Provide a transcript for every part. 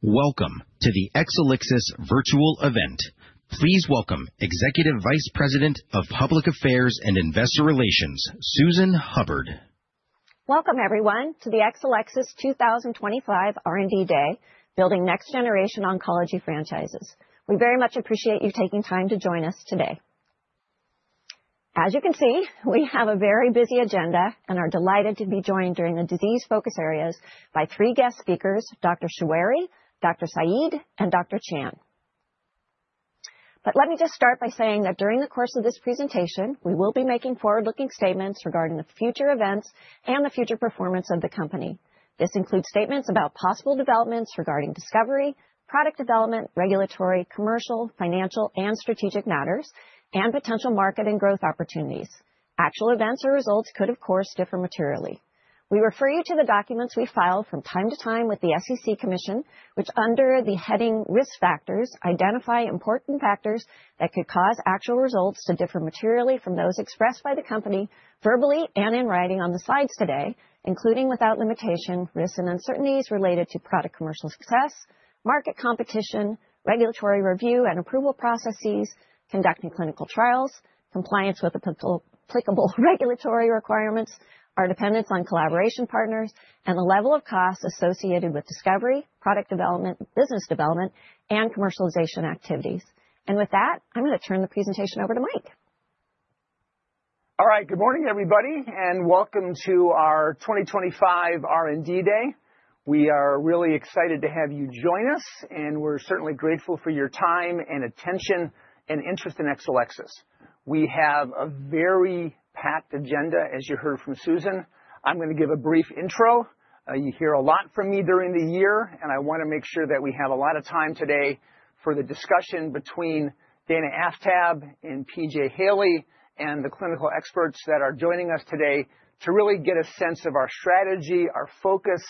Welcome to the Exelixis virtual event. Please welcome Executive Vice President of Public Affairs and Investor Relations, Susan Hubbard. Welcome, everyone, to the Exelixis 2025 R&D Day, building next-generation oncology franchises. We very much appreciate you taking time to join us today. As you can see, we have a very busy agenda and are delighted to be joined during the disease focus areas by three guest speakers, Dr. Choueiri, Dr. Saeed, and Dr. Chan. But let me just start by saying that during the course of this presentation, we will be making forward-looking statements regarding the future events and the future performance of the company. This includes statements about possible developments regarding discovery, product development, regulatory, commercial, financial, and strategic matters, and potential market and growth opportunities. Actual events or results could, of course, differ materially. We refer you to the documents we filed from time to time with the SEC, which, under the heading Risk Factors, identify important factors that could cause actual results to differ materially from those expressed by the company verbally and in writing on the slides today, including without limitation risks and uncertainties related to product commercial success, market competition, regulatory review and approval processes, conducting clinical trials, compliance with applicable regulatory requirements, our dependence on collaboration partners, and the level of costs associated with discovery, product development, business development, and commercialization activities. And with that, I'm going to turn the presentation over to Mike. All right, good morning, everybody, and welcome to our 2025 R&D Day. We are really excited to have you join us, and we're certainly grateful for your time and attention and interest in Exelixis. We have a very packed agenda, as you heard from Susan. I'm going to give a brief intro. You hear a lot from me during the year, and I want to make sure that we have a lot of time today for the discussion between Dana Aftab and P.J. Haley and the clinical experts that are joining us today to really get a sense of our strategy, our focus,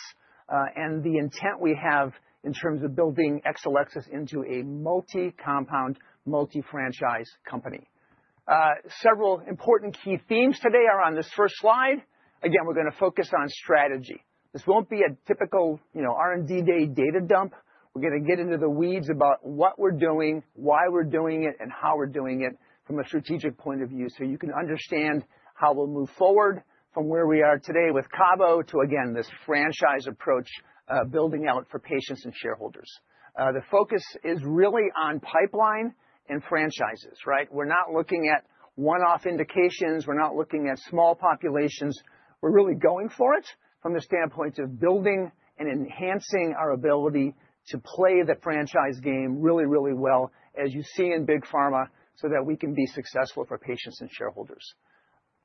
and the intent we have in terms of building Exelixis into a multi-compound, multi-franchise company. Several important key themes today are on this first slide. Again, we're going to focus on strategy. This won't be a typical R&D Day data dump. We're going to get into the weeds about what we're doing, why we're doing it, and how we're doing it from a strategic point of view so you can understand how we'll move forward from where we are today with cabo to, again, this franchise approach building out for patients and shareholders. The focus is really on pipeline and franchises, right? We're not looking at one-off indications. We're not looking at small populations. We're really going for it from the standpoint of building and enhancing our ability to play the franchise game really, really well, as you see in big pharma, so that we can be successful for patients and shareholders.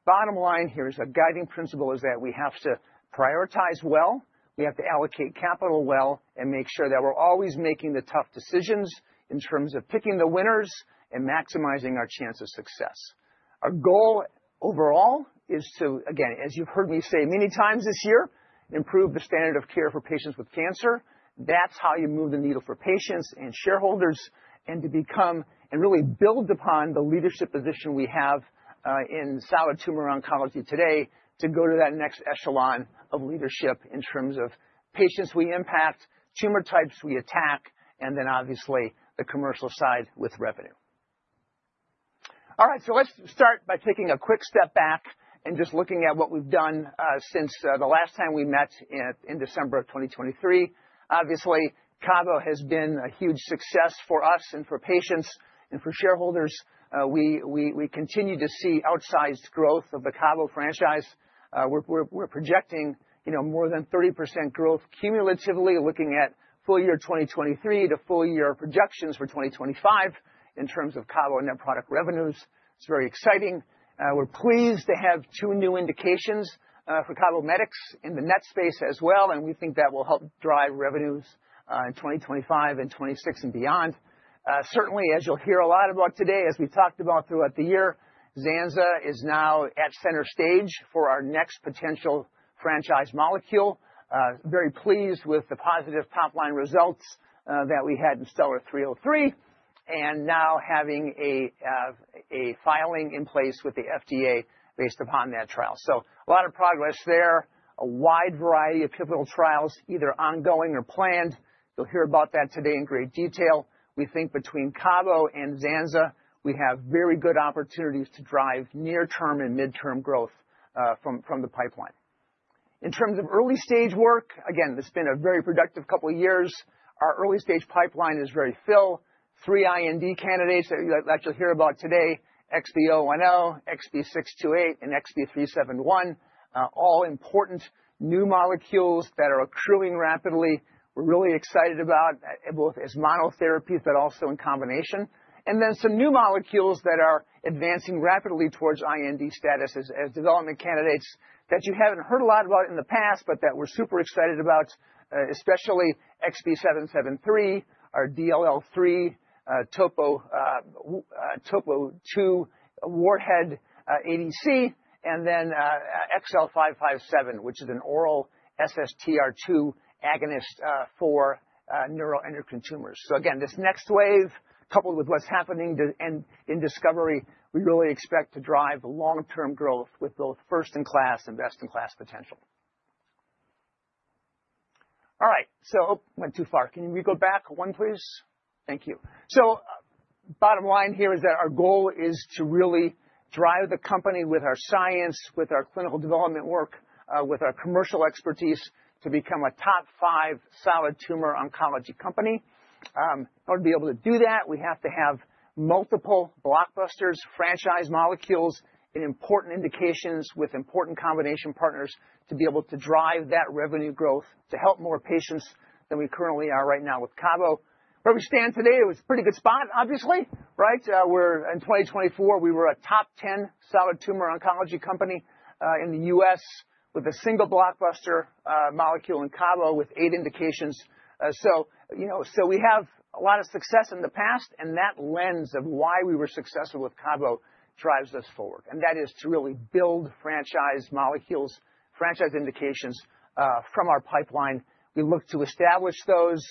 Bottom line here is a guiding principle is that we have to prioritize well. We have to allocate capital well and make sure that we're always making the tough decisions in terms of picking the winners and maximizing our chance of success. Our goal overall is to, again, as you've heard me say many times this year, improve the standard of care for patients with cancer. That's how you move the needle for patients and shareholders and to become and really build upon the leadership position we have in solid tumor oncology today to go to that next echelon of leadership in terms of patients we impact, tumor types we attack, and then obviously the commercial side with revenue. All right, so let's start by taking a quick step back and just looking at what we've done since the last time we met in December of 2023. Obviously, cabo has been a huge success for us and for patients and for shareholders. We continue to see outsized growth of the cabo franchise. We're projecting more than 30% growth cumulatively, looking at full year 2023 to full year projections for 2025 in terms of cabo and their product revenues. It's very exciting. We're pleased to have two new indications for CABOMETYX in the NET space as well, and we think that will help drive revenues in 2025 and 2026 and beyond. Certainly, as you'll hear a lot about today, as we've talked about throughout the year, zanza is now at center stage for our next potential franchise molecule. Very pleased with the positive top-line results that we had in STELLAR-303 and now having a filing in place with the FDA based upon that trial. So a lot of progress there, a wide variety of pivotal trials, either ongoing or planned. You'll hear about that today in great detail. We think between cabo and zanza, we have very good opportunities to drive near-term and mid-term growth from the pipeline. In terms of early-stage work, again, it's been a very productive couple of years. Our early-stage pipeline is very full. Three IND candidates that you'll hear about today, XB010, XB628, and XB371, all important new molecules that are accruing rapidly. We're really excited about both as monotherapies, but also in combination. And then some new molecules that are advancing rapidly towards IND status as development candidates that you haven't heard a lot about in the past, but that we're super excited about, especially XB773, our DLL3, topo II, warhead ADC, and then XL557, which is an oral SSTR2 agonist for neuroendocrine tumors. So again, this next wave, coupled with what's happening in discovery, we really expect to drive long-term growth with both first-in-class and best-in-class potential. All right, so went too far. Can we go back one, please? Thank you. So bottom line here is that our goal is to really drive the company with our science, with our clinical development work, with our commercial expertise to become a top five solid tumor oncology company. In order to be able to do that, we have to have multiple blockbusters, franchise molecules, and important indications with important combination partners to be able to drive that revenue growth to help more patients than we currently are right now with cabo. Where we stand today, it was a pretty good spot, obviously, right? In 2024, we were a top 10 solid tumor oncology company in the U.S. with a single blockbuster molecule in cabo with eight indications. So we have a lot of success in the past, and that lens of why we were successful with cabo drives us forward. And that is to really build franchise molecules, franchise indications from our pipeline. We look to establish those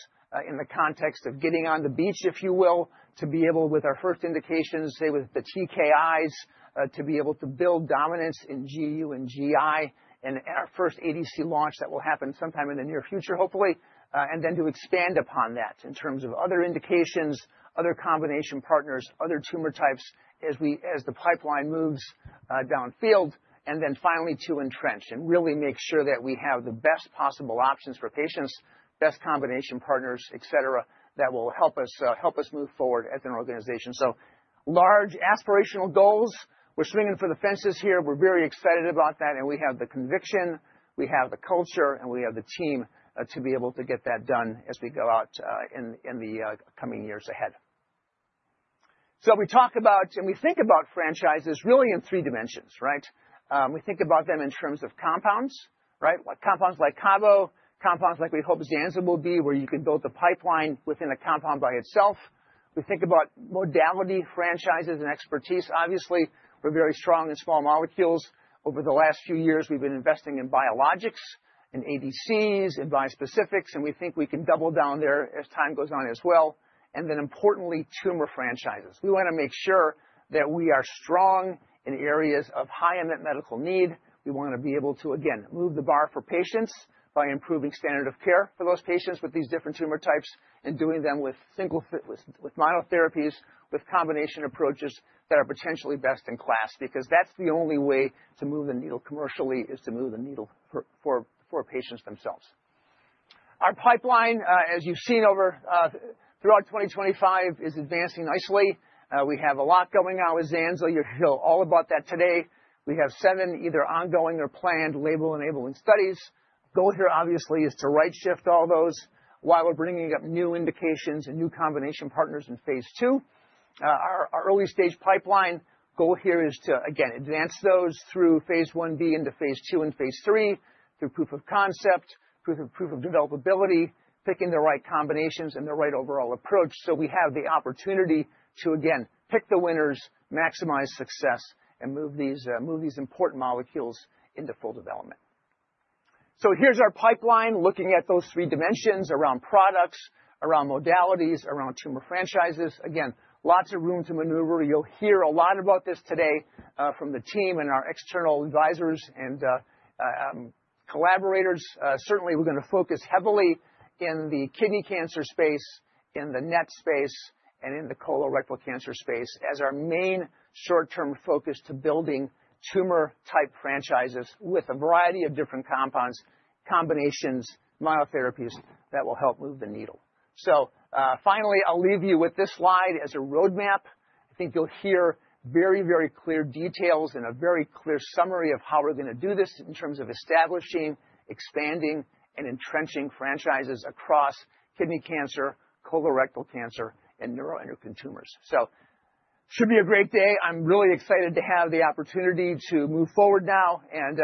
in the context of getting on the beach, if you will, to be able, with our first indications, say with the TKIs, to be able to build dominance in GU and GI and our first ADC launch that will happen sometime in the near future, hopefully, and then to expand upon that in terms of other indications, other combination partners, other tumor types as the pipeline moves downfield, and then finally to entrench and really make sure that we have the best possible options for patients, best combination partners, et cetera, that will help us move forward as an organization. So large aspirational goals. We're swinging for the fences here. We're very excited about that, and we have the conviction, we have the culture, and we have the team to be able to get that done as we go out in the coming years ahead, so we talk about and we think about franchises really in three dimensions, right? We think about them in terms of compounds, right? Compounds like cabo, compounds like we hope zanza will be, where you can build the pipeline within a compound by itself. We think about modality franchises and expertise. Obviously, we're very strong in small molecules. Over the last few years, we've been investing in biologics, in ADCs, in bispecifics, and we think we can double down there as time goes on as well, and then importantly, tumor franchises. We want to make sure that we are strong in areas of high medical need. We want to be able to, again, move the bar for patients by improving standard of care for those patients with these different tumor types and doing them with monotherapies, with combination approaches that are potentially best in class, because that's the only way to move the needle commercially is to move the needle for patients themselves. Our pipeline, as you've seen throughout 2025, is advancing nicely. We have a lot going on with zanza. You'll hear all about that today. We have seven either ongoing or planned label enabling studies. Goal here, obviously, is to right-shift all those while we're bringing up new indications and new combination partners in phase II. Our early-stage pipeline goal here is to, again, advance those through phase I-B into phase II and phase III through proof of concept, proof of developability, picking the right combinations and the right overall approach. So we have the opportunity to, again, pick the winners, maximize success, and move these important molecules into full development. So here's our pipeline looking at those three dimensions around products, around modalities, around tumor franchises. Again, lots of room to maneuver. You'll hear a lot about this today from the team and our external advisors and collaborators. Certainly, we're going to focus heavily in the kidney cancer space, in the NET space, and in the colorectal cancer space as our main short-term focus to building tumor-type franchises with a variety of different compounds, combinations, monotherapies that will help move the needle. So finally, I'll leave you with this slide as a roadmap. I think you'll hear very, very clear details and a very clear summary of how we're going to do this in terms of establishing, expanding, and entrenching franchises across kidney cancer, colorectal cancer, and neuroendocrine tumors. So it should be a great day. I'm really excited to have the opportunity to move forward now and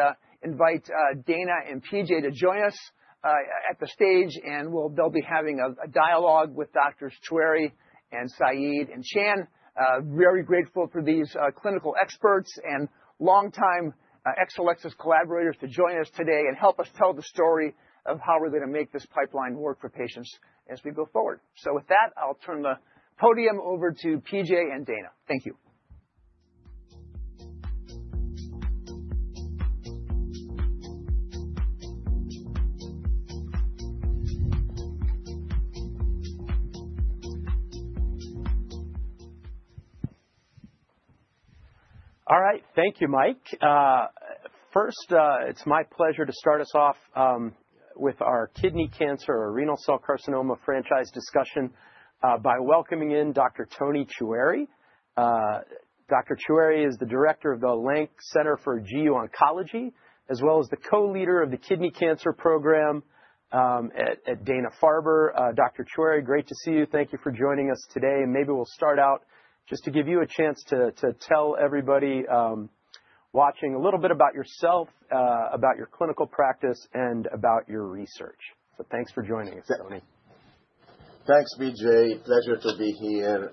invite Dana and P.J. to join us at the stage. And they'll be having a dialogue with Dr. Choueiri and Saeed and Chan. Very grateful for these clinical experts and long-time Exelixis collaborators to join us today and help us tell the story of how we're going to make this pipeline work for patients as we go forward. So with that, I'll turn the podium over to P.J. and Dana. Thank you. All right, thank you, Mike. First, it's my pleasure to start us off with our kidney cancer or renal cell carcinoma franchise discussion by welcoming in Dr. Toni Choueiri. Dr. Choueiri is the director of the Lank Center for GU Oncology, as well as the Co-leader of the Kidney Cancer Program at Dana-Farber. Dr. Choueiri, great to see you. Thank you for joining us today, and maybe we'll start out just to give you a chance to tell everybody watching a little bit about yourself, about your clinical practice, and about your research. So thanks for joining us, Toni. Thanks, P.J. Pleasure to be here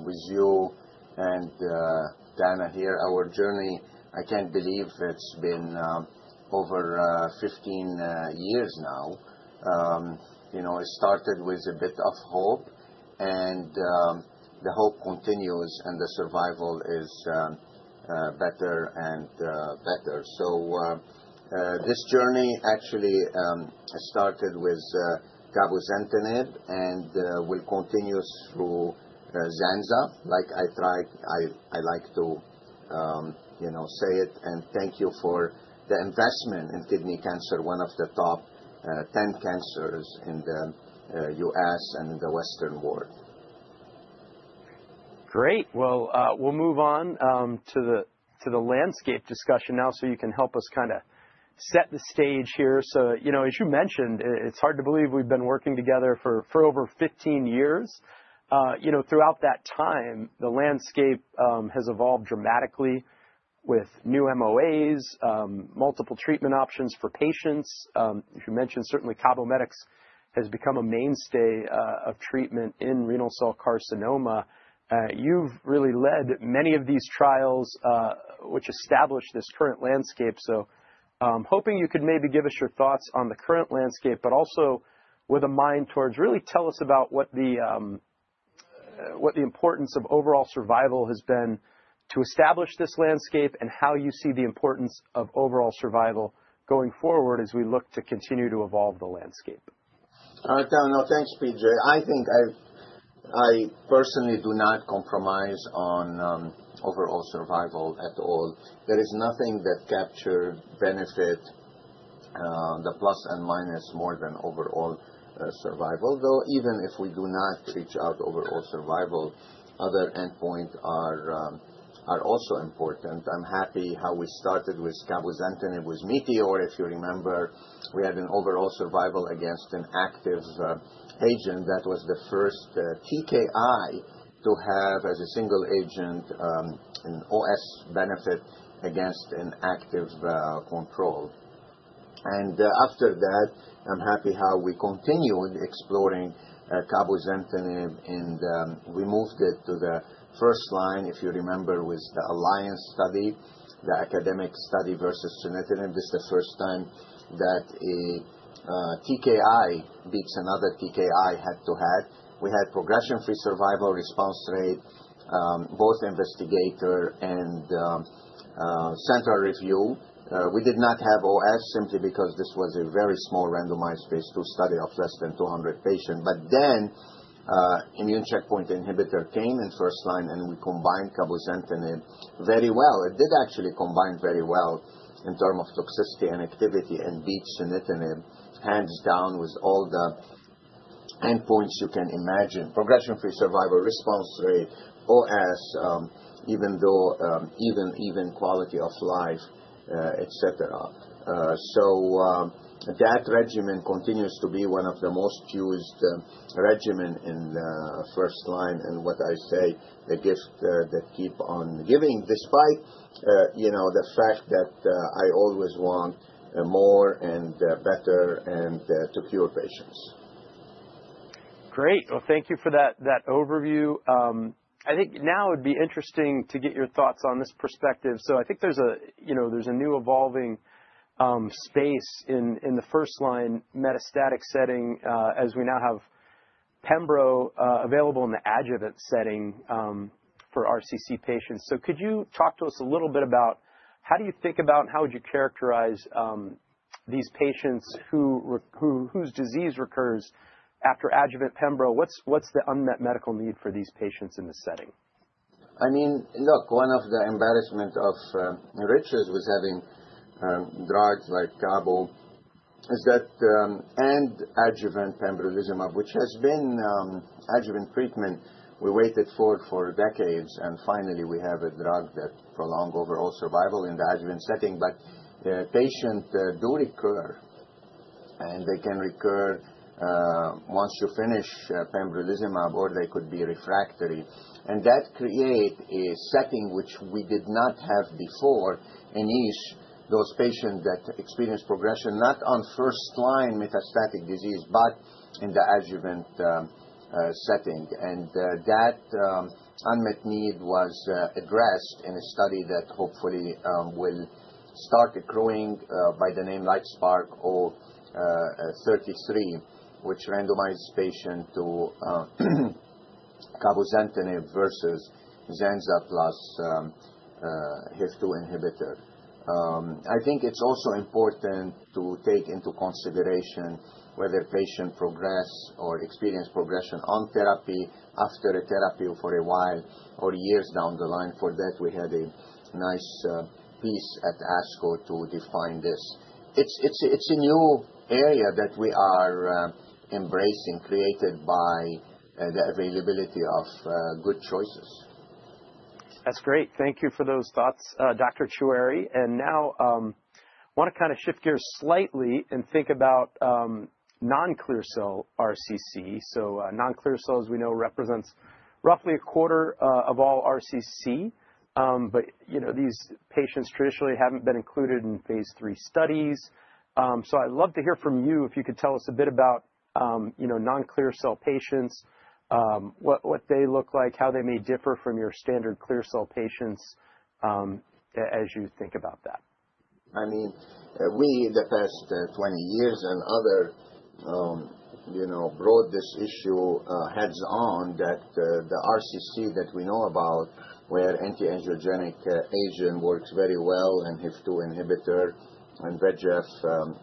with you and Dana here. Our journey, I can't believe it's been over 15 years now. It started with a bit of hope, and the hope continues, and the survival is better and better, so this journey actually started with cabozantinib and will continue through zanza, like I like to say it, and thank you for the investment in kidney cancer, one of the top 10 cancers in the U.S. and in the Western world. Great, well, we'll move on to the landscape discussion now so you can help us kind of set the stage here. So as you mentioned, it's hard to believe we've been working together for over 15 years. Throughout that time, the landscape has evolved dramatically with new MOAs, multiple treatment options for patients. As you mentioned, certainly CABOMETYX has become a mainstay of treatment in renal cell carcinoma. You've really led many of these trials which establish this current landscape. So I'm hoping you could maybe give us your thoughts on the current landscape, but also with a mind towards really tell us about what the importance of overall survival has been to establish this landscape and how you see the importance of overall survival going forward as we look to continue to evolve the landscape. All right, Donald, thanks, P.J. I think I personally do not compromise on overall survival at all. There is nothing that captures benefit, the plus and minus, more than overall survival. Though even if we do not reach our overall survival, other endpoints are also important. I'm happy how we started with cabozantinib with METEOR, if you remember, we had an overall survival against an active agent. That was the first TKI to have as a single agent an OS benefit against an active control, and after that, I'm happy how we continued exploring cabozantinib and we moved it to the first line, if you remember, with the Alliance study, the academic study versus sunitinib. This is the first time that a TKI beats another TKI head-to-head. We had progression-free survival response rate, both investigator and central review. We did not have OS simply because this was a very small randomized phase II study of less than 200 patients, but then immune checkpoint inhibitor came in first line and we combined cabozantinib very well. It did actually combine very well in terms of toxicity and activity and beat sunitinib hands down with all the endpoints you can imagine: progression-free survival, response rate, OS, even quality of life, et cetera. So that regimen continues to be one of the most used regimens in the first line and what I say the gift that keeps on giving despite the fact that I always want more and better and to cure patients. Great. Well, thank you for that overview. I think now it'd be interesting to get your thoughts on this perspective. So I think there's a new evolving space in the first line metastatic setting as we now have pembro available in the adjuvant setting for RCC patients. So could you talk to us a little bit about how do you think about and how would you characterize these patients whose disease recurs after adjuvant pembro? What's the unmet medical need for these patients in this setting? I mean, look, one of the embarrassments of riches with having drugs like cabo is that and adjuvant pembrolizumab, which has been adjuvant treatment we waited for decades, and finally we have a drug that prolongs overall survival in the adjuvant setting. But patients do recur, and they can recur once you finish pembrolizumab, or they could be refractory. And that creates a setting which we did not have before in each of those patients that experienced progression, not on first line metastatic disease, but in the adjuvant setting. And that unmet need was addressed in a study that hopefully will start accruing by the name LITESPARK-033, which randomized patients to cabozantinib versus zanza plus HIF-2 inhibitor. I think it's also important to take into consideration whether patients progress or experience progression on therapy after therapy for a while or years down the line. For that, we had a nice piece at ASCO to define this. It's a new area that we are embracing, created by the availability of good choices. That's great. Thank you for those thoughts, Dr. Choueiri. And now I want to kind of shift gears slightly and think about non-clear cell RCC. So non-clear cell, as we know, represents roughly a quarter of all RCC, but these patients traditionally haven't been included in phase III studies. So I'd love to hear from you if you could tell us a bit about non-clear cell patients, what they look like, how they may differ from your standard clear cell patients as you think about that. I mean, we in the past 20 years and others brought this issue head-on that the RCC that we know about where anti-angiogenic agent works very well and HIF-2 inhibitor and VEGF,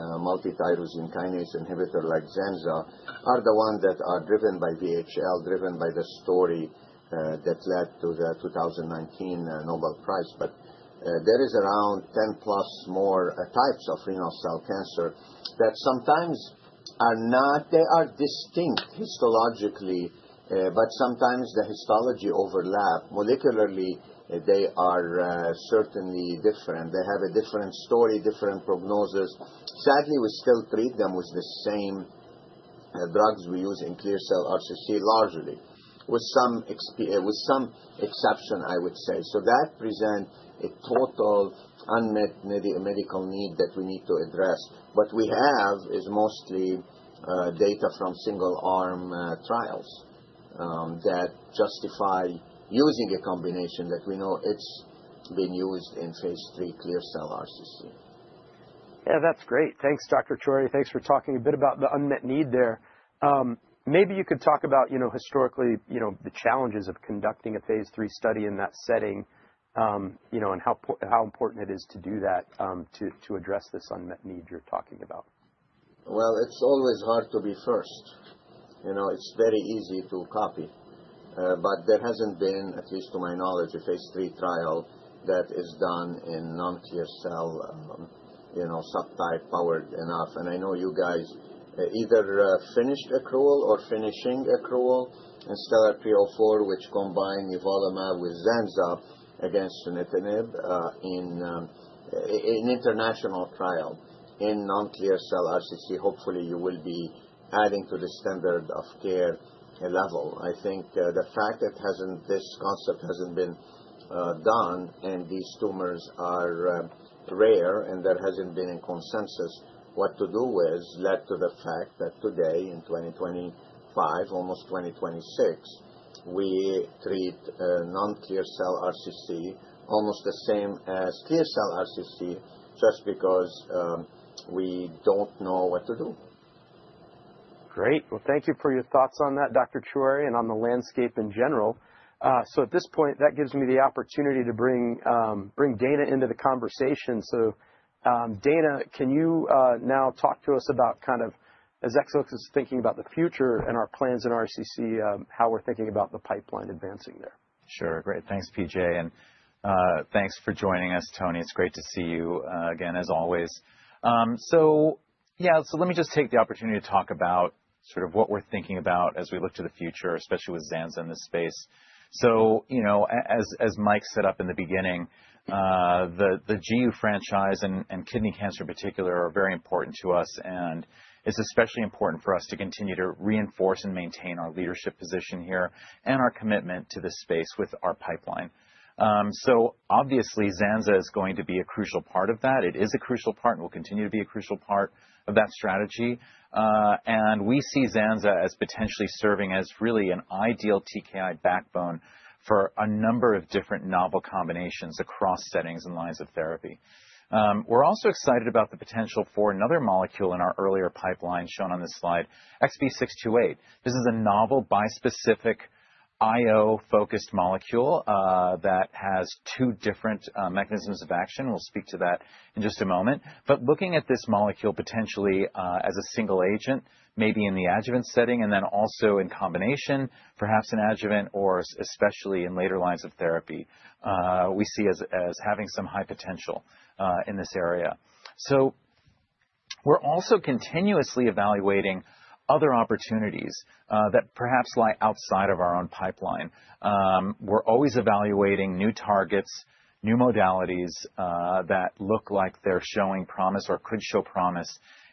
multi-tyrosine kinase inhibitor like zanza are the ones that are driven by VHL, driven by the story that led to the 2019 Nobel Prize. But there are around 10+ more types of renal cell cancer that sometimes are not, they are distinct histologically, but sometimes the histology overlaps. Molecularly, they are certainly different. They have a different story, different prognosis. Sadly, we still treat them with the same drugs we use in clear cell RCC, largely with some exceptions, I would say. So that presents a total unmet medical need that we need to address. What we have is mostly data from single-arm trials that justify using a combination that we know it's been used in phase III clear cell RCC. Yeah, that's great. Thanks, Dr. Choueiri. Thanks for talking a bit about the unmet need there. Maybe you could talk about historically the challenges of conducting a phase III study in that setting and how important it is to do that to address this unmet need you're talking about. Well, it's always hard to be first. It's very easy to copy. But there hasn't been, at least to my knowledge, a phase III trial that is done in non-clear cell subtype powered enough. And I know you guys either finished accrual or finishing accrual in STELLAR-304, which combined nivolumab with zanza against sunitinib in an international trial in non-clear cell RCC. Hopefully, you will be adding to the standard of care level. I think the fact that this concept hasn't been done and these tumors are rare and there hasn't been a consensus what to do with led to the fact that today in 2025, almost 2026, we treat non-clear cell RCC almost the same as clear cell RCC just because we don't know what to do. Great. Well, thank you for your thoughts on that, Dr. Choueiri, and on the landscape in general. So at this point, that gives me the opportunity to bring Dana into the conversation. So Dana, can you now talk to us about kind of as Exelixis is thinking about the future and our plans in RCC, how we're thinking about the pipeline advancing there? Sure. Great. Thanks, P.J. And thanks for joining us, Toni. It's great to see you again, as always. So yeah, so let me just take the opportunity to talk about sort of what we're thinking about as we look to the future, especially with zanza in this space. So as Mike set up in the beginning, the GU franchise and kidney cancer in particular are very important to us. And it's especially important for us to continue to reinforce and maintain our leadership position here and our commitment to this space with our pipeline. So obviously, zanza is going to be a crucial part of that. It is a crucial part and will continue to be a crucial part of that strategy. And we see zanza as potentially serving as really an ideal TKI backbone for a number of different novel combinations across settings and lines of therapy. We're also excited about the potential for another molecule in our earlier pipeline shown on this slide, XB628. This is a novel bispecific IO-focused molecule that has two different mechanisms of action. We'll speak to that in just a moment. But looking at this molecule potentially as a single agent, maybe in the adjuvant setting, and then also in combination, perhaps an adjuvant or especially in later lines of therapy, we see as having some high potential in this area. So we're also continuously evaluating other opportunities that perhaps lie outside of our own pipeline. We're always evaluating new targets, new modalities that look like they're showing promise or could show promise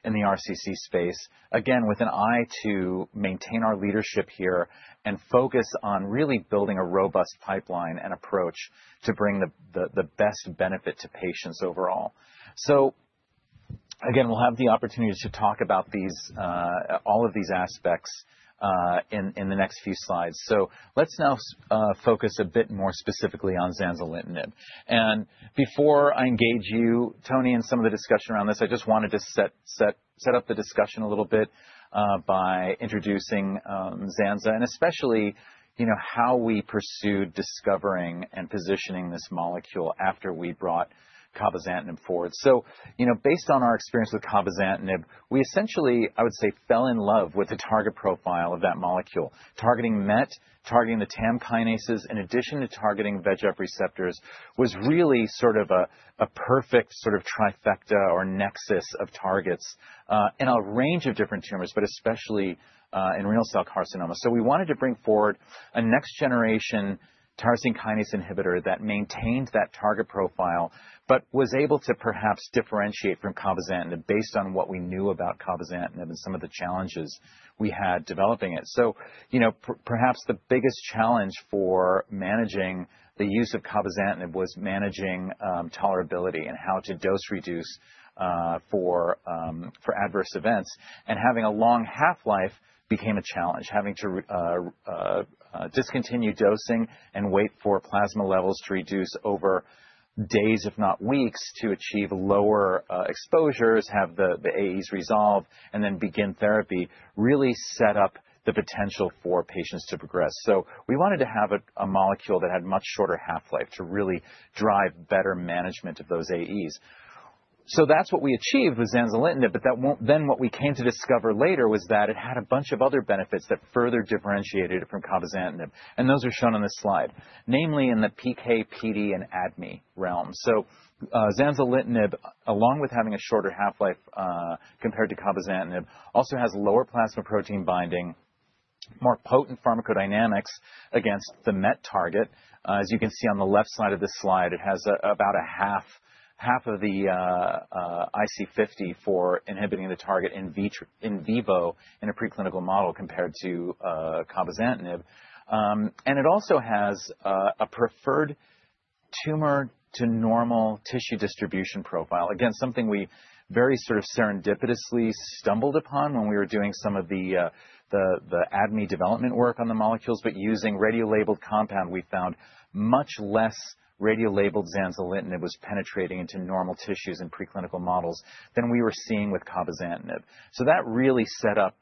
in the RCC space, again, with an eye to maintain our leadership here and focus on really building a robust pipeline and approach to bring the best benefit to patients overall. So again, we'll have the opportunity to talk about all of these aspects in the next few slides. So let's now focus a bit more specifically on zanzalitinib. And before I engage you, Toni, in some of the discussion around this, I just wanted to set up the discussion a little bit by introducing zanza and especially how we pursued discovering and positioning this molecule after we brought cabozantinib forward. So based on our experience with cabozantinib, we essentially, I would say, fell in love with the target profile of that molecule. Targeting MET, targeting the TAM kinases, in addition to targeting VEGF receptors, was really sort of a perfect sort of trifecta or nexus of targets in a range of different tumors, but especially in renal cell carcinoma. So we wanted to bring forward a next-generation tyrosine kinase inhibitor that maintained that target profile but was able to perhaps differentiate from cabozantinib based on what we knew about cabozantinib and some of the challenges we had developing it. So perhaps the biggest challenge for managing the use of cabozantinib was managing tolerability and how to dose-reduce for adverse events. And having a long half-life became a challenge, having to discontinue dosing and wait for plasma levels to reduce over days, if not weeks, to achieve lower exposures, have the AEs resolve, and then begin therapy really set up the potential for patients to progress. So we wanted to have a molecule that had much shorter half-life to really drive better management of those AEs. So that's what we achieved with zanzalitinib, but then what we came to discover later was that it had a bunch of other benefits that further differentiated it from cabozantinib. And those are shown on this slide, namely in the PK, PD, and ADME realm. So zanzalitinib, along with having a shorter half-life compared to cabozantinib, also has lower plasma protein binding, more potent pharmacodynamics against the MET target. As you can see on the left side of this slide, it has about half of the IC50 for inhibiting the target in vivo in a preclinical model compared to cabozantinib. And it also has a preferred tumor-to-normal tissue distribution profile. Again, something we very sort of serendipitously stumbled upon when we were doing some of the ADME development work on the molecules. But using radiolabeled compound, we found much less radiolabeled zanzalitinib that was penetrating into normal tissues in preclinical models than we were seeing with cabozantinib. So that really set up,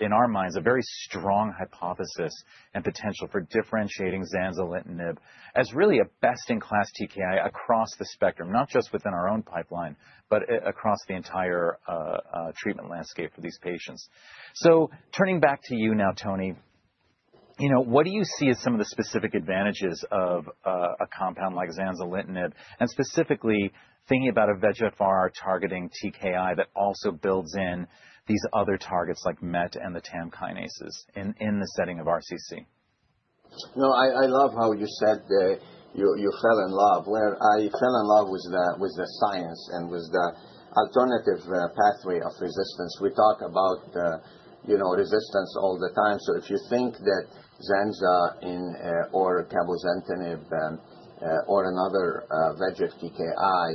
in our minds, a very strong hypothesis and potential for differentiating zanzalitinib as really a best-in-class TKI across the spectrum, not just within our own pipeline, but across the entire treatment landscape for these patients. So turning back to you now, Toni, what do you see as some of the specific advantages of a compound like zanzalitinib and specifically thinking about a VEGFR targeting TKI that also builds in these other targets like MET and the TAM kinases in the setting of RCC? No, I love how you said you fell in love. Where I fell in love was the science and was the alternative pathway of resistance. We talk about resistance all the time. So if you think that zanza or cabozantinib or another VEGF TKI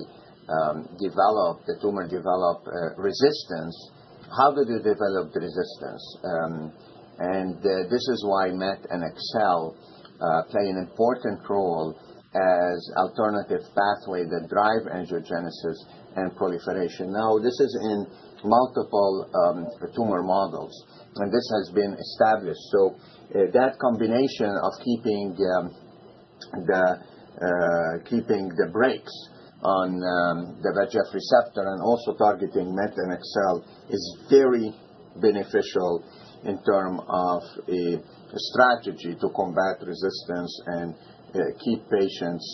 developed, the tumor developed resistance. How did you develop the resistance? And this is why MET and AXL play an important role as an alternative pathway that drives angiogenesis and proliferation. Now, this is in multiple tumor models, and this has been established. So that combination of keeping the brakes on the VEGF receptor and also targeting MET and AXL is very beneficial in terms of a strategy to combat resistance and keep patients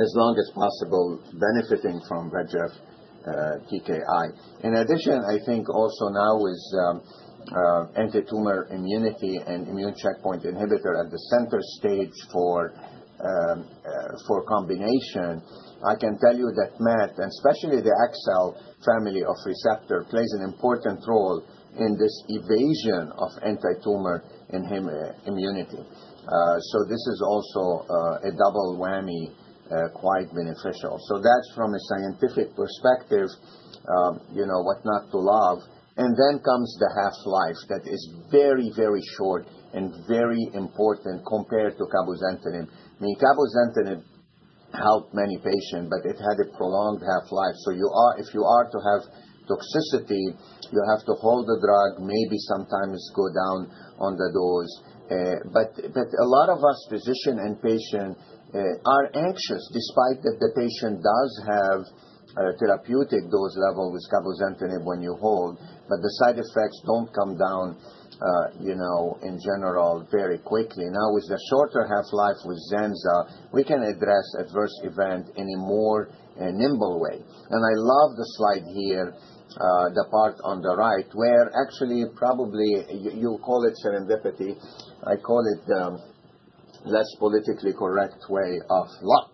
as long as possible benefiting from VEGF TKI. In addition, I think also now with antitumor immunity and immune checkpoint inhibitor at the center stage for combination. I can tell you that MET, and especially the AXL family of receptor, plays an important role in this evasion of antitumor immunity. So this is also a double whammy, quite beneficial. So that's from a scientific perspective, what not to love. And then comes the half-life that is very, very short and very important compared to cabozantinib. I mean, cabozantinib helped many patients, but it had a prolonged half-life. So if you are to have toxicity, you have to hold the drug, maybe sometimes go down on the dose. But a lot of us physicians and patients are anxious despite that the patient does have a therapeutic dose level with cabozantinib when you hold, but the side effects don't come down in general very quickly. Now, with the shorter half-life with zanza, we can address adverse events in a more nimble way. And I love the slide here, the part on the right, where actually probably you'll call it serendipity. I call it the less politically correct way of luck.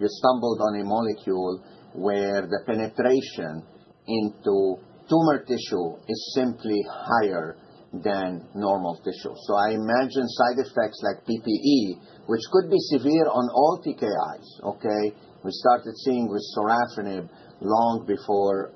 You stumbled on a molecule where the penetration into tumor tissue is simply higher than normal tissue. So I imagine side effects like PPE, which could be severe on all TKIs. Okay? We started seeing with sorafenib long before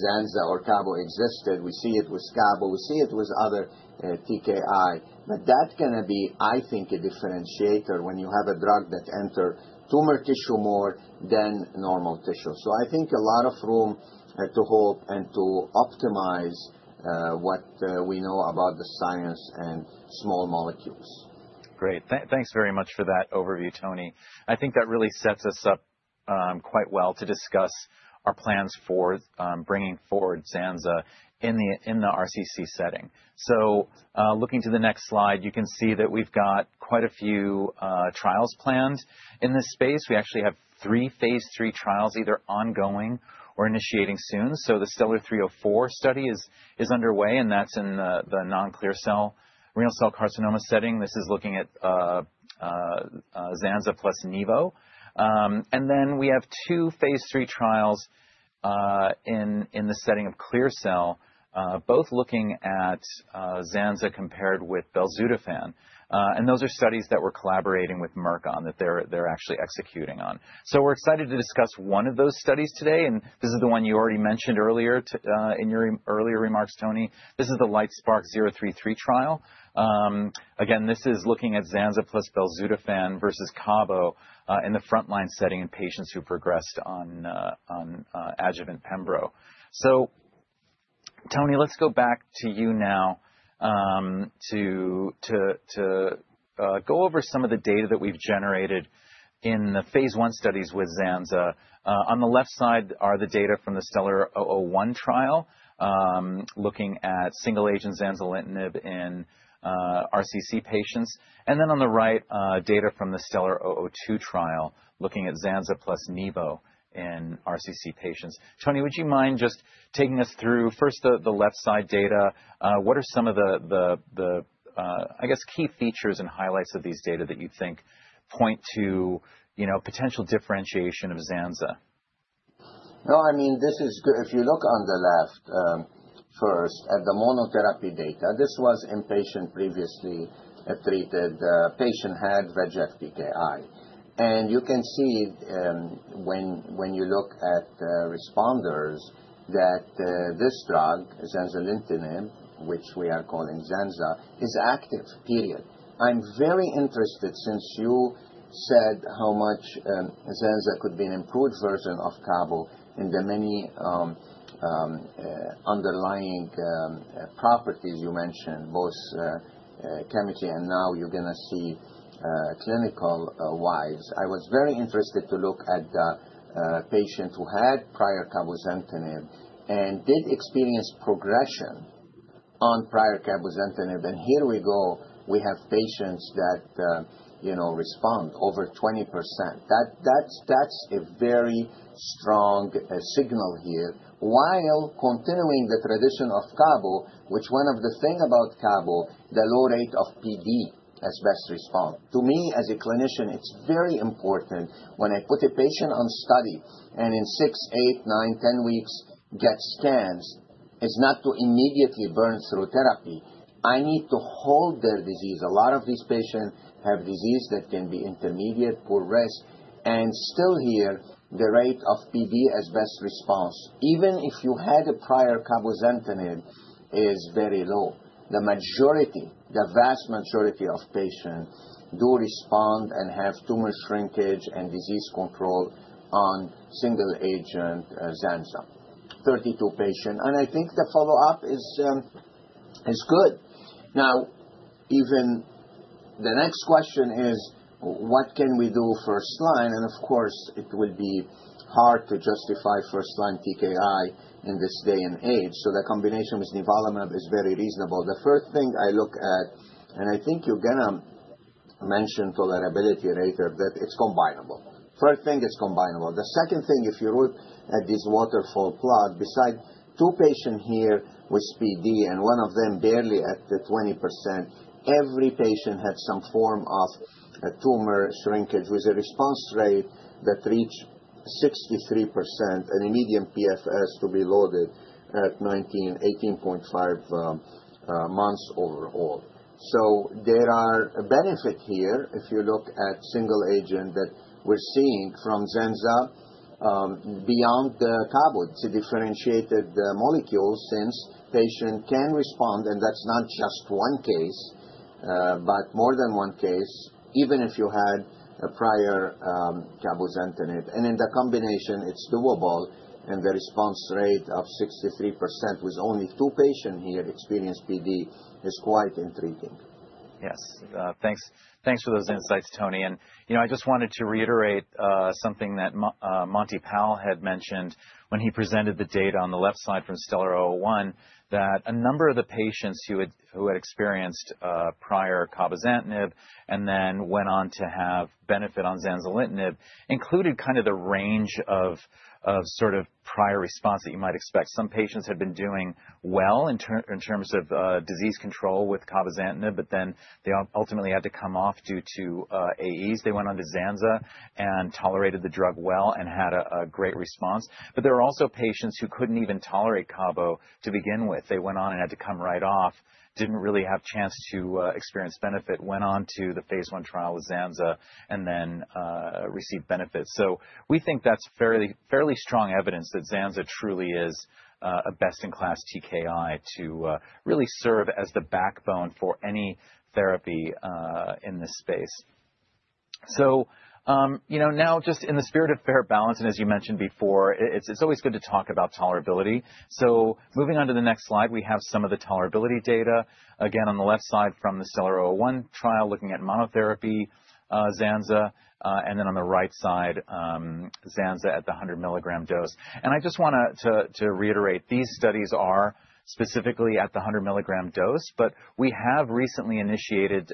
zanza or cabo existed. We see it with cabo. We see it with other TKI. But that can be, I think, a differentiator when you have a drug that enters tumor tissue more than normal tissue. So I think a lot of room to hope and to optimize what we know about the science and small molecules. Great. Thanks very much for that overview, Toni. I think that really sets us up quite well to discuss our plans for bringing forward zanza in the RCC setting. So looking to the next slide, you can see that we've got quite a few trials planned in this space. We actually have three phase III trials either ongoing or initiating soon. So the STELLAR-304 study is underway, and that's in the non-clear cell renal cell carcinoma setting. This is looking at zanza plus nivo. And then we have two phase III trials in the setting of clear cell, both looking at zanza compared with belzutifan. And those are studies that we're collaborating with Merck on that they're actually executing on. So we're excited to discuss one of those studies today. And this is the one you already mentioned earlier in your earlier remarks, Toni. This is the LITESPARK-033 trial. Again, this is looking at zanza plus belzutifan versus cabo in the frontline setting in patients who progressed on adjuvant pembro. So Toni, let's go back to you now to go over some of the data that we've generated in the phase I studies with zanza. On the left side are the data from the STELLAR-001 trial looking at single-agent zanzalitinib in RCC patients, and then on the right, data from the STELLAR-002 trial looking at zanza plus nivo in RCC patients. Toni, would you mind just taking us through first the left side data? What are some of the, I guess, key features and highlights of these data that you think point to potential differentiation of zanza? No, I mean, this is good. If you look on the left first at the monotherapy data, this was in patients previously treated. The patient had VEGF TKI, and you can see when you look at responders that this drug, zanzalitinib, which we are calling zanza, is active. I'm very interested since you said how much zanza could be an improved version of cabo in the many underlying properties you mentioned, both chemically and now you're going to see clinical-wise. I was very interested to look at the patient who had prior cabozantinib and did experience progression on prior cabozantinib, and here we go, we have patients that respond over 20%. That's a very strong signal here while continuing the tradition of cabo, which one of the things about cabo, the low rate of PD as best response. To me, as a clinician, it's very important when I put a patient on study and in six, eight, nine, 10 weeks get scans, it's not to immediately burn through therapy. I need to hold their disease. A lot of these patients have disease that can be intermediate, poor risk. And still here, the rate of PD as best response, even if you had a prior cabozantinib, is very low. The vast majority of patients do respond and have tumor shrinkage and disease control on single-agent zanza. 32 patients. And I think the follow-up is good. Now, even the next question is, what can we do first line? And of course, it will be hard to justify first line TKI in this day and age. So the combination with nivolumab is very reasonable. The first thing I look at, and I think you're going to mention tolerability later, that it's combinable. First thing, it's combinable. The second thing, if you look at this waterfall plot, besides two patients here with PD and one of them barely at 20%, every patient had some form of tumor shrinkage with a response rate that reached 63% and a median PFS to be loaded at 18.5 months overall. So there are benefits here if you look at single-agent that we're seeing from zanza beyond cabo. It's a differentiated molecule since patient can respond, and that's not just one case, but more than one case, even if you had a prior cabozantinib. And in the combination, it's doable. And the response rate of 63% with only two patients here experiencing PD is quite intriguing. Yes. Thanks for those insights, Toni. I just wanted to reiterate something that Monty Pal had mentioned when he presented the data on the left side from STELLAR-001, that a number of the patients who had experienced prior cabozantinib and then went on to have benefit on zanzalitinib included kind of the range of sort of prior response that you might expect. Some patients had been doing well in terms of disease control with cabozantinib, but then they ultimately had to come off due to AEs. They went on to zanza and tolerated the drug well and had a great response. But there are also patients who couldn't even tolerate cabo to begin with. They went on and had to come right off, didn't really have a chance to experience benefit, went on to the phase I trial with zanza, and then received benefits. So we think that's fairly strong evidence that zanza truly is a best-in-class TKI to really serve as the backbone for any therapy in this space. So now, just in the spirit of fair balance, and as you mentioned before, it's always good to talk about tolerability. So moving on to the next slide, we have some of the tolerability data. Again, on the left side from the STELLAR-001 trial, looking at monotherapy zanza, and then on the right side, zanza at the 100-milligram dose. And I just want to reiterate, these studies are specifically at the 100-milligram dose, but we have recently initiated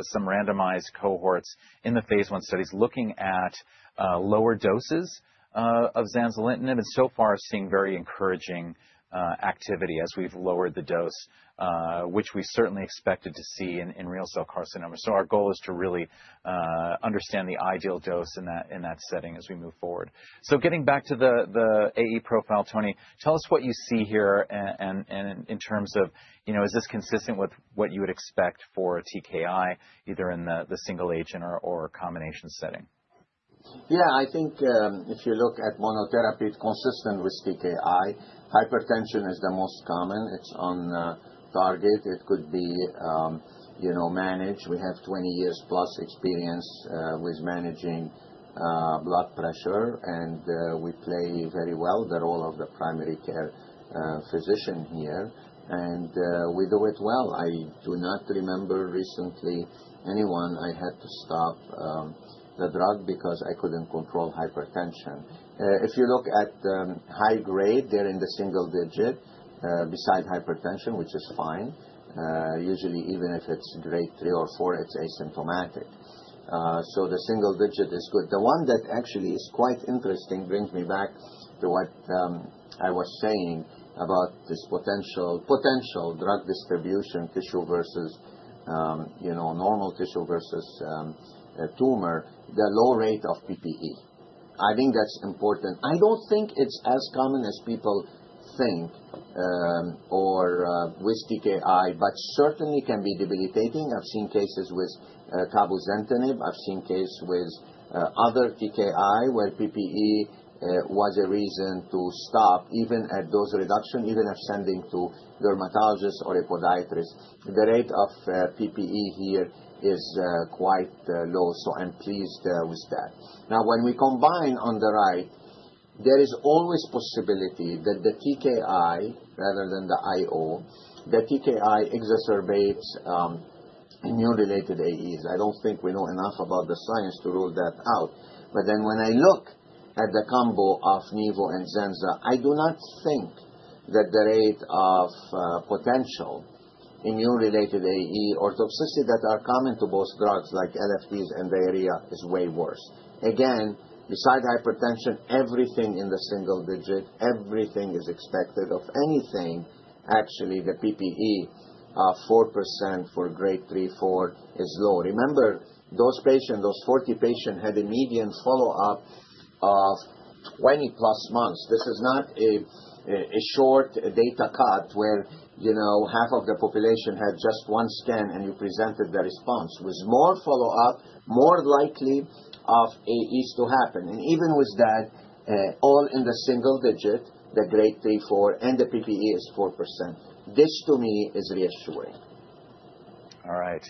some randomized cohorts in the phase I studies looking at lower doses of zanzalitinib, and so far seeing very encouraging activity as we've lowered the dose, which we certainly expected to see in renal cell carcinoma. Our goal is to really understand the ideal dose in that setting as we move forward. Getting back to the AE profile, Toni, tell us what you see here in terms of is this consistent with what you would expect for a TKI either in the single-agent or combination setting? Yeah, I think if you look at monotherapy, it's consistent with TKI. Hypertension is the most common. It's on target. It could be managed. We have 20 years plus experience with managing blood pressure, and we play very well the role of the primary care physician here. And we do it well. I do not remember recently anyone I had to stop the drug because I couldn't control hypertension. If you look at high grade, they're in the single digit besides hypertension, which is fine. Usually, even if it's grade 3 or 4, it's asymptomatic. So the single digit is good. The one that actually is quite interesting brings me back to what I was saying about this potential drug distribution, tissue versus normal tissue versus tumor, the low rate of PPE. I think that's important. I don't think it's as common as people think or with TKI, but certainly can be debilitating. I've seen cases with cabozantinib. I've seen cases with other TKI where PPE was a reason to stop, even at dose reduction, even if sending to dermatologist or a podiatrist. The rate of PPE here is quite low, so I'm pleased with that. Now, when we combine on the right, there is always possibility that the TKI, rather than the IO, the TKI exacerbates immune-related AEs. I don't think we know enough about the science to rule that out. But then when I look at the combo of nivo and zanza, I do not think that the rate of potential immune-related AE or toxicity that are common to both drugs like LFTs and diarrhea is way worse. Again, besides hypertension, everything in the single digit, everything is expected. Of anything, actually, the PPE of 4% for grade 3, 4 is low. Remember, those 40 patients had a median follow-up of 20+ months. This is not a short data cut where half of the population had just one scan and you presented the response. With more follow-up, more likely of AEs to happen. And even with that, all in the single digit, the grade 3, 4, and the PPE is 4%. This, to me, is reassuring. All right.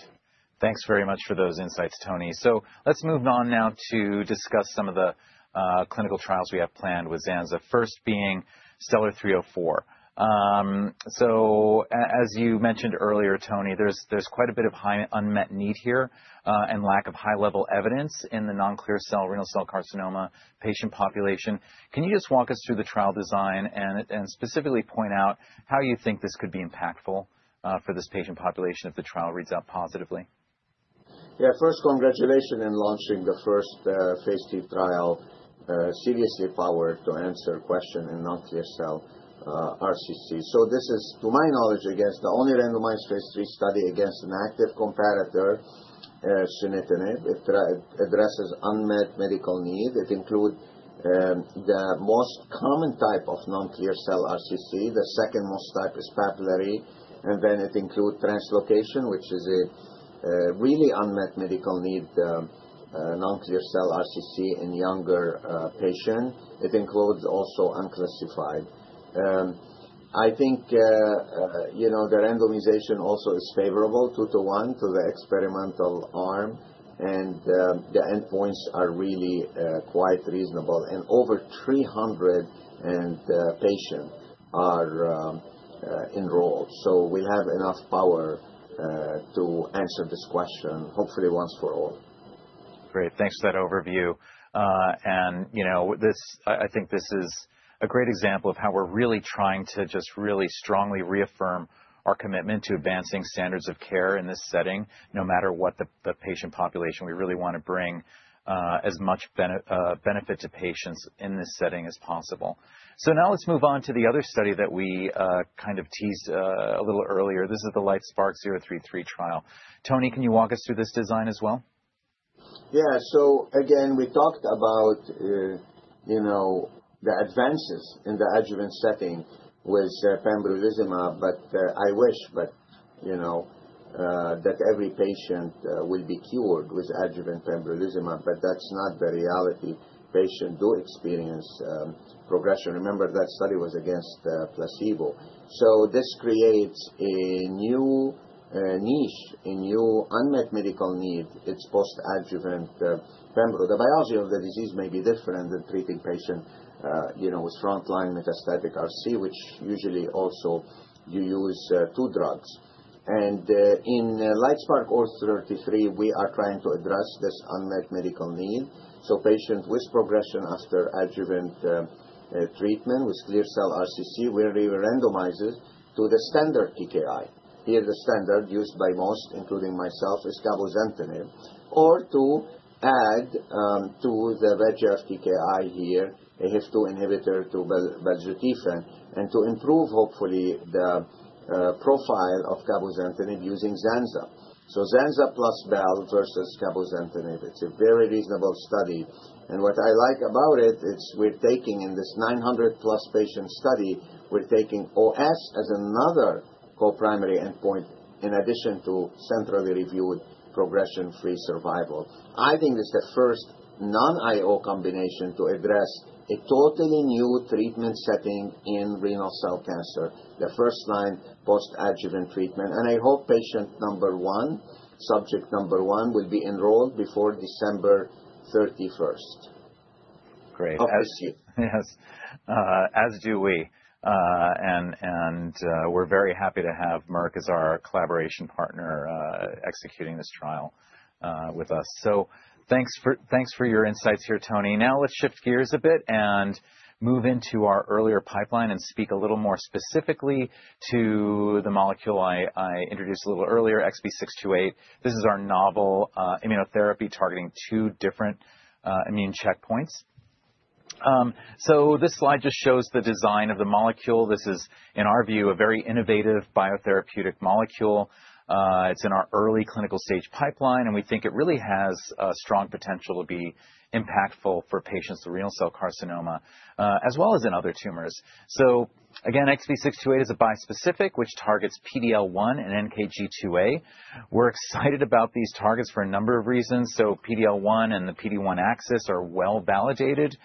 Thanks very much for those insights, Toni. So let's move on now to discuss some of the clinical trials we have planned with zanza, first being STELLAR-304. So as you mentioned earlier, Toni, there's quite a bit of high unmet need here and lack of high-level evidence in the non-clear cell renal cell carcinoma patient population. Can you just walk us through the trial design and specifically point out how you think this could be impactful for this patient population if the trial reads out positively? Yeah, first, congratulations in launching the first phase III trial, seriously powered to answer question in non-clear cell RCC. So this is, to my knowledge, again, the only randomized phase III study against an active competitor, sunitinib. It addresses unmet medical need. It includes the most common type of non-clear cell RCC. The second most type is papillary. And then it includes translocation, which is a really unmet medical need, non-clear cell RCC in younger patients. It includes also unclassified. I think the randomization also is favorable, two to one to the experimental arm, and the endpoints are really quite reasonable. And over 300 patients are enrolled. So we have enough power to answer this question, hopefully once for all. Great. Thanks for that overview. And I think this is a great example of how we're really trying to just really strongly reaffirm our commitment to advancing standards of care in this setting, no matter what the patient population. We really want to bring as much benefit to patients in this setting as possible. So now let's move on to the other study that we kind of teased a little earlier. This is the LITESPARK-033 trial. Toni, can you walk us through this design as well? Yeah. So again, we talked about the advances in the adjuvant setting with pembrolizumab, but I wish that every patient will be cured with adjuvant pembrolizumab. But that's not the reality. Patients do experience progression. Remember, that study was against placebo. So this creates a new niche, a new unmet medical need. It's post-adjuvant pembro. The biology of the disease may be different than treating patients with frontline metastatic RCC, which usually also you use two drugs. And in LITESPARK-033, we are trying to address this unmet medical need. So patients with progression after adjuvant treatment with clear cell RCC, we randomize it to the standard TKI. Here, the standard used by most, including myself, is cabozantinib, or to add to the VEGF TKI here, a HIF-2 inhibitor to belzutifan, and to improve, hopefully, the profile of cabozantinib using zanza. So zanza plus bel versus cabozantinib. It's a very reasonable study. And what I like about it, we're taking in this 900+ patient study, we're taking OS as another co-primary endpoint in addition to centrally reviewed progression-free survival. I think this is the first non-IO combination to address a totally new treatment setting in renal cell cancer, the first line post-adjuvant treatment. And I hope patient number one, subject number one, will be enrolled before December 31st. Great. Of this year. Yes. As do we. And we're very happy to have Merck as our collaboration partner executing this trial with us. So thanks for your insights here, Toni. Now let's shift gears a bit and move into our earlier pipeline and speak a little more specifically to the molecule I introduced a little earlier, XB628. This is our novel immunotherapy targeting two different immune checkpoints. So this slide just shows the design of the molecule. This is, in our view, a very innovative biotherapeutic molecule. It's in our early clinical stage pipeline, and we think it really has a strong potential to be impactful for patients with renal cell carcinoma, as well as in other tumors. So again, XB628 is a bispecific, which targets PD-L1 and NKG2A. We're excited about these targets for a number of reasons. So PD-L1 and the PD-1 axis are well validated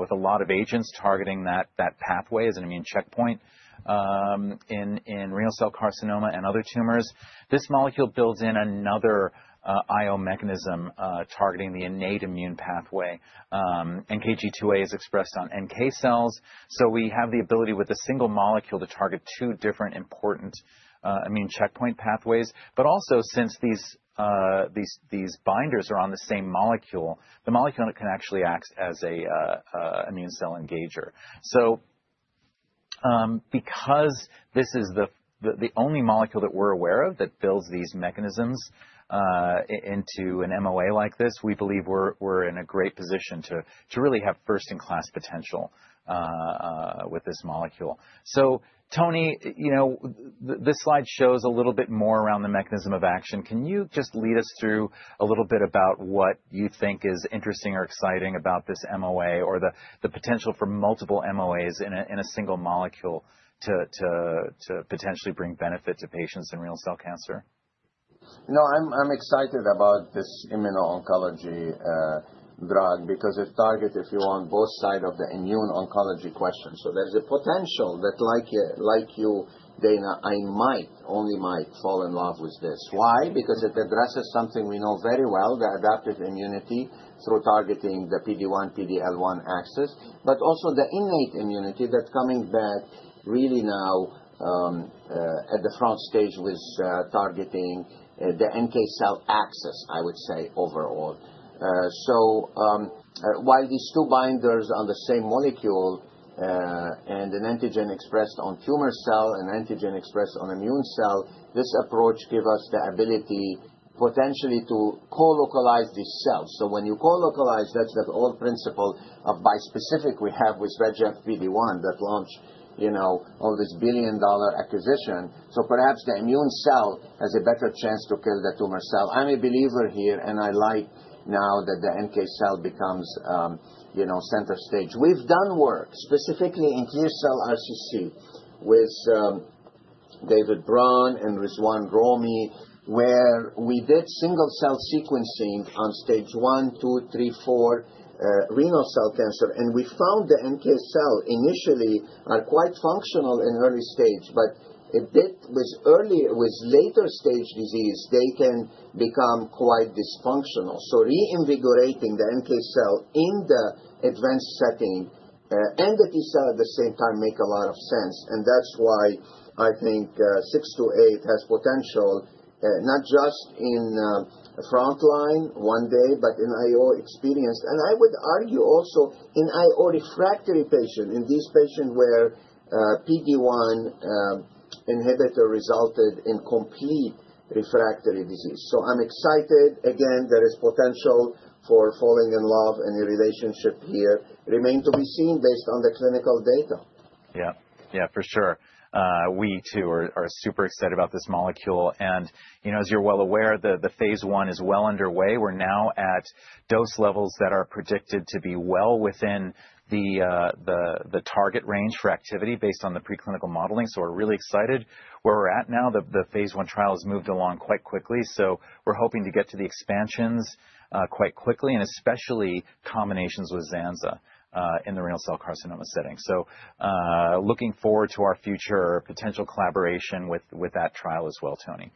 with a lot of agents targeting that pathway as an immune checkpoint in renal cell carcinoma and other tumors. This molecule builds in another IO mechanism targeting the innate immune pathway. NKG2A is expressed on NK cells. So we have the ability with a single molecule to target two different important immune checkpoint pathways. But also, since these binders are on the same molecule, the molecule can actually act as an immune cell engager. So because this is the only molecule that we're aware of that builds these mechanisms into an MOA like this, we believe we're in a great position to really have first-in-class potential with this molecule. So Toni, this slide shows a little bit more around the mechanism of action. Can you just lead us through a little bit about what you think is interesting or exciting about this MOA or the potential for multiple MOAs in a single molecule to potentially bring benefit to patients in renal cell cancer? No, I'm excited about this immuno-oncology drug because it targets, if you want, both sides of the immune-oncology question. So there's a potential that, like you, Dana, I might, only might fall in love with this. Why? Because it addresses something we know very well, the adaptive immunity through targeting the PD-1, PD-L1 axis, but also the innate immunity that's coming back really now at the front stage with targeting the NK cell axis, I would say, overall. So while these two binders on the same molecule and an antigen expressed on tumor cell and antigen expressed on immune cell, this approach gives us the ability potentially to co-localize these cells. So when you co-localize, that's the old principle of bispecific we have with VEGF PD-1 that launched all this billion-dollar acquisition. So perhaps the immune cell has a better chance to kill the tumor cell. I'm a believer here, and I like now that the NK cell becomes center stage. We've done work specifically in clear cell RCC with David Braun and Rizwan Romee, where we did single-cell sequencing on stage I, II, III, IIII renal cell cancer. And we found the NK cell initially are quite functional in early stage, but with later-stage disease, they can become quite dysfunctional. So reinvigorating the NK cell in the advanced setting and the T-cell at the same time makes a lot of sense. And that's why I think 628 has potential not just in frontline one day, but in IO experienced. And I would argue also in IO refractory patients, in these patients where PD-1 inhibitor resulted in complete refractory disease. So I'm excited. Again, there is potential for falling in love and a relationship here. Remain to be seen based on the clinical data. Yeah. Yeah, for sure. We, too, are super excited about this molecule. And as you're well aware, the phase I is well underway. We're now at dose levels that are predicted to be well within the target range for activity based on the preclinical modeling, so we're really excited where we're at now. The phase I trial has moved along quite quickly, so we're hoping to get to the expansions quite quickly, and especially combinations with zanza in the renal cell carcinoma setting, so looking forward to our future potential collaboration with that trial as well, Toni,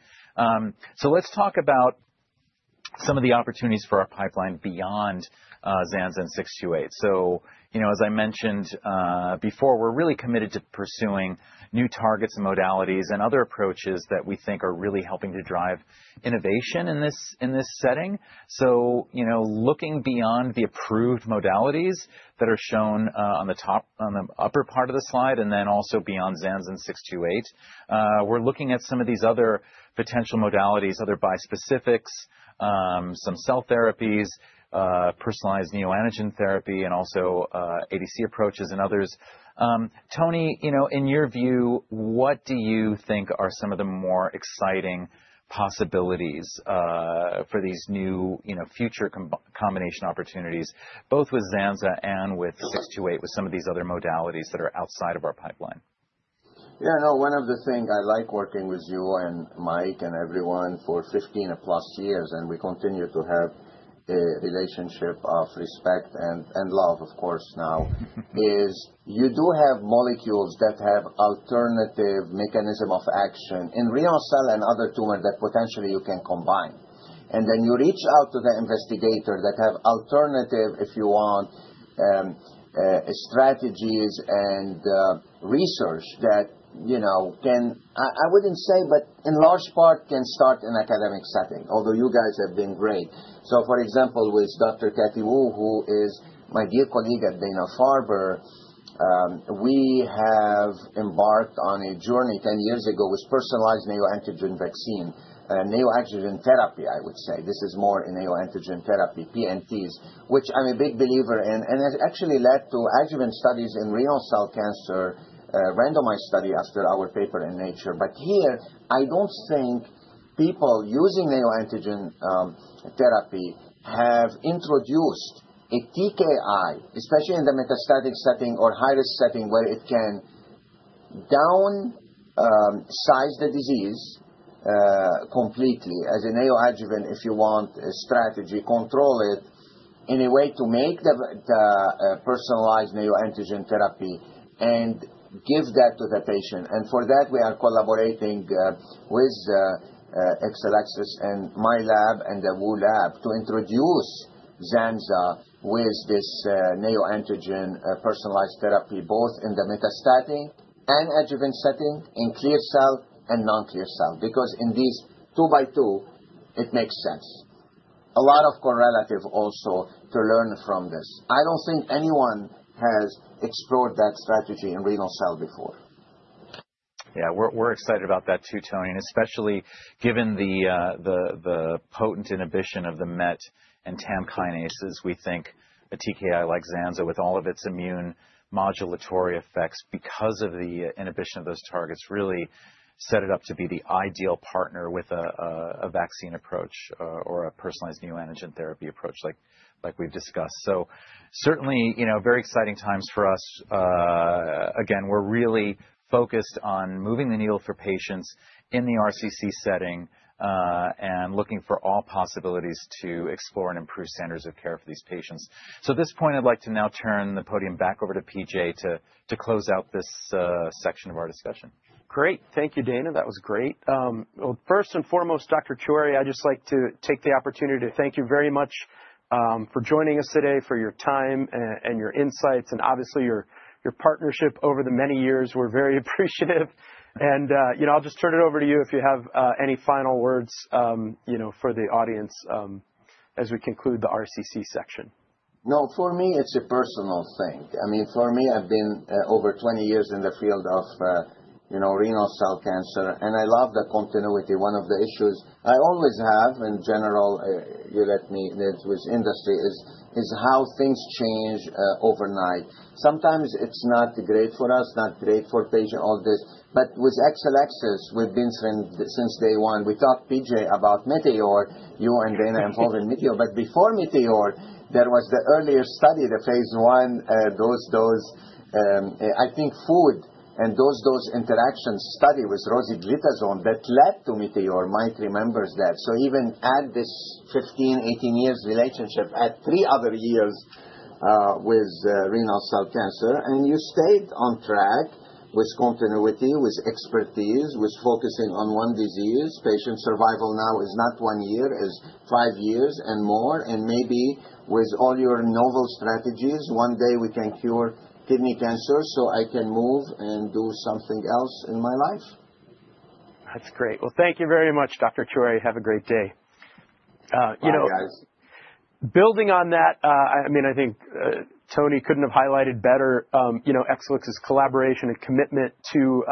so let's talk about some of the opportunities for our pipeline beyond zanza and 628, so as I mentioned before, we're really committed to pursuing new targets and modalities and other approaches that we think are really helping to drive innovation in this setting. So looking beyond the approved modalities that are shown on the upper part of the slide, and then also beyond zanza and 628, we're looking at some of these other potential modalities, other bispecifics, some cell therapies, personalized neoantigen therapy, and also ADC approaches and others. Toni, in your view, what do you think are some of the more exciting possibilities for these new future combination opportunities, both with zanza and with 628, with some of these other modalities that are outside of our pipeline? Yeah. No, one of the things I like working with you and Mike and everyone for 15+ years, and we continue to have a relationship of respect and love, of course, now, is you do have molecules that have alternative mechanism of action in renal cell and other tumor that potentially you can combine. And then you reach out to the investigator that have alternative, if you want, strategies and research that can, I wouldn't say, but in large part can start in academic setting, although you guys have been great. So for example, with Dr. Cathy Wu, who is my dear colleague at Dana-Farber, we have embarked on a journey 10 years ago with personalized neoantigen vaccine, neoantigen therapy, I would say. This is more in neoantigen therapy, PNTs, which I'm a big believer in. And it actually led to adjuvant studies in renal cell cancer, randomized study after our paper in Nature. But here, I don't think people using neoadjuvant therapy have introduced a TKI, especially in the metastatic setting or high-risk setting, where it can downsize the disease completely as a neoadjuvant, if you want, a strategy, control it in a way to make the personalized neoantigen therapy and give that to the patient. And for that, we are collaborating with Exelixis and my lab and the Wu lab to introduce zanza with this neoantigen personalized therapy, both in the metastatic and adjuvant setting in clear cell and non-clear cell. Because in these two by two, it makes sense. A lot of correlative also to learn from this. I don't think anyone has explored that strategy in renal cell before. Yeah. We're excited about that too, Toni, and especially given the potent inhibition of the MET and TAM kinases, we think a TKI like zanza, with all of its immune modulatory effects because of the inhibition of those targets, really set it up to be the ideal partner with a vaccine approach or a personalized neoantigen therapy approach like we've discussed. So certainly very exciting times for us. Again, we're really focused on moving the needle for patients in the RCC setting and looking for all possibilities to explore and improve standards of care for these patients. So at this point, I'd like to now turn the podium back over to P.J. to close out this section of our discussion. Great. Thank you, Dana. That was great. Well, first and foremost, Dr. Choueiri, I'd just like to take the opportunity to thank you very much for joining us today, for your time and your insights, and obviously your partnership over the many years. We're very appreciative, and I'll just turn it over to you if you have any final words for the audience as we conclude the RCC section. No, for me, it's a personal thing. I mean, for me, I've been over 20 years in the field of renal cell cancer, and I love the continuity. One of the issues I always have in general, you let me live with industry, is how things change overnight. Sometimes it's not great for us, not great for patients, all this, but with Exelixis, we've been since day one. We talked, P.J., about METEOR, you and Dana involved in METEOR. But before METEOR, there was the earlier study, the phase I, those dose, I think, food and those dose interactions study with rosiglitazone that led to METEOR. Mike remembers that. So even at this 15-18 years relationship, at three other years with renal cell cancer, and you stayed on track with continuity, with expertise, with focusing on one disease. Patient survival now is not one year, is five years and more. And maybe with all your novel strategies, one day we can cure kidney cancer so I can move and do something else in my life. That's great. Well, thank you very much, Dr. Choueiri. Have a great day. Thank you, guys. Building on that, I mean, I think Toni couldn't have highlighted better Exelixis' collaboration and commitment to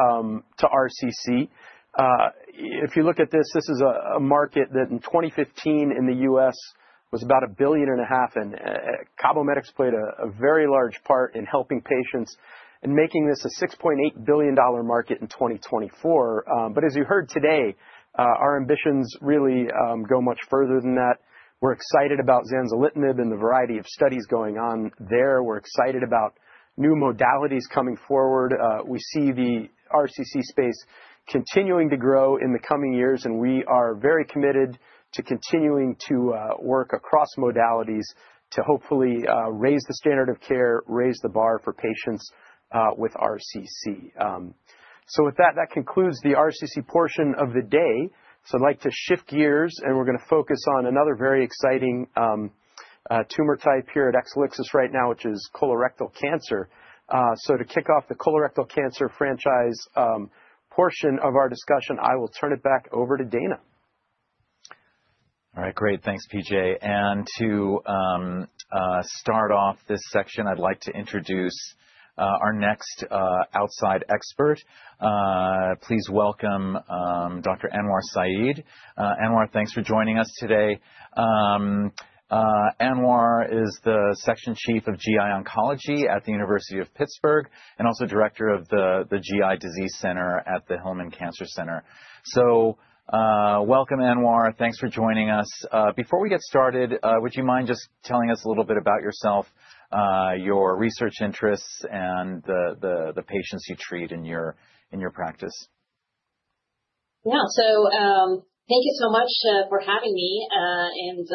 RCC. If you look at this, this is a market that in 2015 in the U.S. was about $1.5 billion, and CABOMETYX played a very large part in helping patients and making this a $6.8 billion market in 2024. But as you heard today, our ambitions really go much further than that. We're excited about zanzalitinib and the variety of studies going on there. We're excited about new modalities coming forward. We see the RCC space continuing to grow in the coming years, and we are very committed to continuing to work across modalities to hopefully raise the standard of care, raise the bar for patients with RCC. So with that, that concludes the RCC portion of the day. So I'd like to shift gears, and we're going to focus on another very exciting tumor type here at Exelixis right now, which is colorectal cancer. So to kick off the colorectal cancer franchise portion of our discussion, I will turn it back over to Dana. All right. Great. Thanks, P.J. And to start off this section, I'd like to introduce our next outside expert. Please welcome Dr. Anwaar Saeed. Anwaar, thanks for joining us today. Anwaar is the section Chief of GI Oncology at the University of Pittsburgh and also Director of the GI Disease Center at the Hillman Cancer Center. So welcome, Anwaar. Thanks for joining us. Before we get started, would you mind just telling us a little bit about yourself, your research interests, and the patients you treat in your practice? Yeah. So thank you so much for having me. And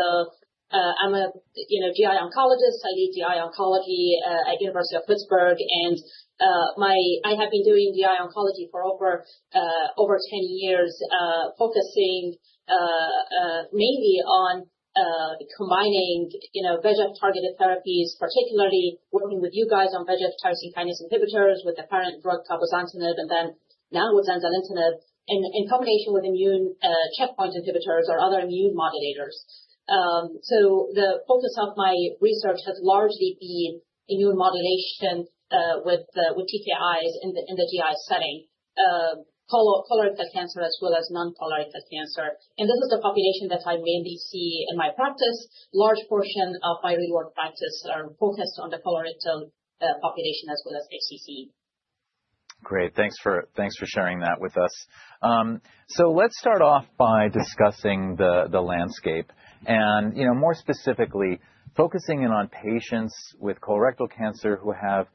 I'm a GI oncologist. I lead GI Oncology at the University of Pittsburgh. And I have been doing GI oncology for over 10 years, focusing mainly on combining VEGF-targeted therapies, particularly working with you guys on VEGF tyrosine kinase inhibitors with the current drug cabozantinib and then now with zanzalitinib in combination with immune checkpoint inhibitors or other immune modulators. So the focus of my research has largely been immune modulation with TKIs in the GI setting, colorectal cancer as well as non-colorectal cancer. And this is the population that I mainly see in my practice. Large portion of my real-world practice are focused on the colorectal population as well as HCC. Great. Thanks for sharing that with us. So let's start off by discussing the landscape and more specifically focusing in on patients with colorectal cancer who have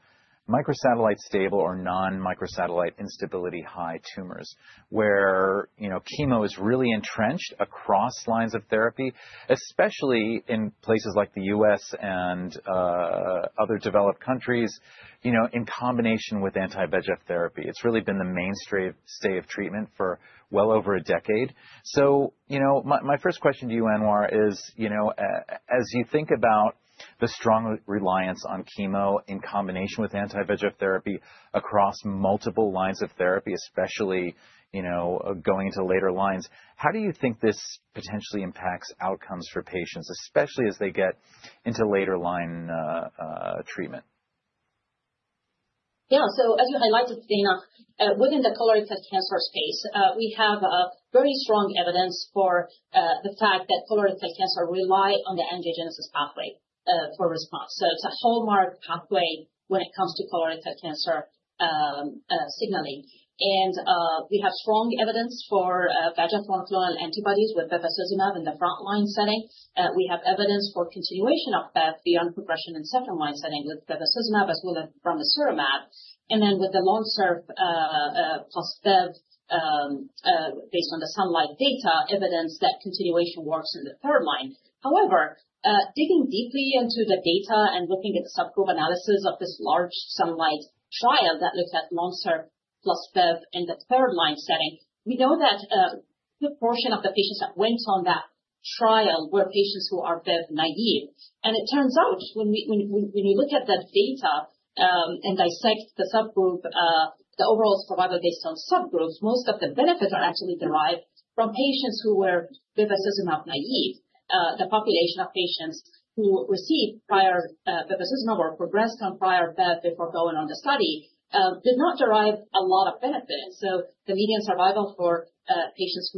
microsatellite stable or non-microsatellite instability high tumors, where chemo is really entrenched across lines of therapy, especially in places like the U.S. and other developed countries in combination with anti-VEGF therapy. It's really been the mainstay of treatment for well over a decade. So my first question to you, Anwaar, is as you think about the strong reliance on chemo in combination with anti-VEGF therapy across multiple lines of therapy, especially going into later lines, how do you think this potentially impacts outcomes for patients, especially as they get into later line treatment? Yeah. So as you highlighted, Dana, within the colorectal cancer space, we have very strong evidence for the fact that colorectal cancer relies on the angiogenesis pathway for response. So it's a hallmark pathway when it comes to colorectal cancer signaling. And we have strong evidence for VEGF monoclonal antibodies with bevacizumab in the frontline setting. We have evidence for continuation of bev beyond progression in the second line setting with bevacizumab as well as ramucirumab. And then with the LONSURF plus bev based on the SUNLIGHT data, evidence that continuation works in the third line. However, digging deeply into the data and looking at the subgroup analysis of this large SUNLIGHT trial that looked at LONSURF plus bev in the third line setting, we know that a good portion of the patients that went on that trial were patients who are bev naive. And it turns out when you look at that data and dissect the overall survival based on subgroups, most of the benefits are actually derived from patients who were bevacizumab naive. The population of patients who received prior bevacizumab or progressed on prior bev before going on the study did not derive a lot of benefit, and so the median survival for patients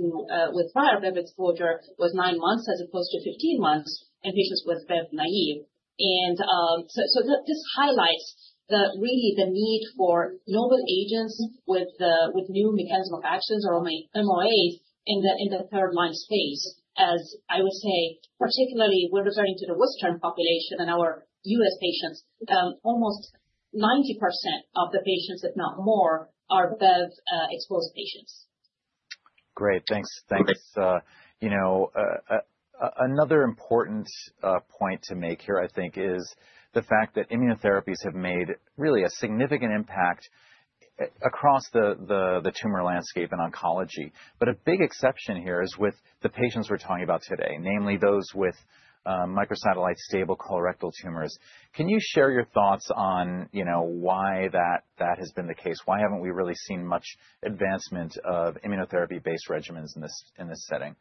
with prior bev exposure was nine months as opposed to 15 months in patients with bev-naive, and so this highlights really the need for novel agents with new mechanism of actions or MOAs in the third line space, as I would say, particularly when referring to the Western population and our U.S. patients, almost 90% of the patients, if not more, are bev-exposed patients. Great. Thanks. Thanks. Another important point to make here, I think, is the fact that immunotherapies have made really a significant impact across the tumor landscape in oncology, but a big exception here is with the patients we're talking about today, namely those with microsatellite stable colorectal tumors. Can you share your thoughts on why that has been the case? Why haven't we really seen much advancement of immunotherapy-based regimens in this setting?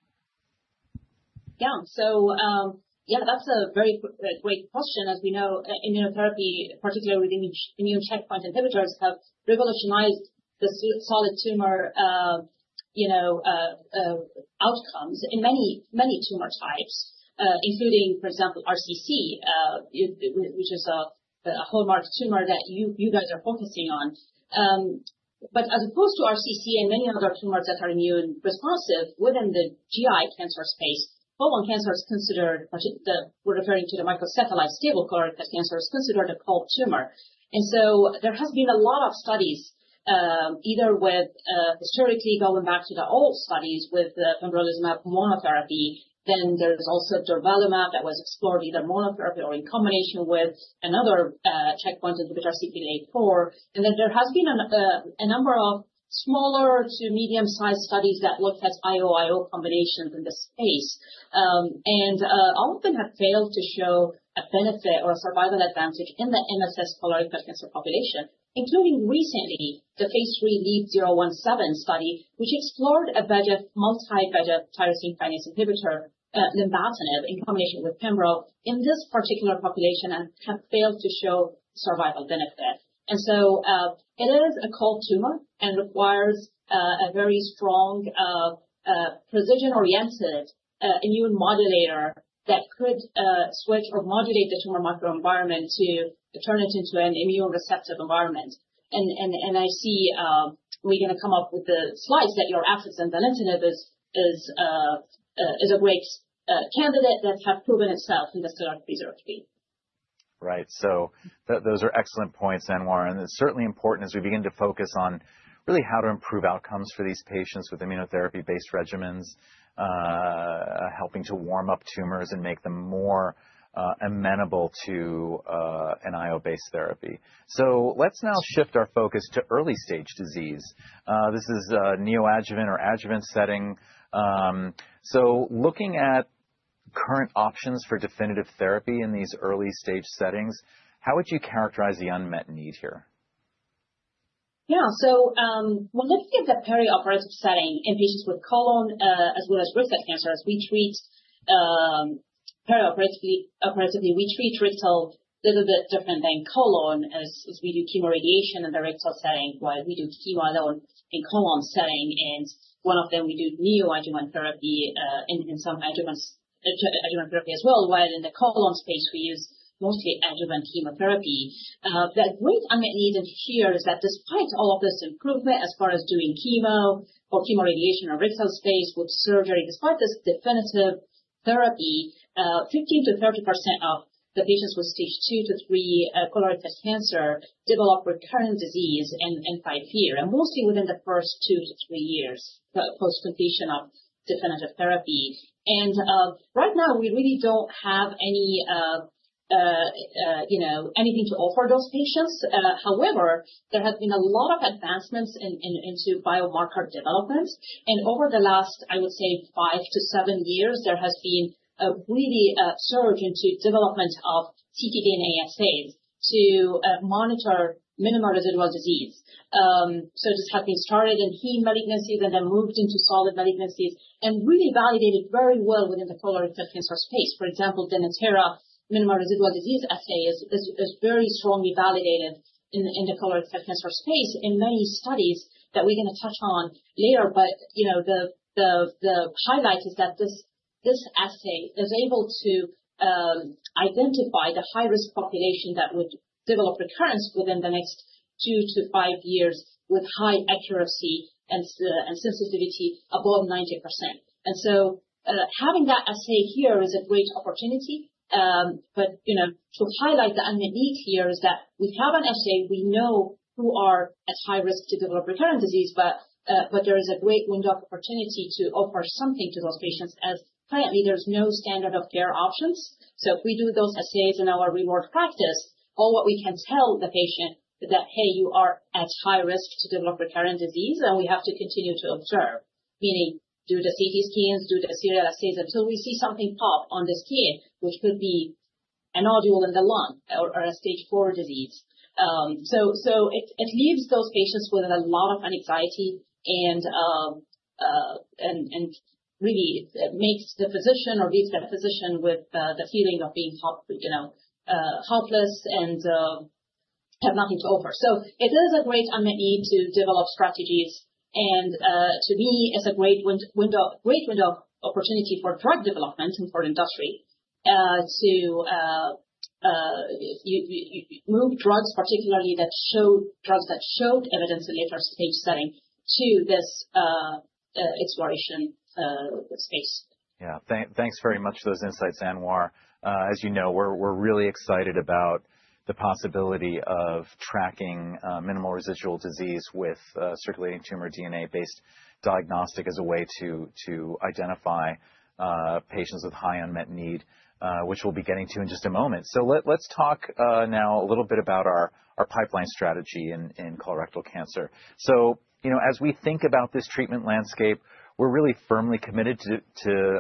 Yeah. So yeah, that's a very great question. As we know, immunotherapy, particularly with immune checkpoint inhibitors, have revolutionized the solid tumor outcomes in many tumor types, including, for example, RCC, which is a hallmark tumor that you guys are focusing on. But as opposed to RCC and many other tumors that are immune responsive within the GI cancer space, colon cancer is considered (we're referring to the microsatellite stable colorectal cancer) is considered a cold tumor. And so there has been a lot of studies, either with historically going back to the old studies with pembrolizumab monotherapy, then there's also durvalumab that was explored either monotherapy or in combination with another checkpoint inhibitor, CTLA-4. And then there has been a number of smaller to medium-sized studies that looked at IO-IO combinations in this space. And all of them have failed to show a benefit or a survival advantage in the MSS colorectal cancer population, including recently the phase III LEAP-017 study, which explored a multi-VEGF tyrosine kinase inhibitor, lenvatinib, in combination with pembrolizumab in this particular population and have failed to show survival benefit. And so it is a cold tumor and requires a very strong precision-oriented immune modulator that could switch or modulate the tumor microenvironment to turn it into an immune receptive environment. And I see we're going to come up with the slides that your efforts in zanzalitinib is a great candidate that has proven itself in the STELLAR-303. Right. So those are excellent points, Anwaar. And it's certainly important as we begin to focus on really how to improve outcomes for these patients with immunotherapy-based regimens, helping to warm up tumors and make them more amenable to an IO-based therapy. So let's now shift our focus to early-stage disease. This is a neoadjuvant or adjuvant setting. So looking at current options for definitive therapy in these early-stage settings, how would you characterize the unmet need here? Yeah. So when looking at the perioperative setting in patients with colon as well as rectal cancers, we treat perioperatively rectal a little bit different than colon as we do chemoradiation in the rectal setting while we do chemo alone in colon setting. And one of them we do neoadjuvant therapy in some adjuvant therapy as well, while in the colon space, we use mostly adjuvant chemotherapy. The great unmet need here is that despite all of this improvement as far as doing chemo or chemoradiation or rectal space with surgery, despite this definitive therapy, 15%-30% of the patients with stage II-III colorectal cancer develop recurrent disease in five year, and mostly within the first two to three years post-completion of definitive therapy. And right now, we really don't have anything to offer those patients. However, there has been a lot of advancements into biomarker development. And over the last, I would say, five to seven years, there has been a really surge into development of ctDNA assays to monitor minimal residual disease. So this has been started in heme malignancies and then moved into solid malignancies and really validated very well within the colorectal cancer space. For example, Signatera minimal residual disease assay is very strongly validated in the colorectal cancer space in many studies that we're going to touch on later. But the highlight is that this assay is able to identify the high-risk population that would develop recurrence within the next two to five years with high accuracy and sensitivity above 90%. And so having that assay here is a great opportunity. But to highlight the unmet need here is that we have an assay. We know who are at high risk to develop recurrent disease, but there is a great window of opportunity to offer something to those patients as currently there's no standard of care options. So if we do those assays in our routine practice, all what we can tell the patient is that, "Hey, you are at high risk to develop recurrent disease," and we have to continue to observe, meaning do the CT scans, do the serial assays until we see something pop on the scan, which could be a nodule in the lung or a stage IV disease. So it leaves those patients with a lot of anxiety and really leaves the physician with the feeling of being helpless and have nothing to offer. So it is a great unmet need to develop strategies. And to me, it's a great window of opportunity for drug development and for industry to move drugs, particularly drugs that showed evidence in later stage setting to this exploration space. Yeah. Thanks very much for those insights, Anwaar. As you know, we're really excited about the possibility of tracking minimal residual disease with circulating tumor DNA-based diagnostic as a way to identify patients with high unmet need, which we'll be getting to in just a moment. So let's talk now a little bit about our pipeline strategy in colorectal cancer. So as we think about this treatment landscape, we're really firmly committed to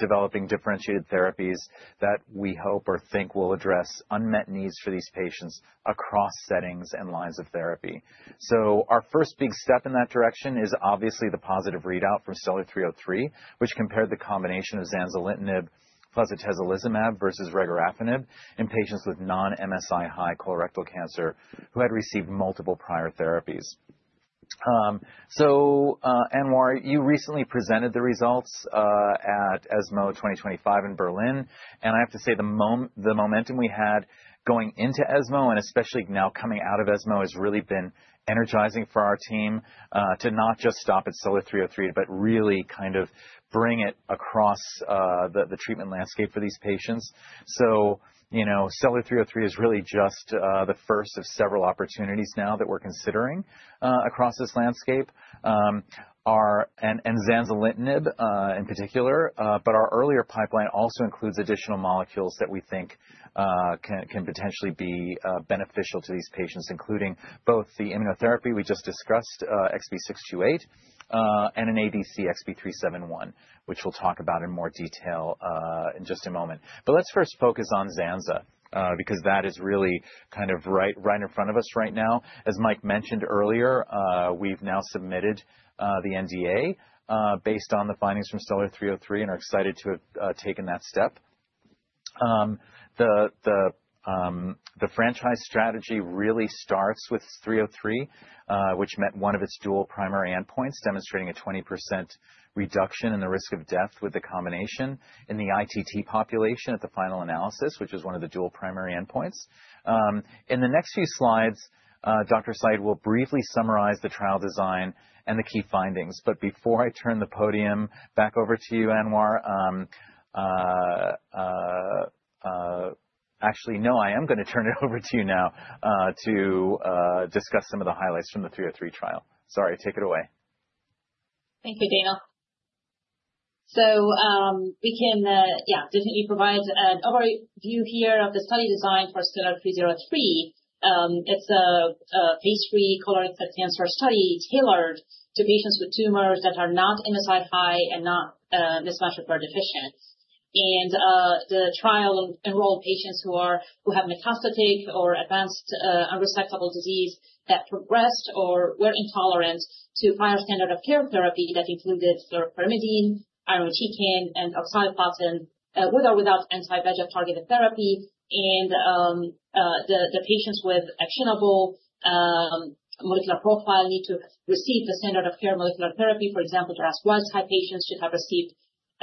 developing differentiated therapies that we hope or think will address unmet needs for these patients across settings and lines of therapy. So our first big step in that direction is obviously the positive readout from STELLAR-303, which compared the combination of zanzalitinib plus atezolizumab versus regorafenib in patients with non-MSI high colorectal cancer who had received multiple prior therapies. So Anwaar, you recently presented the results at ESMO 2025 in Berlin. I have to say the momentum we had going into ESMO and especially now coming out of ESMO has really been energizing for our team to not just stop at STELLAR-303, but really kind of bring it across the treatment landscape for these patients. STELLAR-303 is really just the first of several opportunities now that we're considering across this landscape. zanzalitinib in particular, but our earlier pipeline also includes additional molecules that we think can potentially be beneficial to these patients, including both the immunotherapy we just discussed, XB628, and an ADC, XB371, which we'll talk about in more detail in just a moment. Let's first focus on zanza, because that is really kind of right in front of us right now. As Mike mentioned earlier, we've now submitted the NDA based on the findings from STELLAR-303 and are excited to have taken that step. The franchise strategy really starts with 303, which met one of its dual primary endpoints, demonstrating a 20% reduction in the risk of death with the combination in the ITT population at the final analysis, which is one of the dual primary endpoints. In the next few slides, Dr. Saeed will briefly summarize the trial design and the key findings. But before I turn the podium back over to you, Anwaar, actually, no, I am going to turn it over to you now to discuss some of the highlights from the 303 trial. Sorry, take it away. Thank you, Dana. So we can, yeah, definitely provide an overview here of the study design for STELLAR-303. It's a phase III colorectal cancer study tailored to patients with tumors that are not MSI high and not mismatch repair deficient. And the trial enrolled patients who have metastatic or advanced unresectable disease that progressed or were intolerant to prior standard of care therapy that included fluoropyrimidine, irinotecan, and oxaliplatin with or without anti-VEGF targeted therapy. And the patients with actionable molecular profile need to receive the standard of care molecular therapy. For example, the RAS wild-type patients should have received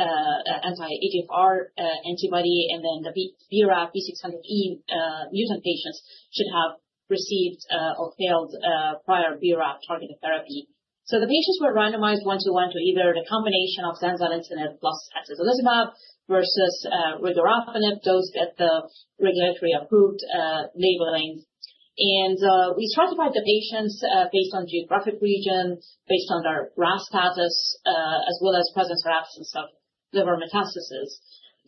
anti-EGFR antibody, and then the BRAF V600E mutant patients should have received or failed prior BRAF targeted therapy. So the patients were randomized one-to-one to either the combination of zanzalitinib plus atezolizumab versus regorafenib dosed at the regulatory-approved labeling. And we stratified the patients based on geographic region, based on their RAS status, as well as presence or absence of liver metastasis.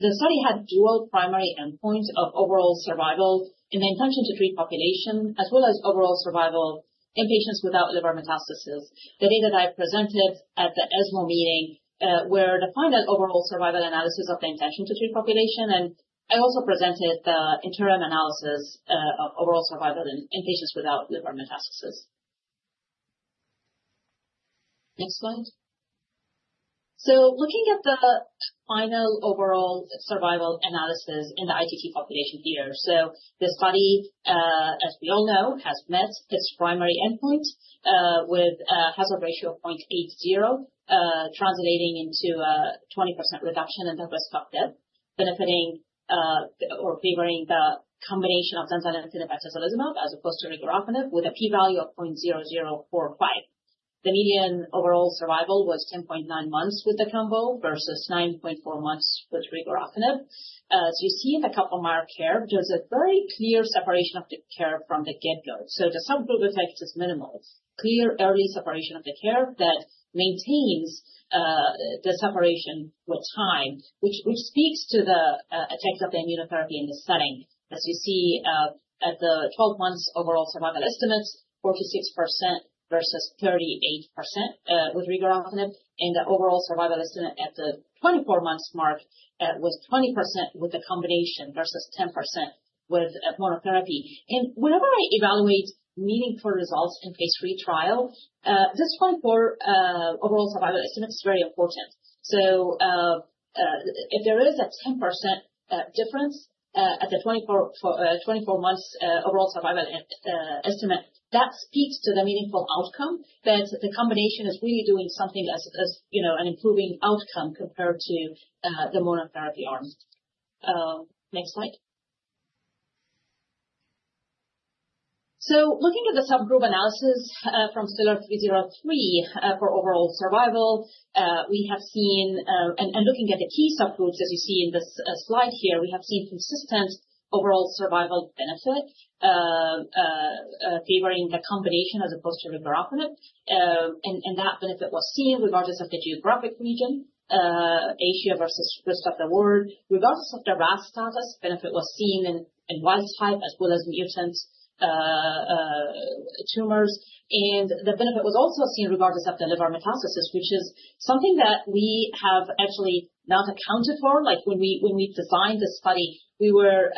The study had dual primary endpoints of overall survival in the intention to treat population as well as overall survival in patients without liver metastasis. The data that I presented at the ESMO meeting were the final overall survival analysis of the intention to treat population, and I also presented the interim analysis of overall survival in patients without liver metastasis. Next slide. So looking at the final overall survival analysis in the ITT population here. So the study, as we all know, has met its primary endpoint with a hazard ratio of 0.80, translating into a 20% reduction in the risk of death, benefiting or favoring the combination of zanzalitinib atezolizumab as opposed to regorafenib with a P-value of 0.0045. The median overall survival was 10.9 months with the combo versus 9.4 months with regorafenib. As you see in the Kaplan-Meier here, there's a very clear separation of the curves from the get-go. So the subgroup effect is minimal. Clear early separation of the curve that maintains the separation with time, which speaks to the effect of the immunotherapy in this setting. As you see at the 12-month overall survival estimates, 46% versus 38% with regorafenib, and the overall survival estimate at the 24-month mark was 20% with the combination versus 10% with monotherapy. And whenever I evaluate meaningful results in phase III trial, this 24-month overall survival estimate is very important. So if there is a 10% difference at the 24-month overall survival estimate, that speaks to the meaningful outcome that the combination is really doing something as an improving outcome compared to the monotherapy arm. Next slide. So looking at the subgroup analysis from STELLAR-303 for overall survival, we have seen, and looking at the key subgroups, as you see in this slide here, we have seen consistent overall survival benefit favoring the combination as opposed to regorafenib. And that benefit was seen regardless of the geographic region, Asia versus rest of the world. Regardless of the RAS status, benefit was seen in wild-type as well as mutant tumors. And the benefit was also seen regardless of the liver metastasis, which is something that we have actually not accounted for. Like when we designed the study, we were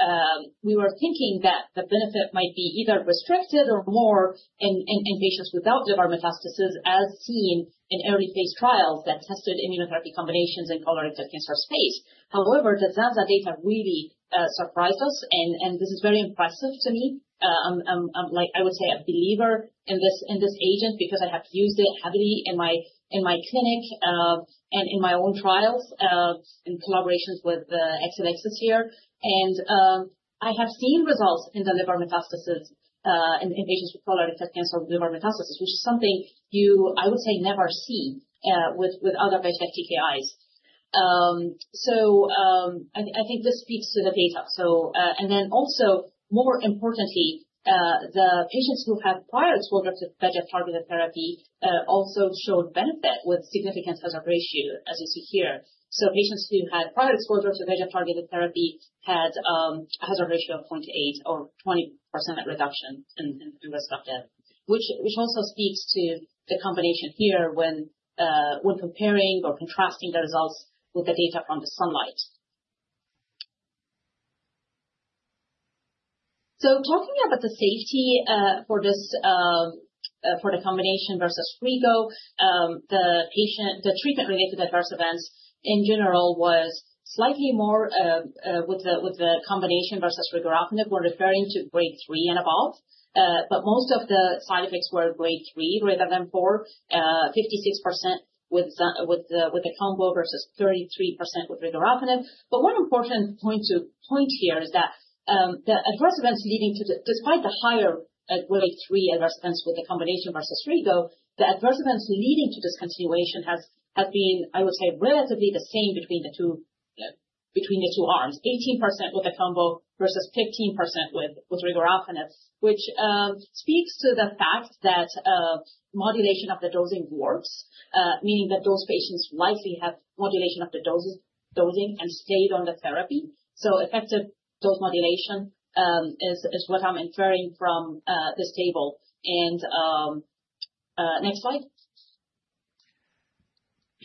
thinking that the benefit might be either restricted or more in patients without liver metastasis, as seen in early-phase trials that tested immunotherapy combinations in colorectal cancer space. However, the zanza data really surprised us, and this is very impressive to me. I would say I'm a believer in this agent because I have used it heavily in my clinic and in my own trials in collaborations with Exelixis here. And I have seen results in the liver metastasis in patients with colorectal cancer with liver metastasis, which is something you, I would say, never see with other VEGF TKIs. So I think this speaks to the data. And then also, more importantly, the patients who had prior exposure to VEGF-targeted therapy also showed benefit with significant hazard ratio, as you see here. So patients who had prior exposure to VEGF-targeted therapy had a hazard ratio of 0.8 or 20% reduction in risk of death, which also speaks to the combination here when comparing or contrasting the results with the data from the SUNLIGHT. So talking about the safety for the combination versus rego, the treatment-related adverse events in general was slightly more with the combination versus regorafenib when referring to grade 3 and above. But most of the side effects were grade 3 rather than 4, 56% with the combo versus 33% with regorafenib. But one important point to point here is that the adverse events leading to, despite the higher grade 3 adverse events with the combination versus rego, the adverse events leading to discontinuation have been, I would say, relatively the same between the two arms, 18% with the combo versus 15% with regorafenib, which speaks to the fact that modulation of the dosing works, meaning that those patients likely have modulation of the dosing and stayed on the therapy. So effective dose modulation is what I'm inferring from this table. And next slide.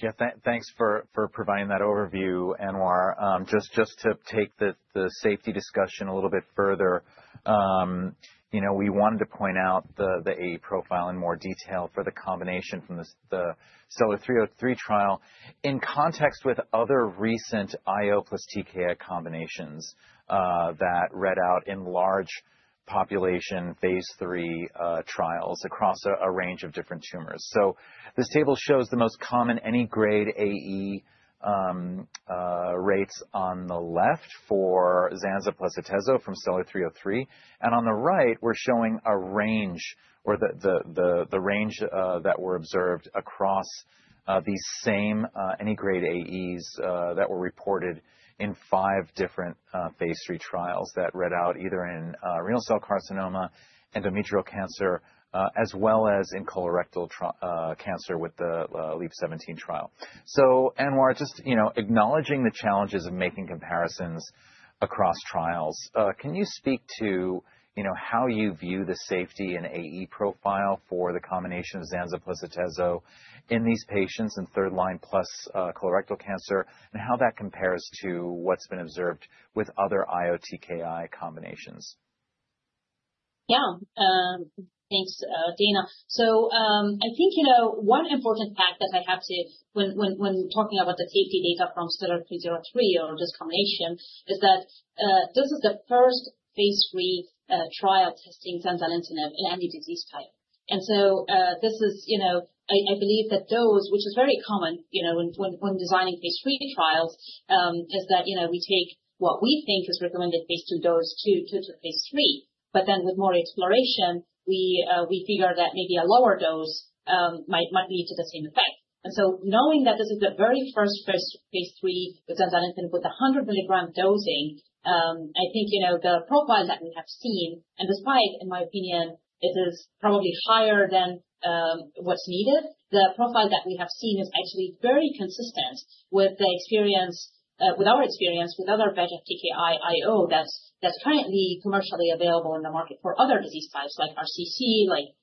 Yeah. Thanks for providing that overview, Anwaar. Just to take the safety discussion a little bit further, we wanted to point out the AE profile in more detail for the combination from the STELLAR-303 trial in context with other recent IO plus TKI combinations that read out in large population phase III trials across a range of different tumors. So this table shows the most common any grade AE rates on the left for zanza plus atezo from STELLAR-303. And on the right, we're showing a range or the range that were observed across these same any grade AEs that were reported in five different phase III trials that read out either in renal cell carcinoma, endometrial cancer, as well as in colorectal cancer with the LEAP-017 trial. So Anwaar, just acknowledging the challenges of making comparisons across trials, can you speak to how you view the safety and AE profile for the combination of zanza plus atezo in these patients in third-line plus colorectal cancer and how that compares to what's been observed with other IO TKI combinations? Yeah. Thanks, Dana. So I think one important fact that I have to, when talking about the safety data from STELLAR-303 or this combination, is that this is the first phase III trial testing zanzalitinib in any disease type. And so this is. I believe that dose, which is very common when designing phase III trials, is that we take what we think is recommended phase II dose to phase III, but then with more exploration, we figure that maybe a lower dose might lead to the same effect. And so knowing that this is the very first phase III with zanzalitinib with the 100-milligram dosing, I think the profile that we have seen, and despite, in my opinion, it is probably higher than what's needed, the profile that we have seen is actually very consistent with our experience with other VEGF TKI IO that's currently commercially available in the market for other disease types like RCC, like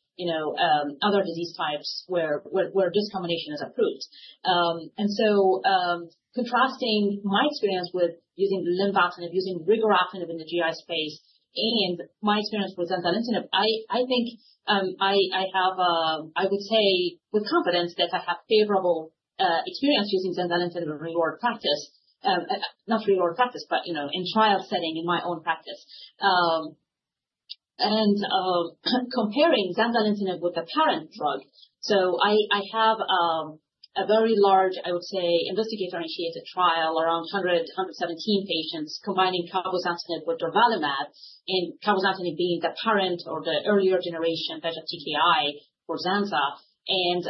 other disease types where this combination is approved. And so contrasting my experience with using the lenvatinib, using regorafenib in the GI space, and my experience with zanzalitinib, I think I have, I would say, with confidence that I have favorable experience using zanzalitinib in real-world practice, not real-world practice, but in trial setting in my own practice. And comparing zanzalitinib with the parent drug, so I have a very large, I would say, investigator-initiated trial around 100, 117 patients combining cabozantinib with durvalumab, and cabozantinib being the parent or the earlier generation VEGF TKI for zanza. And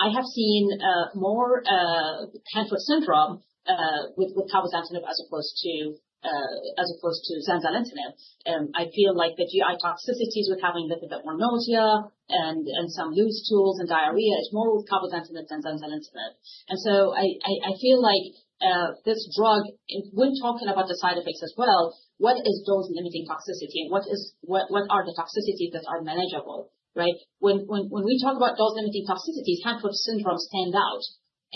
I have seen more hand-foot syndrome with cabozantinib as opposed to zanzalitinib. I feel like the GI toxicities with having a little bit more nausea and some loose stools and diarrhea is more with cabozantinib than zanzalitinib. And so I feel like this drug, when talking about the side effects as well, what is dose-limiting toxicity and what are the toxicities that are manageable, right? When we talk about dose-limiting toxicities, hand-foot syndrome stands out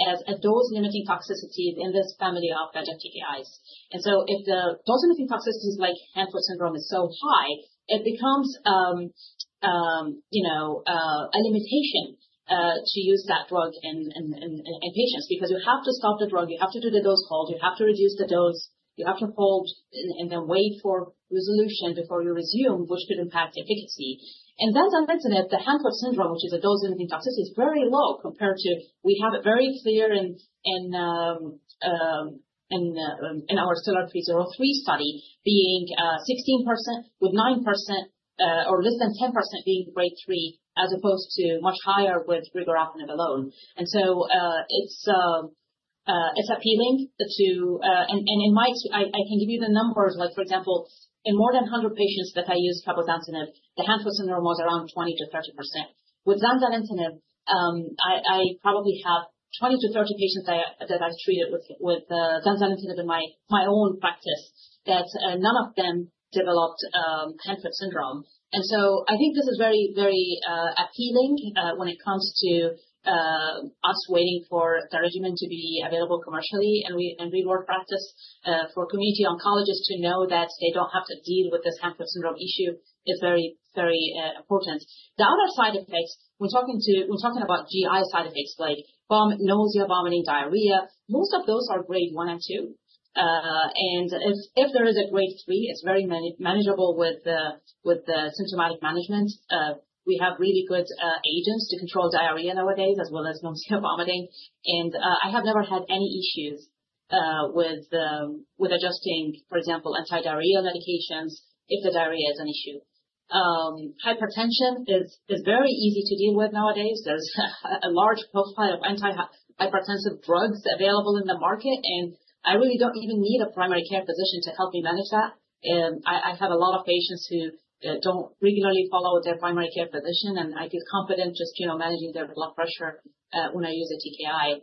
as a dose-limiting toxicity in this family of VEGF TKIs. And so if the dose-limiting toxicities like hand-foot syndrome is so high, it becomes a limitation to use that drug in patients because you have to stop the drug, you have to do the dose hold, you have to reduce the dose, you have to hold and then wait for resolution before you resume, which could impact efficacy. And zanzalitinib, the hand-foot syndrome, which is a dose-limiting toxicity, is very low compared to, we have a very clear in our STELLAR-303 study being 16% with 9% or less than 10% being grade 3 as opposed to much higher with regorafenib alone. And so it's appealing to, and in my experience, I can give you the numbers, like for example, in more than 100 patients that I used cabozantinib, the hand-foot syndrome was around 20%-30%. With zanzalitinib, I probably have 20-30 patients that I've treated with zanzalitinib in my own practice that none of them developed hand-foot syndrome, and so I think this is very, very appealing when it comes to us waiting for the regimen to be available commercially and real-world practice for community oncologists to know that they don't have to deal with this hand-foot syndrome issue. It's very, very important. The other side effects, when talking about GI side effects like nausea, vomiting, diarrhea, most of those are grade 1 and 2, and if there is a grade 3, it's very manageable with symptomatic management. We have really good agents to control diarrhea nowadays as well as nausea, vomiting, and I have never had any issues with adjusting, for example, anti-diarrhea medications if the diarrhea is an issue. Hypertension is very easy to deal with nowadays. There's a large profile of anti-hypertensive drugs available in the market, and I really don't even need a primary care physician to help me manage that. I have a lot of patients who don't regularly follow with their primary care physician, and I feel confident just managing their blood pressure when I use a TKI.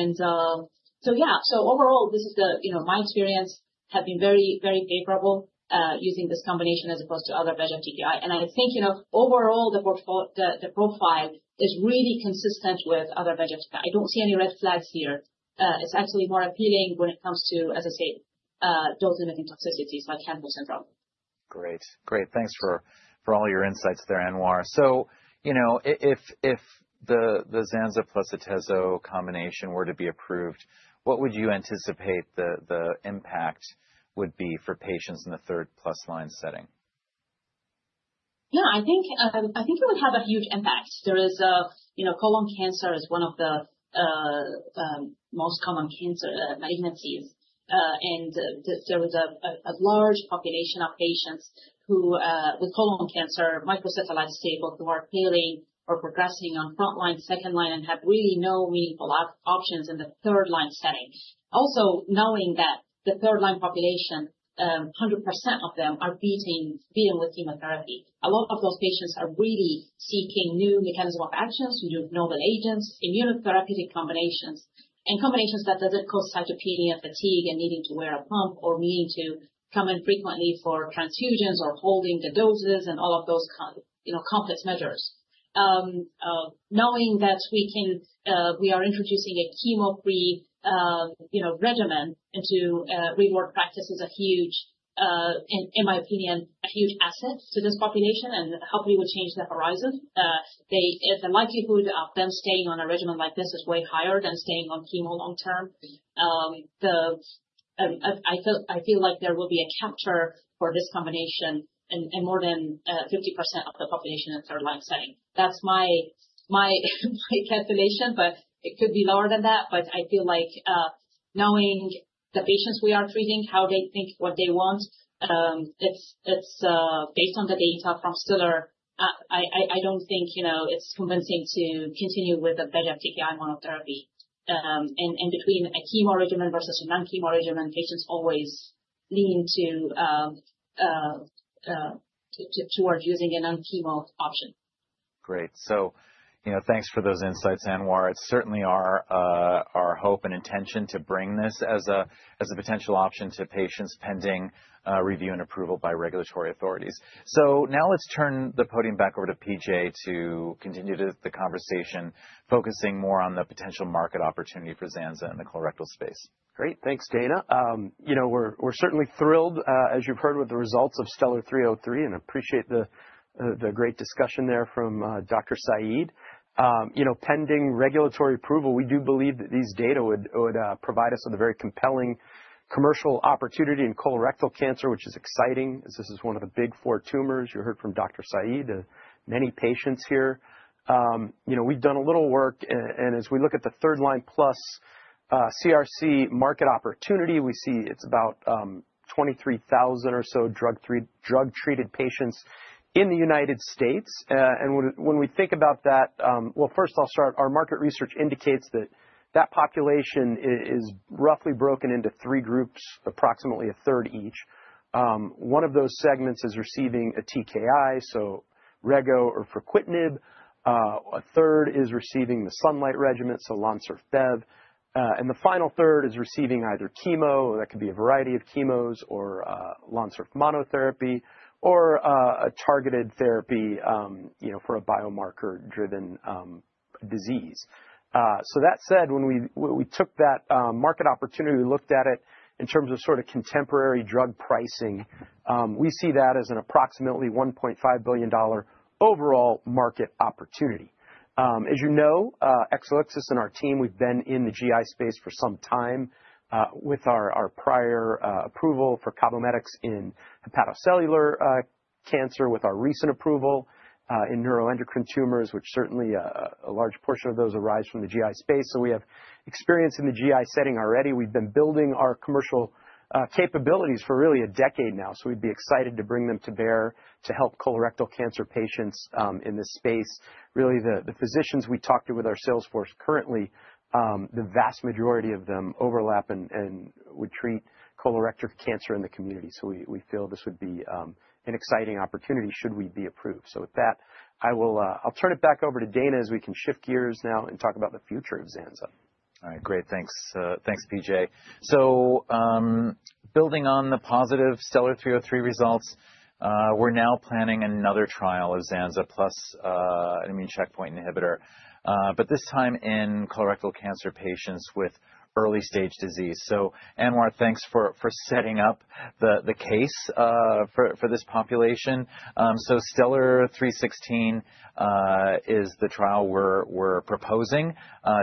And so yeah, so overall, this is my experience has been very, very favorable using this combination as opposed to other VEGF TKI. And I think overall, the profile is really consistent with other VEGF TKI. I don't see any red flags here. It's actually more appealing when it comes to, as I say, dose-limiting toxicities like hand-foot syndrome. Great. Great. Thanks for all your insights there, Anwaar. So if the zanza plus atezo combination were to be approved, what would you anticipate the impact would be for patients in the third-plus line setting? Yeah. I think it would have a huge impact. There is colon cancer as one of the most common malignancies, and there is a large population of patients with colon cancer, microsatellite stable, who are failing or progressing on front line, second line, and have really no meaningful options in the third-line setting. Also, knowing that the third-line population, 100% of them are treated with chemotherapy. A lot of those patients are really seeking new mechanisms of actions, new novel agents, immunotherapeutic combinations, and combinations that doesn't cause cytopenia and fatigue and needing to wear a pump or needing to come in frequently for transfusions or holding the doses and all of those complex measures. Knowing that we are introducing a chemo-free regimen into real-world practice is, in my opinion, a huge asset to this population, and hopefully, we'll change the horizon. The likelihood of them staying on a regimen like this is way higher than staying on chemo long-term. I feel like there will be a capture for this combination in more than 50% of the population in the third-line setting. That's my calculation, but it could be lower than that. But I feel like knowing the patients we are treating, how they think, what they want, it's based on the data from STELLAR. I don't think it's convincing to continue with a VEGF TKI monotherapy. And between a chemo regimen versus a non-chemo regimen, patients always lean towards using a non-chemo option. Great. So thanks for those insights, Anwaar. It certainly is our hope and intention to bring this as a potential option to patients pending review and approval by regulatory authorities. So now let's turn the podium back over to P.J. to continue the conversation, focusing more on the potential market opportunity for zanza in the colorectal space. Great. Thanks, Dana. We're certainly thrilled, as you've heard, with the results of STELLAR-303 and appreciate the great discussion there from Dr. Saeed. Pending regulatory approval, we do believe that these data would provide us with a very compelling commercial opportunity in colorectal cancer, which is exciting as this is one of the big four tumors. You heard from Dr. Saeed, many patients here. We've done a little work, and as we look at the third-line plus CRC market opportunity, we see it's about 23,000 or so drug-treated patients in the United States. And when we think about that, well, first, I'll start. Our market research indicates that that population is roughly broken into three groups, approximately a third each. One of those segments is receiving a TKI, so rego or fruquintinib. A third is receiving the SUNLIGHT regimen, so LONSURF/bev, and the final third is receiving either chemo, that could be a variety of chemos, or LONSURF monotherapy or a targeted therapy for a biomarker-driven disease, so that said, when we took that market opportunity, we looked at it in terms of sort of contemporary drug pricing. We see that as an approximately $1.5 billion overall market opportunity. As you know, Exelixis and our team, we've been in the GI space for some time with our prior approval for CABOMETYX in hepatocellular cancer, with our recent approval in neuroendocrine tumors, which certainly, a large portion of those arise from the GI space, so we have experience in the GI setting already. We've been building our commercial capabilities for really a decade now, so we'd be excited to bring them to bear to help colorectal cancer patients in this space. Really, the physicians we talk to with our sales force currently, the vast majority of them overlap and would treat colorectal cancer in the community. So we feel this would be an exciting opportunity should we be approved. So with that, I'll turn it back over to Dana as we can shift gears now and talk about the future of zanza. All right. Great. Thanks, P.J. So building on the positive STELLAR-303 results, we're now planning another trial of zanza plus an immune checkpoint inhibitor, but this time in colorectal cancer patients with early-stage disease. So Anwaar, thanks for setting up the case for this population. STELLAR-316 is the trial we're proposing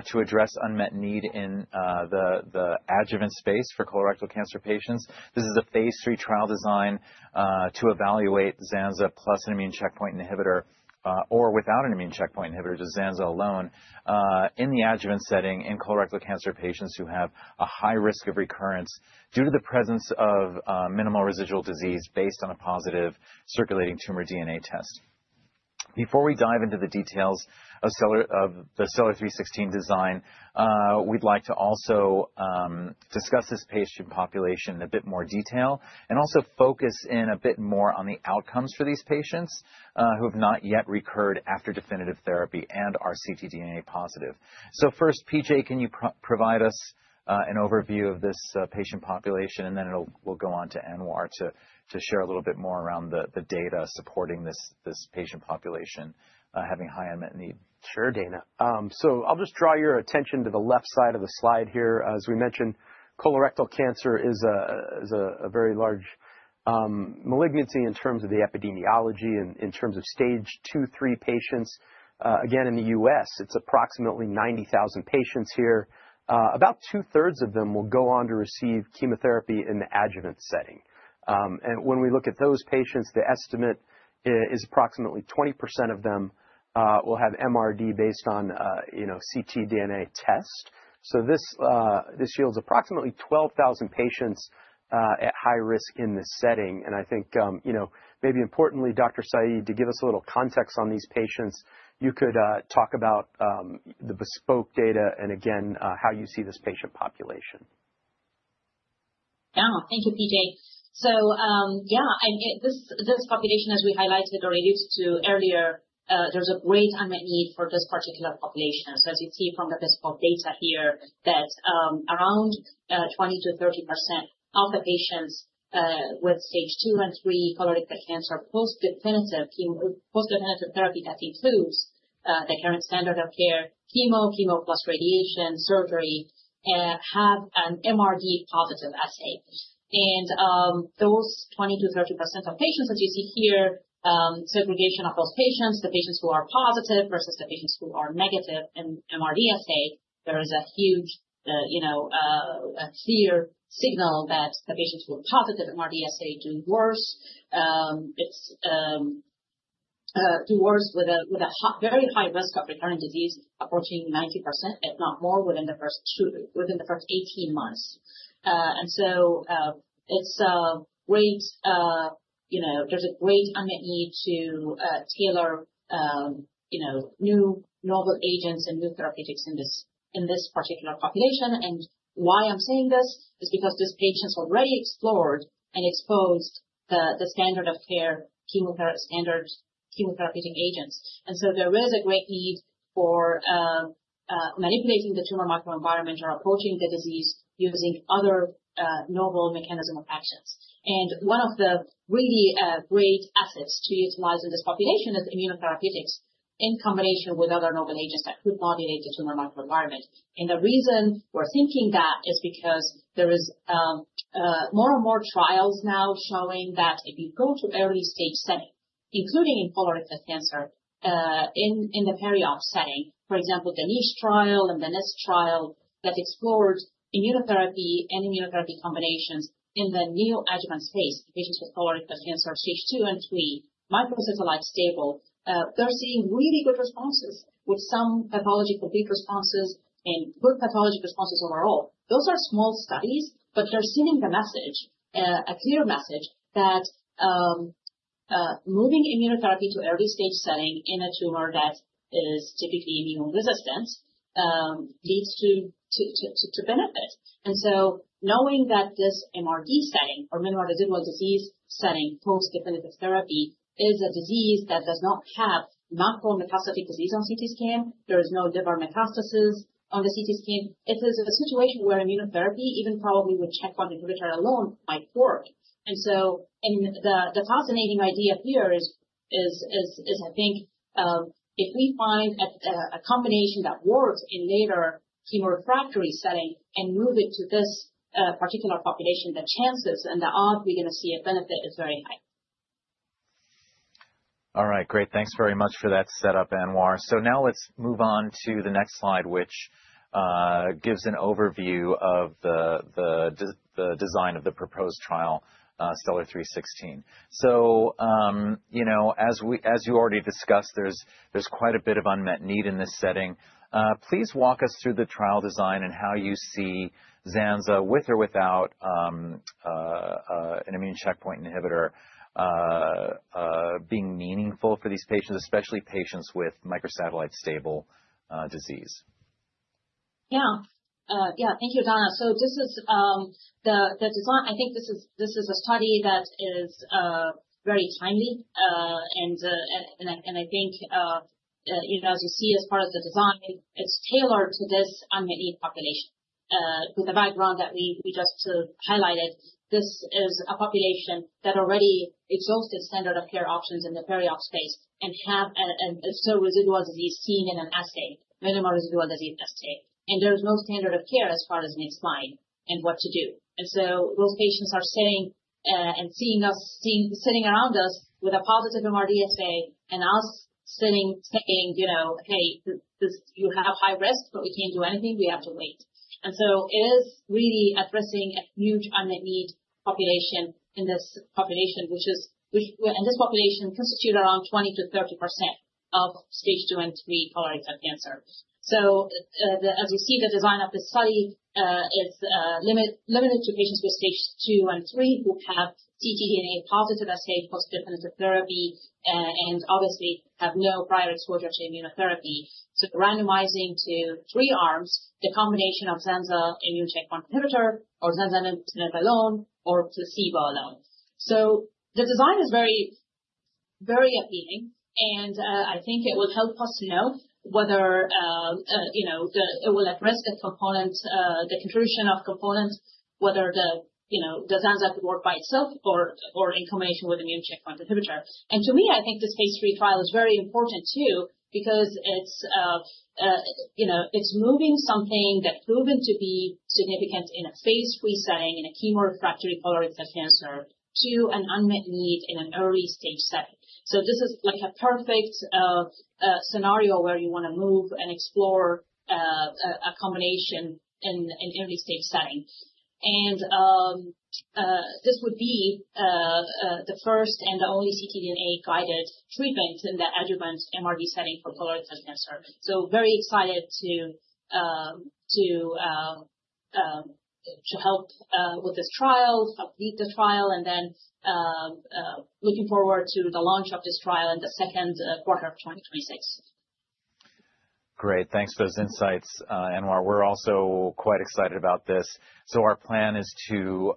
to address unmet need in the adjuvant space for colorectal cancer patients. This is a phase III trial design to evaluate zanza plus an immune checkpoint inhibitor or without an immune checkpoint inhibitor, just zanza alone in the adjuvant setting in colorectal cancer patients who have a high risk of recurrence due to the presence of minimal residual disease based on a positive circulating tumor DNA test. Before we dive into the details of the STELLAR-316 design, we'd like to also discuss this patient population in a bit more detail and also focus in a bit more on the outcomes for these patients who have not yet recurred after definitive therapy and are ctDNA positive. So first, P.J., can you provide us an overview of this patient population, and then we'll go on to Anwaar to share a little bit more around the data supporting this patient population having high unmet need? Sure, Dana. So I'll just draw your attention to the left side of the slide here. As we mentioned, colorectal cancer is a very large malignancy in terms of the epidemiology and in terms of stage II, III patients. Again, in the U.S., it's approximately 90,000 patients here. About two-thirds of them will go on to receive chemotherapy in the adjuvant setting. And when we look at those patients, the estimate is approximately 20% of them will have MRD based on ctDNA test. So this yields approximately 12,000 patients at high risk in this setting. And I think maybe importantly, Dr. Saeed, to give us a little context on these patients, you could talk about the BESPOKE data and, again, how you see this patient population. Yeah. Thank you, P.J. So yeah, this population, as we highlighted or alluded to earlier, there's a great unmet need for this particular population. So as you see from the BESPOKE data here that around 20%-30% of the patients with stage II and III colorectal cancer post-definitive therapy that includes the current standard of care, chemo, chemo plus radiation, surgery, have an MRD positive assay. And those 20%-30% of patients, as you see here, segregation of those patients, the patients who are positive versus the patients who are negative in MRD assay, there is a huge, clear signal that the patients who are positive MRD assay do worse with a very high risk of recurrent disease approaching 90%, if not more, within the first 18 months. And so there's a great unmet need to tailor new novel agents and new therapeutics in this particular population. And why I'm saying this is because these patients already explored and exposed the standard of care chemotherapeutic agents. And so there is a great need for manipulating the tumor microenvironment or approaching the disease using other novel mechanisms of actions. And one of the really great assets to utilize in this population is immunotherapeutics in combination with other novel agents that could modulate the tumor microenvironment. And the reason we're thinking that is because there are more and more trials now showing that if you go to early-stage setting, including in colorectal cancer, in the peri-op setting, for example, the NICHE trial and the NEST trial that explored immunotherapy and immunotherapy combinations in the neoadjuvant space, patients with colorectal cancer stage II and III, microsatellite stable, they're seeing really good responses with some pathology complete responses and good pathology responses overall. Those are small studies, but they're sending the message, a clear message, that moving immunotherapy to early-stage setting in a tumor that is typically immunoresistant leads to benefit. And so knowing that this MRD setting or minimal residual disease setting post-definitive therapy is a disease that does not have macrometastatic disease on CT scan, there is no liver metastasis on the CT scan, it is a situation where immunotherapy, even probably with checkpoint inhibitor alone, might work. And so the fascinating idea here is, I think, if we find a combination that works in later chemorefractory setting and move it to this particular population, the chances and the odds we're going to see a benefit is very high. All right. Great. Thanks very much for that setup, Anwaar. So now let's move on to the next slide, which gives an overview of the design of the proposed trial, STELLAR-316. So as you already discussed, there's quite a bit of unmet need in this setting. Please walk us through the trial design and how you see zanza with or without an immune checkpoint inhibitor being meaningful for these patients, especially patients with microsatellite stable disease. Yeah. Yeah. Thank you, Dana. So this is the design. I think this is a study that is very timely. And I think, as you see, as part of the design, it's tailored to this unmet need population. With the background that we just highlighted, this is a population that already exhausted standard of care options in the peri-op space and have residual disease seen in an assay, minimal residual disease assay. And there is no standard of care as far as next line and what to do. And so those patients are sitting and seeing us sitting around us with a positive MRD assay and us sitting saying, "Hey, you have high risk, but we can't do anything. “We have to wait.” And so it is really addressing a huge unmet need population in this population, which in this population constitutes around 20%-30% of stage II and III colorectal cancer. So as you see, the design of the study is limited to patients with stage II and III who have ctDNA positive assay post-definitive therapy and obviously have no prior exposure to immunotherapy. So randomizing to three arms, the combination of zanza immune checkpoint inhibitor or zanzalintinib alone or placebo alone. So the design is very appealing, and I think it will help us know whether it will address the contribution of components, whether the zanza could work by itself or in combination with immune checkpoint inhibitor. And to me, I think this phase III trial is very important too because it's moving something that's proven to be significant in a phase III setting in a chemorefractory colorectal cancer to an unmet need in an early-stage setting. So this is like a perfect scenario where you want to move and explore a combination in an early-stage setting. And this would be the first and the only ctDNA-guided treatment in the adjuvant MRD setting for colorectal cancer. So very excited to help with this trial, complete the trial, and then looking forward to the launch of this trial in the second quarter of 2026. Great. Thanks. Those insights, Anwaar. We're also quite excited about this. So our plan is to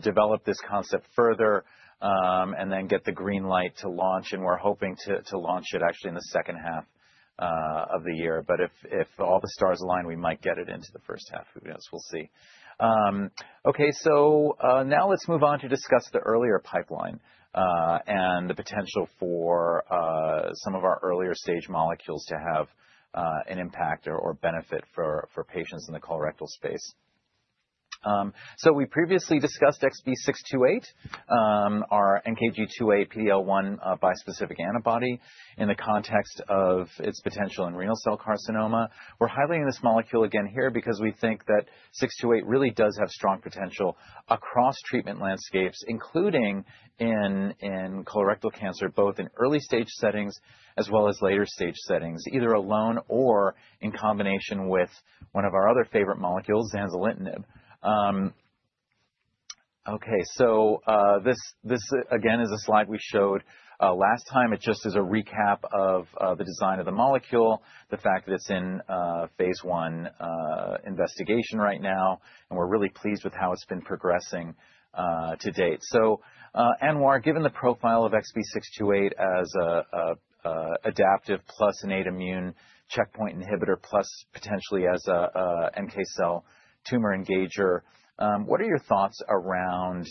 develop this concept further and then get the green light to launch. And we're hoping to launch it actually in the second half of the year. But if all the stars align, we might get it into the first half. Who knows? We'll see. Okay. So now let's move on to discuss the earlier pipeline and the potential for some of our earlier-stage molecules to have an impact or benefit for patients in the colorectal space. So we previously discussed XB628, our NKG2A PD-L1 bispecific antibody in the context of its potential in renal cell carcinoma. We're highlighting this molecule again here because we think that 628 really does have strong potential across treatment landscapes, including in colorectal cancer, both in early-stage settings as well as later-stage settings, either alone or in combination with one of our other favorite molecules, zanzalitinib. Okay. So this, again, is a slide we showed last time. It just is a recap of the design of the molecule, the fact that it's in phase I investigation right now, and we're really pleased with how it's been progressing to date. So Anwaar, given the profile of XB628 as an adaptive plus innate immune checkpoint inhibitor plus potentially as an NK cell tumor engager, what are your thoughts around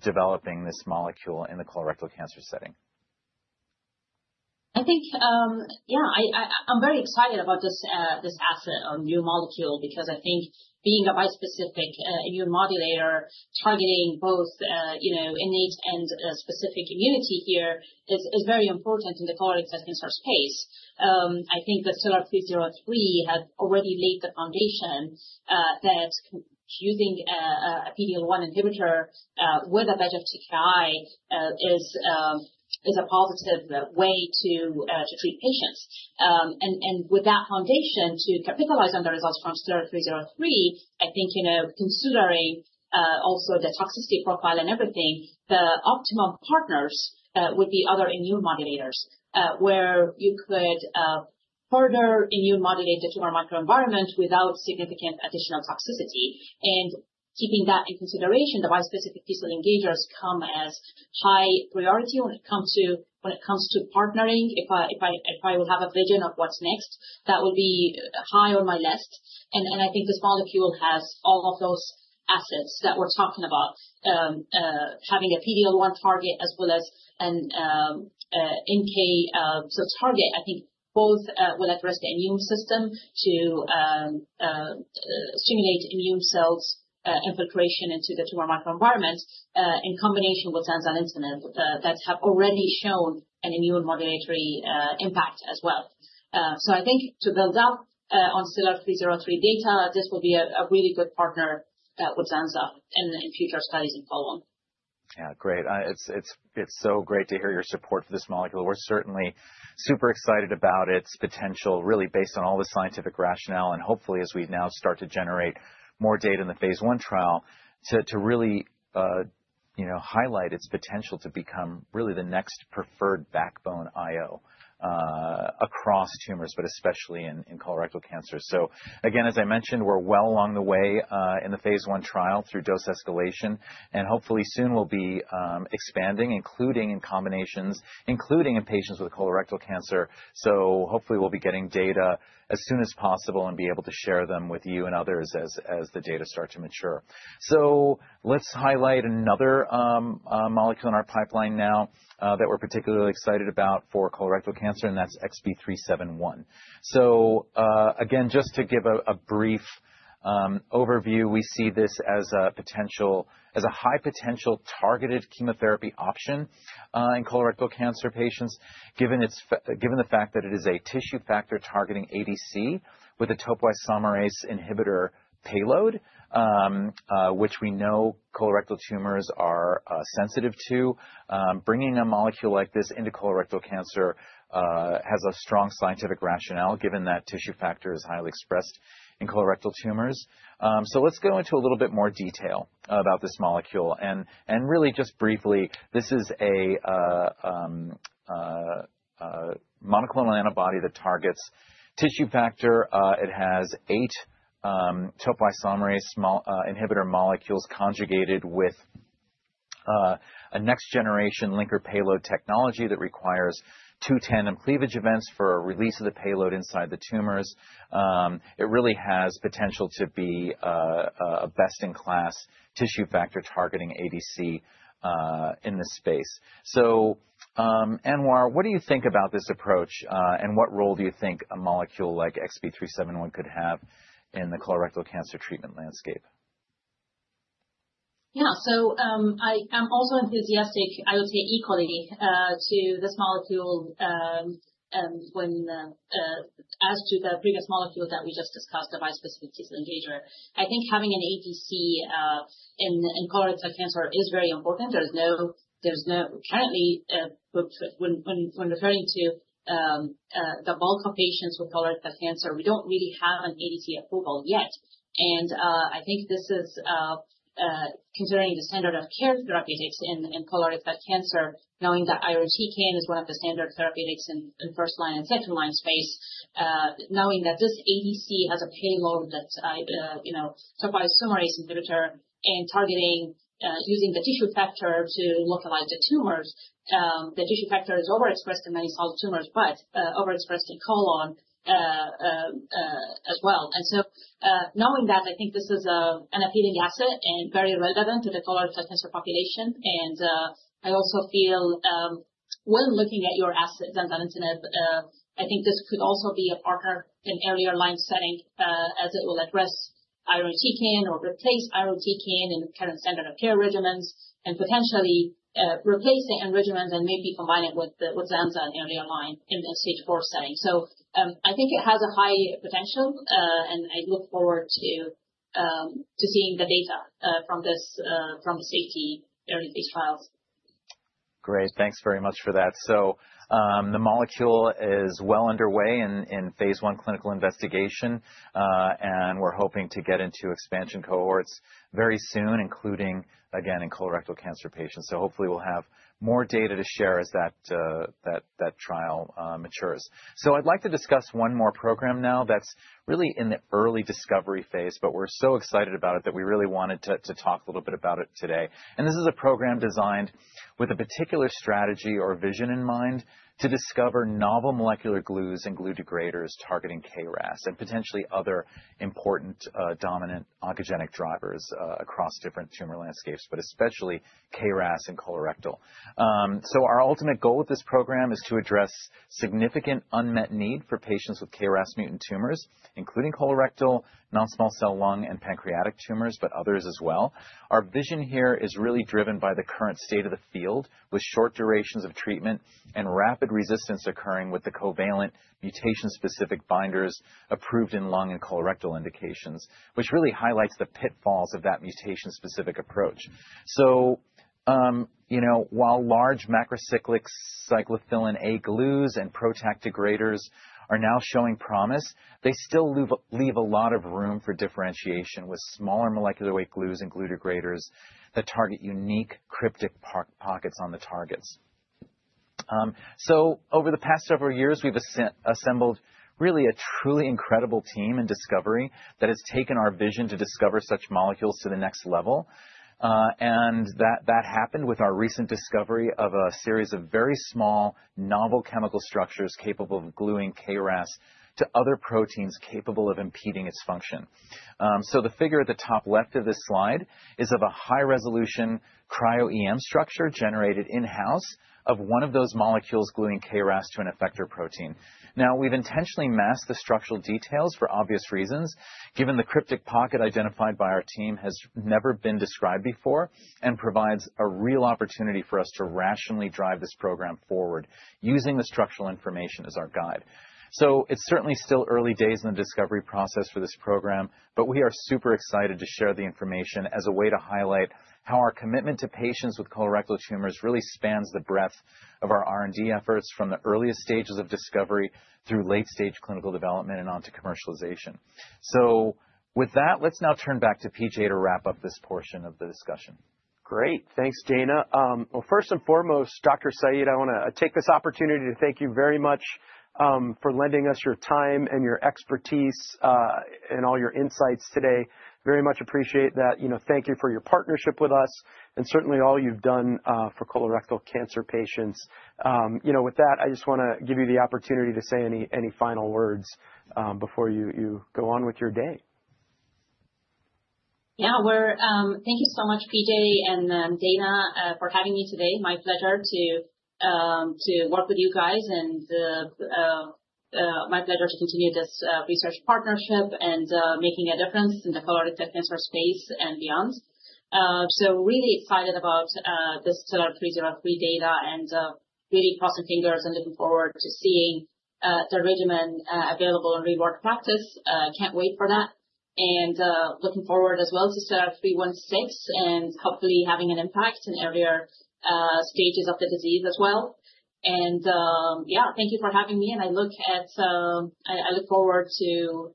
developing this molecule in the colorectal cancer setting? I think, yeah, I'm very excited about this asset or new molecule because I think being a bispecific immune modulator targeting both innate and specific immunity here is very important in the colorectal cancer space. I think the STELLAR-303 has already laid the foundation that using a PD-L1 inhibitor with a VEGF TKI is a positive way to treat patients. And with that foundation to capitalize on the results from STELLAR-303, I think considering also the toxicity profile and everything, the optimum partners would be other immune modulators where you could further immune modulate the tumor microenvironment without significant additional toxicity. And keeping that in consideration, the bispecific T-cell engagers come as high priority when it comes to partnering. If I will have a vision of what's next, that will be high on my list. And I think this molecule has all of those assets that we're talking about, having a PD-L1 target as well as an NK cell target. I think both will address the immune system to stimulate immune cells' infiltration into the tumor microenvironment in combination with zanzalitinib that have already shown an immune modulatory impact as well. So I think to build up on STELLAR-303 data, this will be a really good partner with zanza in future studies and follow-on. Yeah. Great. It's so great to hear your support for this molecule. We're certainly super excited about its potential, really based on all the scientific rationale. And hopefully, as we now start to generate more data in the phase I trial to really highlight its potential to become really the next preferred backbone IO across tumors, but especially in colorectal cancer. So again, as I mentioned, we're well along the way in the phase I trial through dose escalation. And hopefully soon we'll be expanding, including in combinations, including in patients with colorectal cancer. So hopefully we'll be getting data as soon as possible and be able to share them with you and others as the data start to mature. So let's highlight another molecule in our pipeline now that we're particularly excited about for colorectal cancer, and that's XB371. So again, just to give a brief overview, we see this as a high potential targeted chemotherapy option in colorectal cancer patients, given the fact that it is a tissue factor targeting ADC with a topoisomerase inhibitor payload, which we know colorectal tumors are sensitive to. Bringing a molecule like this into colorectal cancer has a strong scientific rationale given that tissue factor is highly expressed in colorectal tumors. So let's go into a little bit more detail about this molecule. And really just briefly, this is a monoclonal antibody that targets tissue factor. It has eight topoisomerase inhibitor molecules conjugated with a next-generation linker payload technology that requires two tandem cleavage events for release of the payload inside the tumors. It really has potential to be a best-in-class tissue factor-targeting ADC in this space. So Anwaar, what do you think about this approach and what role do you think a molecule like XB371 could have in the colorectal cancer treatment landscape? Yeah. So I am also enthusiastic, I would say equally, to this molecule as to the previous molecule that we just discussed, the bispecific T-cell engager. I think having an ADC in colorectal cancer is very important. Currently, when referring to the bulk of patients with colorectal cancer, we don't really have an ADC approval yet. And I think this is considering the standard of care therapeutics in colorectal cancer, knowing that irinotecan is one of the standard therapeutics in first-line and second-line space, knowing that this ADC has a payload that topoisomerase inhibitor and targeting using the tissue factor to localize the tumors. The tissue factor is overexpressed in many solid tumors, but overexpressed in colon as well. And so knowing that, I think this is an appealing asset and very relevant to the colorectal cancer population. And I also feel, when looking at your asset, zanzalitinib, I think this could also be a partner in earlier line setting as it will address irinotecan or replace irinotecan in current standard of care regimens and potentially replace the end regimens and maybe combine it with zanza in earlier line in the stage IV setting. So I think it has a high potential, and I look forward to seeing the data from the safety early-phase trials. Great. Thanks very much for that. So the molecule is well underway in phase I clinical investigation, and we're hoping to get into expansion cohorts very soon, including, again, in colorectal cancer patients. So hopefully we'll have more data to share as that trial matures. So I'd like to discuss one more program now that's really in the early discovery phase, but we're so excited about it that we really wanted to talk a little bit about it today. And this is a program designed with a particular strategy or vision in mind to discover novel molecular glues and glue degraders targeting KRAS and potentially other important dominant oncogenic drivers across different tumor landscapes, but especially KRAS and colorectal. So our ultimate goal with this program is to address significant unmet need for patients with KRAS mutant tumors, including colorectal, non-small cell lung, and pancreatic tumors, but others as well. Our vision here is really driven by the current state of the field with short durations of treatment and rapid resistance occurring with the covalent mutation-specific binders approved in lung and colorectal indications, which really highlights the pitfalls of that mutation-specific approach, so while large macrocyclic Cyclophilin A glues and PROTAC degraders are now showing promise, they still leave a lot of room for differentiation with smaller molecular weight glues and glue degraders that target unique cryptic pockets on the targets, so over the past several years, we've assembled really a truly incredible team in discovery that has taken our vision to discover such molecules to the next level, and that happened with our recent discovery of a series of very small novel chemical structures capable of gluing KRAS to other proteins capable of impeding its function. So the figure at the top left of this slide is of a high-resolution Cryo-EM structure generated in-house of one of those molecules gluing KRAS to an effector protein. Now, we've intentionally masked the structural details for obvious reasons, given the cryptic pocket identified by our team has never been described before and provides a real opportunity for us to rationally drive this program forward using the structural information as our guide. So it's certainly still early days in the discovery process for this program, but we are super excited to share the information as a way to highlight how our commitment to patients with colorectal tumors really spans the breadth of our R&D efforts from the earliest stages of discovery through late-stage clinical development and onto commercialization. So with that, let's now turn back to P.J. to wrap up this portion of the discussion. Great. Thanks, Dana. Well, first and foremost, Dr. Saeed, I want to take this opportunity to thank you very much for lending us your time and your expertise and all your insights today. Very much appreciate that. Thank you for your partnership with us and certainly all you've done for colorectal cancer patients. With that, I just want to give you the opportunity to say any final words before you go on with your day. Yeah. Thank you so much, P.J. and Dana for having me today. My pleasure to work with you guys and my pleasure to continue this research partnership and making a difference in the colorectal cancer space and beyond. So really excited about this STELLAR-303 data and really crossing fingers and looking forward to seeing the regimen available in remote practice. Can't wait for that. And looking forward as well to STELLAR-316 and hopefully having an impact in earlier stages of the disease as well. And yeah, thank you for having me. And I look forward to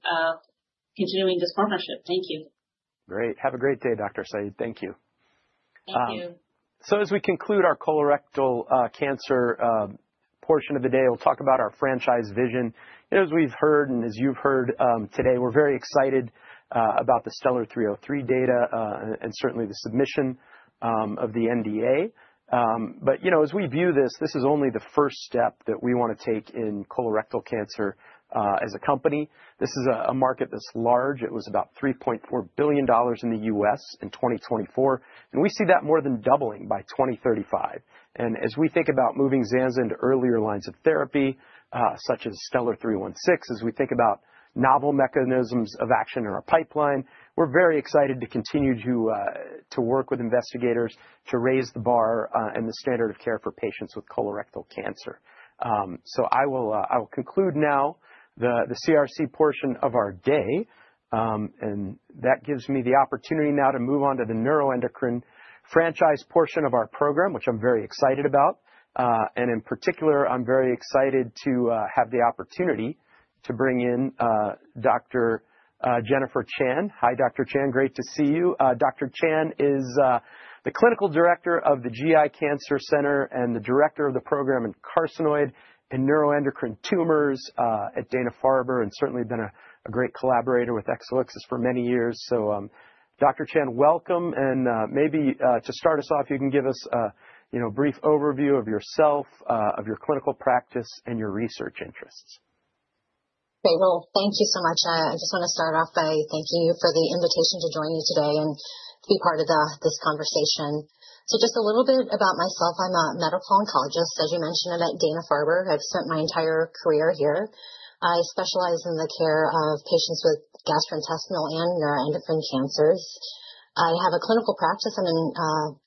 continuing this partnership. Thank you. Great. Have a great day, Dr. Saeed. Thank you. Thank you. So as we conclude our colorectal cancer portion of the day, we'll talk about our franchise vision. As we've heard and as you've heard today, we're very excited about the STELLAR-303 data and certainly the submission of the NDA. But as we view this, this is only the first step that we want to take in colorectal cancer as a company. This is a market that's large. It was about $3.4 billion in the U.S. in 2024. And we see that more than doubling by 2035. And as we think about moving zanza into earlier lines of therapy such as STELLAR-316, as we think about novel mechanisms of action in our pipeline, we're very excited to continue to work with investigators to raise the bar and the standard of care for patients with colorectal cancer. So I will conclude now the CRC portion of our day. And that gives me the opportunity now to move on to the neuroendocrine franchise portion of our program, which I'm very excited about. And in particular, I'm very excited to have the opportunity to bring in Dr. Jennifer Chan. Hi, Dr. Chan. Great to see you. Dr. Chan is the clinical director of the GI Cancer Center and the Director of the Program in Carcinoid and Neuroendocrine tumors at Dana-Farber and certainly been a great collaborator with Exelixis for many years. So Dr. Chan, welcome. And maybe to start us off, you can give us a brief overview of yourself, of your clinical practice, and your research interests. Okay. Well, thank you so much. I just want to start off by thanking you for the invitation to join you today and to be part of this conversation. So just a little bit about myself. I'm a medical oncologist. As you mentioned, I'm at Dana-Farber. I've spent my entire career here. I specialize in the care of patients with gastrointestinal and neuroendocrine cancers. I have a clinical practice. I'm in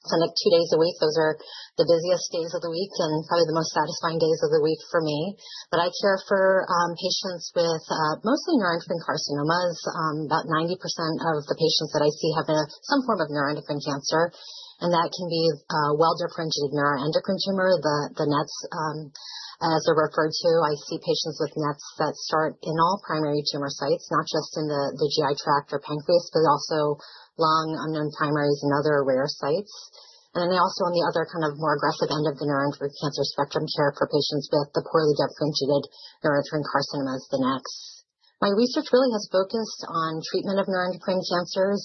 clinic two days a week. Those are the busiest days of the week and probably the most satisfying days of the week for me. But I care for patients with mostly neuroendocrine carcinomas. About 90% of the patients that I see have some form of neuroendocrine cancer. And that can be a well-differentiated neuroendocrine tumor, the NETs, as they're referred to. I see patients with NETs that start in all primary tumor sites, not just in the GI tract or pancreas, but also lung, unknown primaries, and other rare sites. And then they also, on the other kind of more aggressive end of the neuroendocrine cancer spectrum, care for patients with the poorly differentiated neuroendocrine carcinomas, the NECs. My research really has focused on treatment of neuroendocrine cancers,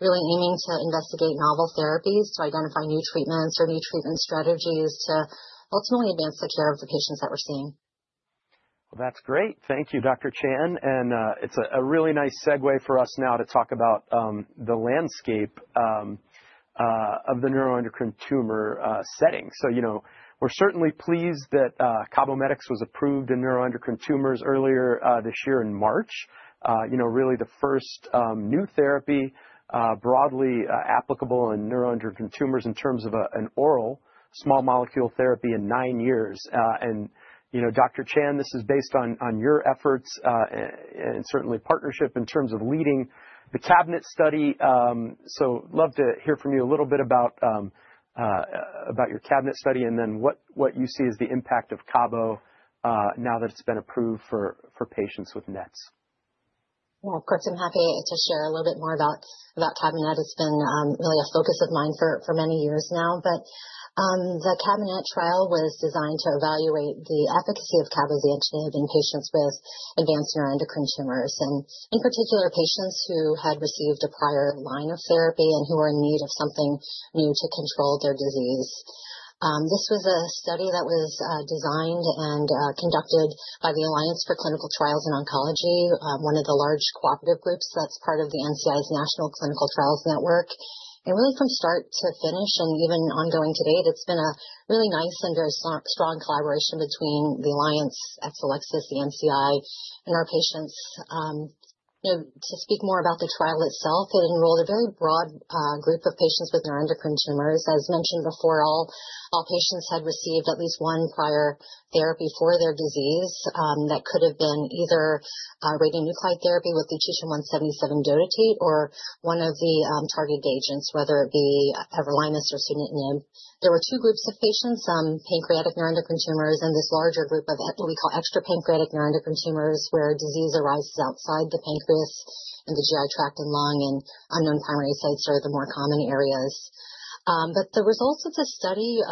really aiming to investigate novel therapies to identify new treatments or new treatment strategies to ultimately advance the care of the patients that we're seeing. Well, that's great. Thank you, Dr. Chan. And it's a really nice segue for us now to talk about the landscape of the neuroendocrine tumor setting. So we're certainly pleased that CABOMETYX was approved in neuroendocrine tumors earlier this year in March, really the first new therapy broadly applicable in neuroendocrine tumors in terms of an oral small molecule therapy in nine years. And Dr. Chan, this is based on your efforts and certainly partnership in terms of leading the CABINET study. So I'd love to hear from you a little bit about your CABINET study and then what you see as the impact of cabo now that it's been approved for patients with NETs. Well, of course, I'm happy to share a little bit more about CABINET. It's been really a focus of mine for many years now. But the CABINET trial was designed to evaluate the efficacy of cabozantinib in patients with advanced neuroendocrine tumors and in particular, patients who had received a prior line of therapy and who were in need of something new to control their disease. This was a study that was designed and conducted by the Alliance for Clinical Trials in Oncology, one of the large cooperative groups that's part of the NCI's National Clinical Trials Network, and really from start to finish and even ongoing to date, it's been a really nice and very strong collaboration between the Alliance, Exelixis, the NCI, and our patients. To speak more about the trial itself, it enrolled a very broad group of patients with neuroendocrine tumors. As mentioned before, all patients had received at least one prior therapy for their disease that could have been either radionuclide therapy with lutetium-177 dotatate or one of the targeted agents, whether it be everolimus or sunitinib. There were two groups of patients, some pancreatic neuroendocrine tumors and this larger group of what we call extrapancreatic neuroendocrine tumors where disease arises outside the pancreas and the GI tract and lung and unknown primary sites are the more common areas, but the results of the study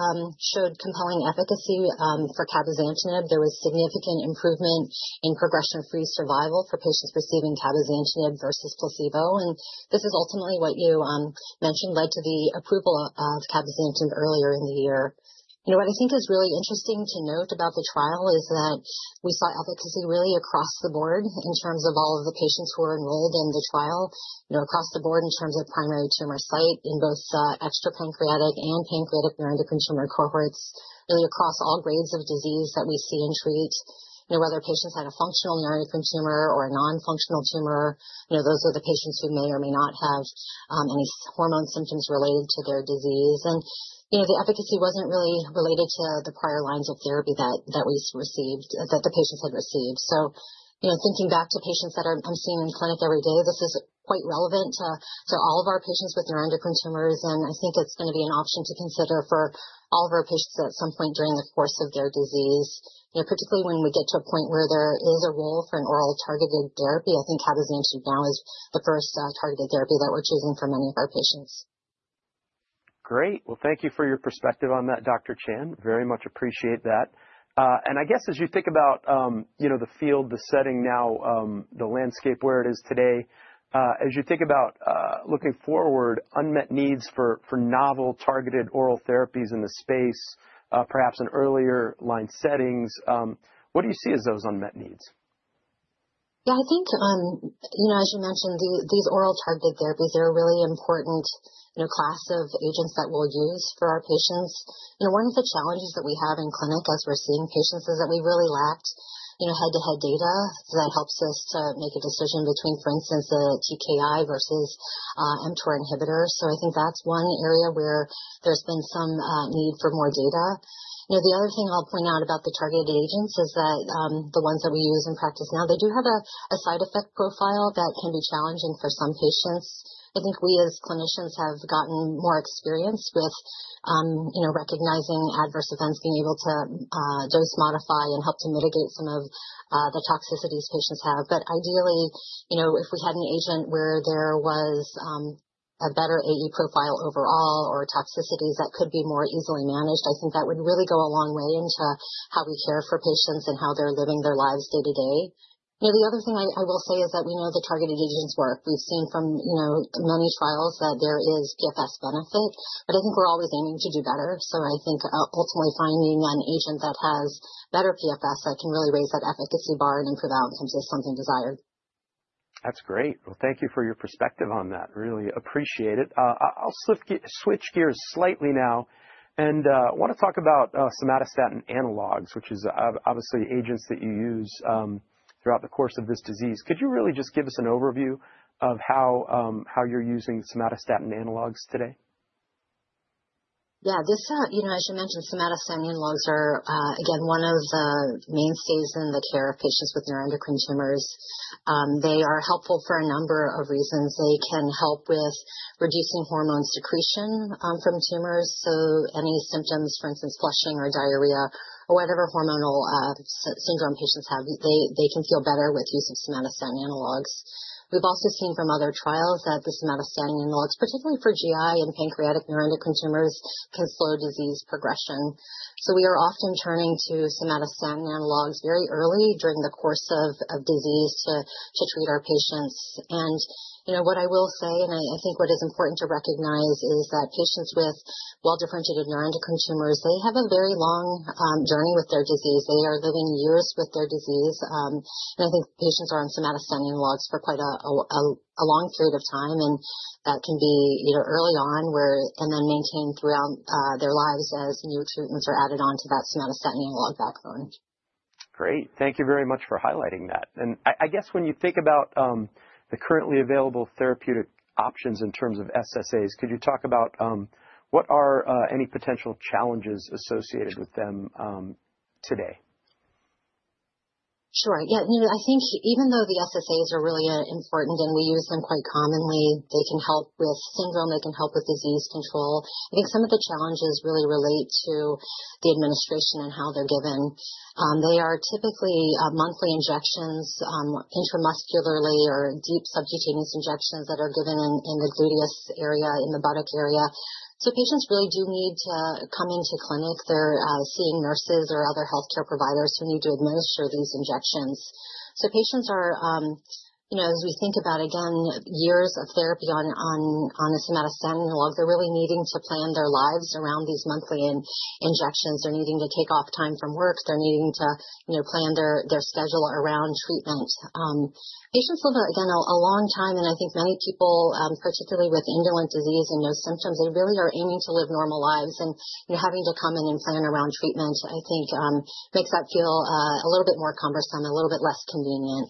showed compelling efficacy for cabozantinib. There was significant improvement in progression-free survival for patients receiving cabozantinib versus placebo, and this is ultimately what you mentioned led to the approval of cabozantinib earlier in the year. What I think is really interesting to note about the trial is that we saw efficacy really across the board in terms of all of the patients who were enrolled in the trial across the board in terms of primary tumor site in both extrapancreatic and pancreatic neuroendocrine tumor cohorts, really across all grades of disease that we see and treat. Whether patients had a functional neuroendocrine tumor or a non-functional tumor, those are the patients who may or may not have any hormone symptoms related to their disease. And the efficacy wasn't really related to the prior lines of therapy that we received that the patients had received. So thinking back to patients that I'm seeing in clinic every day, this is quite relevant to all of our patients with neuroendocrine tumors. And I think it's going to be an option to consider for all of our patients at some point during the course of their disease, particularly when we get to a point where there is a role for an oral targeted therapy. I think cabozantinib now is the first targeted therapy that we're choosing for many of our patients. Great. Well, thank you for your perspective on that, Dr. Chan. Very much appreciate that. And I guess as you think about the field, the setting now, the landscape where it is today, as you think about looking forward, unmet needs for novel targeted oral therapies in the space, perhaps in earlier line settings, what do you see as those unmet needs? Yeah, I think, as you mentioned, these oral targeted therapies, they're a really important class of agents that we'll use for our patients. One of the challenges that we have in clinic as we're seeing patients is that we really lacked head-to-head data that helps us to make a decision between, for instance, the TKI versus mTOR inhibitor. So I think that's one area where there's been some need for more data. The other thing I'll point out about the targeted agents is that the ones that we use in practice now, they do have a side effect profile that can be challenging for some patients. I think we as clinicians have gotten more experience with recognizing adverse events, being able to dose modify and help to mitigate some of the toxicities patients have. But ideally, if we had an agent where there was a better AE profile overall or toxicities that could be more easily managed, I think that would really go a long way into how we care for patients and how they're living their lives day-to-day. The other thing I will say is that we know the targeted agents work. We've seen from many trials that there is PFS benefit. But I think we're always aiming to do better. So I think ultimately finding an agent that has better PFS that can really raise that efficacy bar and improve outcomes is something desired. That's great. Well, thank you for your perspective on that. Really appreciate it. I'll switch gears slightly now and want to talk about somatostatin analogs, which is obviously agents that you use throughout the course of this disease. Could you really just give us an overview of how you're using somatostatin analogs today? Yeah. As you mentioned, somatostatin analogs are, again, one of the mainstays in the care of patients with neuroendocrine tumors. They are helpful for a number of reasons. They can help with reducing hormone secretion from tumors. So any symptoms, for instance, flushing or diarrhea or whatever hormonal syndrome patients have, they can feel better with the use of somatostatin analogs. We've also seen from other trials that the somatostatin analogs, particularly for GI and pancreatic neuroendocrine tumors, can slow disease progression. So we are often turning to somatostatin analogs very early during the course of disease to treat our patients. And what I will say, and I think what is important to recognize is that patients with well-differentiated neuroendocrine tumors, they have a very long journey with their disease. They are living years with their disease. And I think patients are on somatostatin analogs for quite a long period of time. And that can be early on and then maintained throughout their lives as new treatments are added on to that somatostatin analog backbone. Great. Thank you very much for highlighting that. And I guess when you think about the currently available therapeutic options in terms of SSAs, could you talk about what are any potential challenges associated with them today? Sure. Yeah. I think even though the SSAs are really important and we use them quite commonly, they can help with syndrome. They can help with disease control. I think some of the challenges really relate to the administration and how they're given. They are typically monthly injections intramuscularly or deep subcutaneous injections that are given in the gluteus area, in the buttock area. So patients really do need to come into clinic. They're seeing nurses or other healthcare providers who need to administer these injections. So patients, as we think about, again, years of therapy on a somatostatin analog, they're really needing to plan their lives around these monthly injections. They're needing to take off time from work. They're needing to plan their schedule around treatment. Patients live, again, a long time. And I think many people, particularly with indolent disease and no symptoms, they really are aiming to live normal lives. And having to come in and plan around treatment, I think, makes that feel a little bit more cumbersome, a little bit less convenient.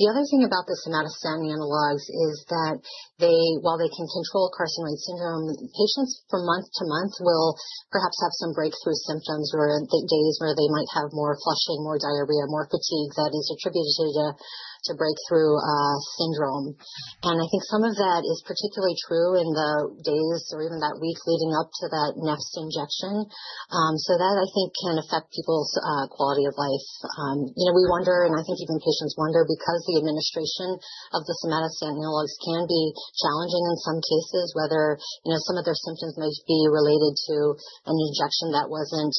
The other thing about the somatostatin analogs is that while they can control carcinoid syndrome, patients from month to month will perhaps have some breakthrough symptoms or days where they might have more flushing, more diarrhea, more fatigue that is attributed to breakthrough syndrome, and I think some of that is particularly true in the days or even that week leading up to that next injection so that, I think, can affect people's quality of life. We wonder, and I think even patients wonder, because the administration of the somatostatin analogs can be challenging in some cases, whether some of their symptoms may be related to an injection that wasn't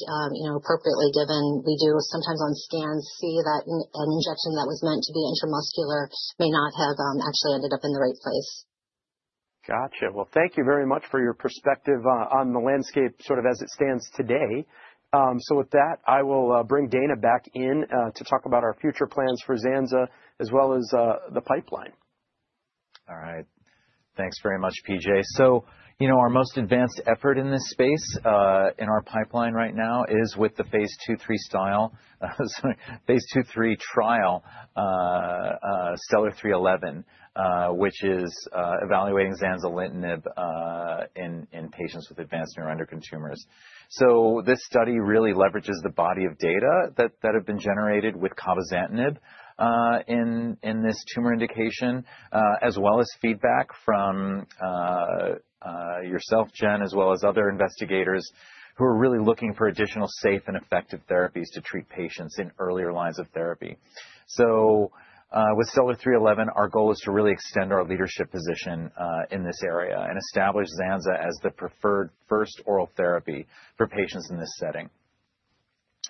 appropriately given. We do sometimes on scans see that an injection that was meant to be intramuscular may not have actually ended up in the right place. Gotcha. Well, thank you very much for your perspective on the landscape sort of as it stands today. So with that, I will bring Dana back in to talk about our future plans for zanza, as well as the pipeline. All right. Thanks very much, P.J. So our most advanced effort in this space in our pipeline right now is with the phase II/III trial, STELLAR-311, which is evaluating zanzalitinib in patients with advanced neuroendocrine tumors. So this study really leverages the body of data that have been generated with cabozantinib in this tumor indication, as well as feedback from yourself, Jen, as well as other investigators who are really looking for additional safe and effective therapies to treat patients in earlier lines of therapy. So with STELLAR-311, our goal is to really extend our leadership position in this area and establish zanza as the preferred first oral therapy for patients in this setting.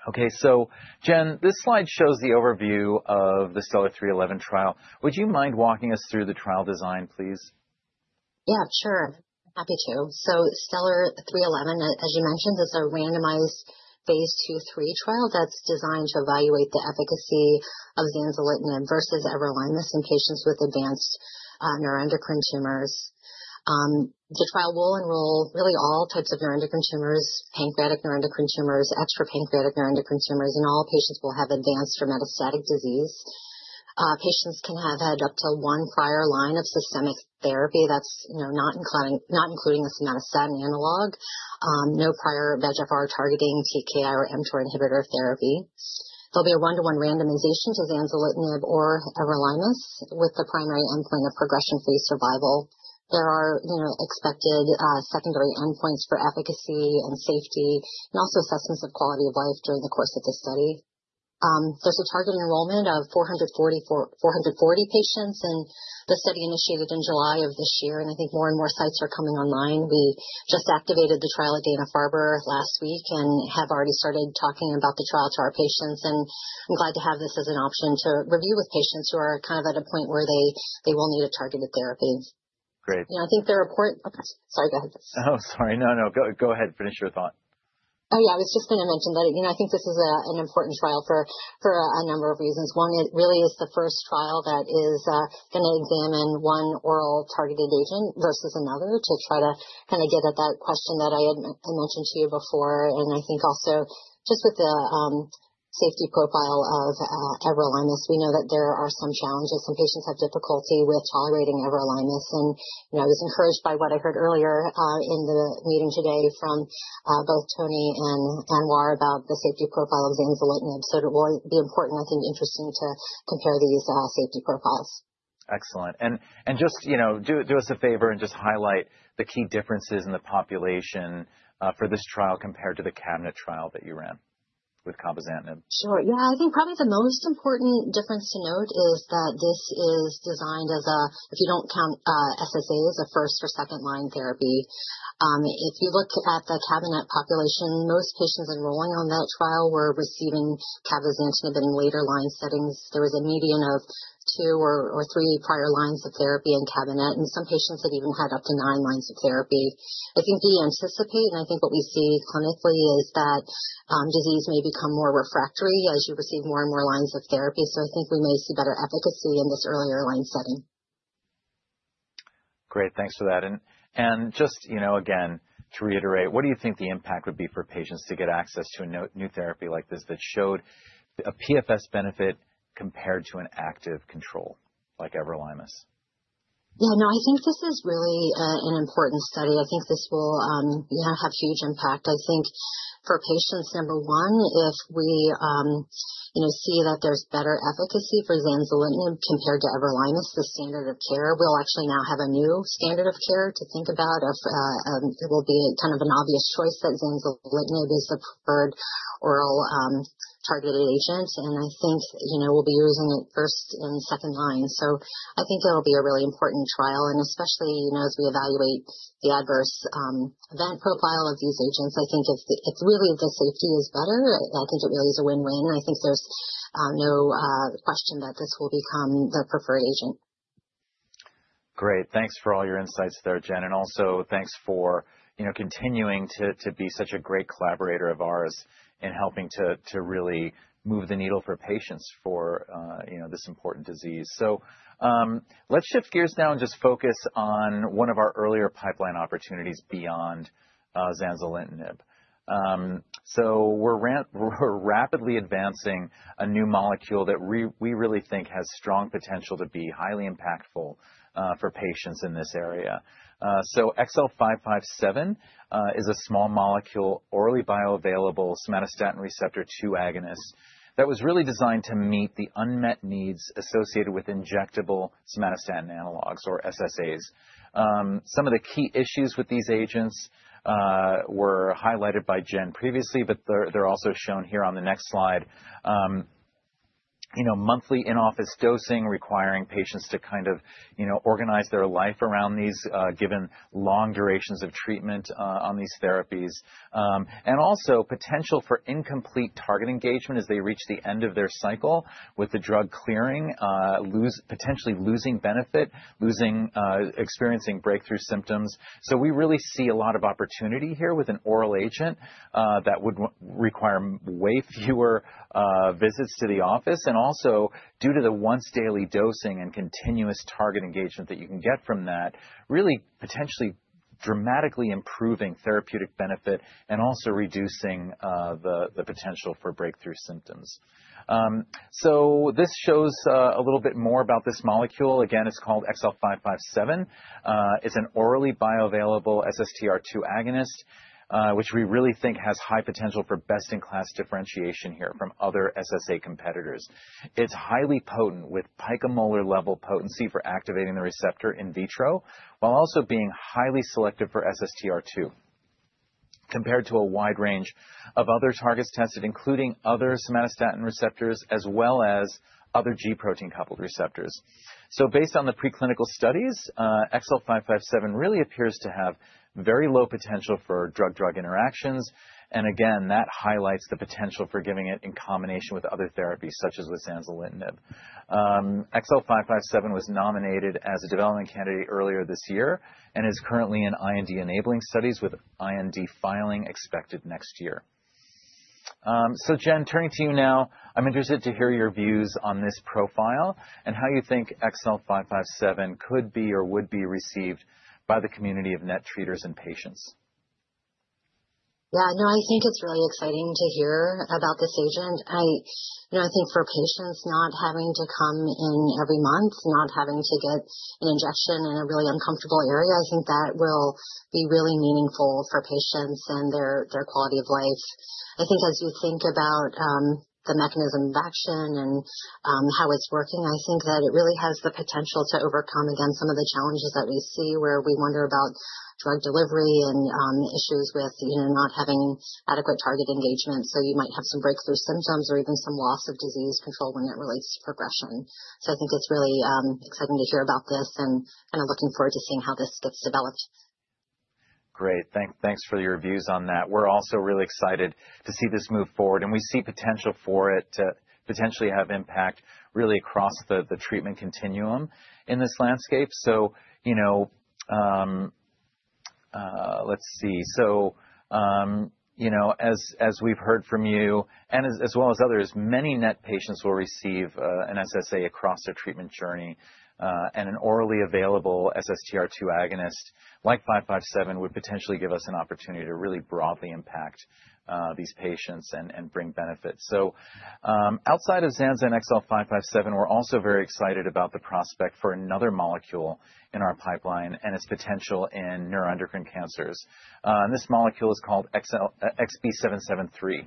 Okay. So, Jen, this slide shows the overview of the STELLAR-311 trial. Would you mind walking us through the trial design, please? Yeah, sure. Happy to. So STELLAR-311, as you mentioned, is a randomized phase II/III trial that's designed to evaluate the efficacy of zanzalitinib versus everolimus in patients with advanced neuroendocrine tumors. The trial will enroll really all types of neuroendocrine tumors, pancreatic neuroendocrine tumors, extrapancreatic neuroendocrine tumors. And all patients will have advanced or metastatic disease. Patients can have had up to one prior line of systemic therapy that's not including a somatostatin analog, no prior VEGFR targeting, TKI, or mTOR inhibitor therapy. There'll be a one-to one randomization to zanzalitinib or everolimus with the primary endpoint of progression-free survival. There are expected secondary endpoints for efficacy and safety and also assessments of quality of life during the course of the study. There's a target enrollment of 440 patients in the study, initiated in July of this year, and I think more and more sites are coming online. We just activated the trial at Dana-Farber last week and have already started talking about the trial to our patients. I'm glad to have this as an option to review with patients who are kind of at a point where they will need a targeted therapy. Great. I think the report sorry, go ahead. Oh, sorry. No, no. Go ahead. Finish your thought. Oh, yeah. I was just going to mention that I think this is an important trial for a number of reasons. One, it really is the first trial that is going to examine one oral targeted agent versus another to try to kind of get at that question that I had mentioned to you before, and I think also just with the safety profile of everolimus, we know that there are some challenges. Some patients have difficulty with tolerating everolimus, and I was encouraged by what I heard earlier in the meeting today from both Toni and Anwaar about the safety profile of zanzalitinib, so it will be important, I think, interesting to compare these safety profiles. Excellent, and just do us a favor and just highlight the key differences in the population for this trial compared to the CABINET trial that you ran with cabozantinib. Sure. Yeah. I think probably the most important difference to note is that this is designed as if you don't count SSAs as a first or second-line therapy. If you look at the CABINET population, most patients enrolling on that trial were receiving cabozantinib in later line settings. There was a median of two or three prior lines of therapy in CABINET, and some patients had even had up to nine lines of therapy. I think we anticipate, and I think what we see clinically is that disease may become more refractory as you receive more and more lines of therapy, so I think we may see better efficacy in this earlier line setting. Great. Thanks for that. And just again, to reiterate, what do you think the impact would be for patients to get access to a new therapy like this that showed a PFS benefit compared to an active control like everolimus? Yeah. No, I think this is really an important study. I think this will have huge impact. I think for patients, number one, if we see that there's better efficacy for zanzalitinib compared to everolimus, the standard of care, we'll actually now have a new standard of care to think about. It will be kind of an obvious choice that zanzalitinib is the preferred oral targeted agent. And I think we'll be using it first and second line. So I think it'll be a really important trial. And especially as we evaluate the adverse event profile of these agents, I think if really the safety is better, I think it really is a win-win. I think there's no question that this will become the preferred agent. Great. Thanks for all your insights there, Jen, and also thanks for continuing to be such a great collaborator of ours in helping to really move the needle for patients for this important disease, so let's shift gears now and just focus on one of our earlier pipeline opportunities beyond zanzalitinib, so we're rapidly advancing a new molecule that we really think has strong potential to be highly impactful for patients in this area, so XL557 is a small molecule, orally bioavailable somatostatin receptor 2 agonist that was really designed to meet the unmet needs associated with injectable somatostatin analogs or SSAs. Some of the key issues with these agents were highlighted by Jen previously, but they're also shown here on the next slide. Monthly in-office dosing requiring patients to kind of organize their life around these given long durations of treatment on these therapies. And also potential for incomplete target engagement as they reach the end of their cycle with the drug clearing, potentially losing benefit, experiencing breakthrough symptoms. So we really see a lot of opportunity here with an oral agent that would require way fewer visits to the office. And also due to the once-daily dosing and continuous target engagement that you can get from that, really potentially dramatically improving therapeutic benefit and also reducing the potential for breakthrough symptoms. So this shows a little bit more about this molecule. Again, it's called XL557. It's an orally bioavailable SSTR2 agonist, which we really think has high potential for best-in-class differentiation here from other SSA competitors. It's highly potent with picomolar level potency for activating the receptor in vitro while also being highly selective for SSTR2 compared to a wide range of other targets tested, including other somatostatin receptors as well as other G-protein-coupled receptors. So based on the preclinical studies, XL557 really appears to have very low potential for drug-drug interactions. And again, that highlights the potential for giving it in combination with other therapies such as with zanzalitinib. XL557 was nominated as a development candidate earlier this year and is currently in IND-enabling studies with IND filing expected next year. So, Jen, turning to you now, I'm interested to hear your views on this profile and how you think XL557 could be or would be received by the community of NET treaters and patients. Yeah. No, I think it's really exciting to hear about this agent. I think for patients not having to come in every month, not having to get an injection in a really uncomfortable area, I think that will be really meaningful for patients and their quality of life. I think as you think about the mechanism of action and how it's working, I think that it really has the potential to overcome, again, some of the challenges that we see where we wonder about drug delivery and issues with not having adequate target engagement. So you might have some breakthrough symptoms or even some loss of disease control when it relates to progression. So I think it's really exciting to hear about this and kind of looking forward to seeing how this gets developed. Great. Thanks for your views on that. We're also really excited to see this move forward. And we see potential for it to potentially have impact really across the treatment continuum in this landscape. So let's see. So as we've heard from you and as well as others, many NET patients will receive an SSA across their treatment journey. And an orally available SSTR2 agonist like 557 would potentially give us an opportunity to really broadly impact these patients and bring benefit. So outside of zanza and XL557, we're also very excited about the prospect for another molecule in our pipeline and its potential in neuroendocrine cancers. And this molecule is called XB773.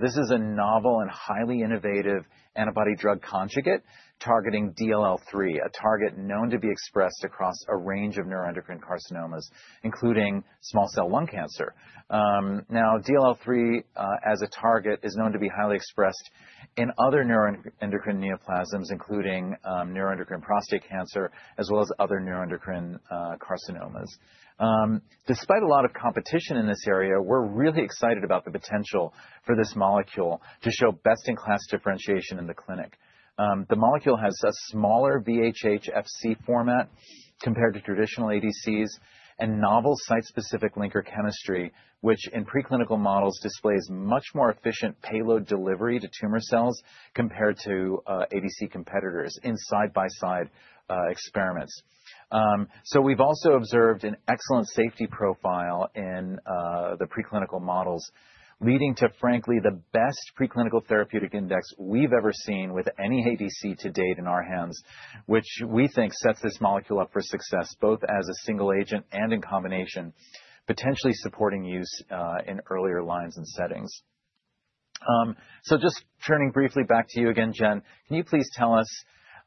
This is a novel and highly innovative antibody-drug conjugate targeting DLL3, a target known to be expressed across a range of neuroendocrine carcinomas, including small cell lung cancer. Now, DLL3 as a target is known to be highly expressed in other neuroendocrine neoplasms, including neuroendocrine prostate cancer, as well as other neuroendocrine carcinomas. Despite a lot of competition in this area, we're really excited about the potential for this molecule to show best-in-class differentiation in the clinic. The molecule has a smaller VHH-Fc format compared to traditional ADCs and novel site-specific linker chemistry, which in preclinical models displays much more efficient payload delivery to tumor cells compared to ADC competitors in side-by-side experiments. So we've also observed an excellent safety profile in the preclinical models, leading to, frankly, the best preclinical therapeutic index we've ever seen with any ADC to date in our hands, which we think sets this molecule up for success both as a single agent and in combination, potentially supporting use in earlier lines and settings. So just turning briefly back to you again, Jen, can you please tell us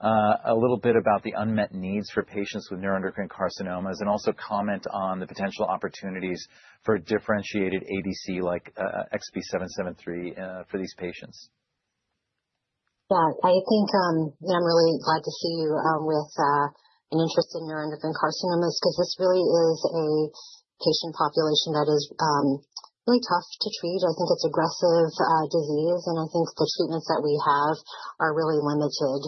a little bit about the unmet needs for patients with neuroendocrine carcinomas and also comment on the potential opportunities for differentiated ADC like XB773 for these patients? Yeah. I think I'm really glad to see you with an interest in neuroendocrine carcinomas because this really is a patient population that is really tough to treat. I think it's aggressive disease. And I think the treatments that we have are really limited.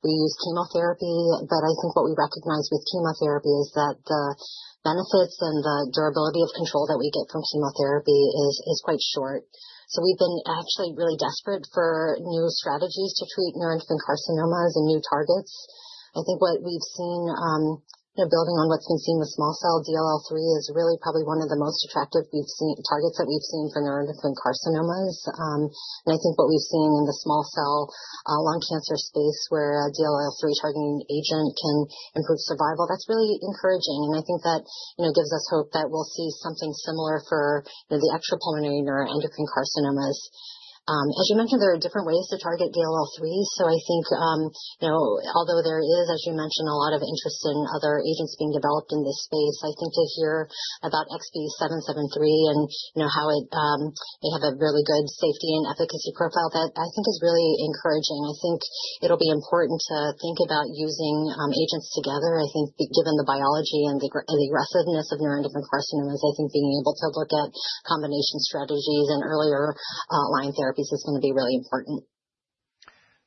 We use chemotherapy. But I think what we recognize with chemotherapy is that the benefits and the durability of control that we get from chemotherapy is quite short. So we've been actually really desperate for new strategies to treat neuroendocrine carcinomas and new targets. I think what we've seen, building on what's been seen with small cell DLL3, is really probably one of the most attractive targets that we've seen for neuroendocrine carcinomas. And I think what we've seen in the small cell lung cancer space where a DLL3 targeting agent can improve survival, that's really encouraging. And I think that gives us hope that we'll see something similar for the extrapulmonary neuroendocrine carcinomas. As you mentioned, there are different ways to target DLL3. So I think although there is, as you mentioned, a lot of interest in other agents being developed in this space, I think to hear about XB773 and how it may have a really good safety and efficacy profile that I think is really encouraging. I think it'll be important to think about using agents together. I think given the biology and the aggressiveness of neuroendocrine carcinomas, I think being able to look at combination strategies and earlier line therapies is going to be really important.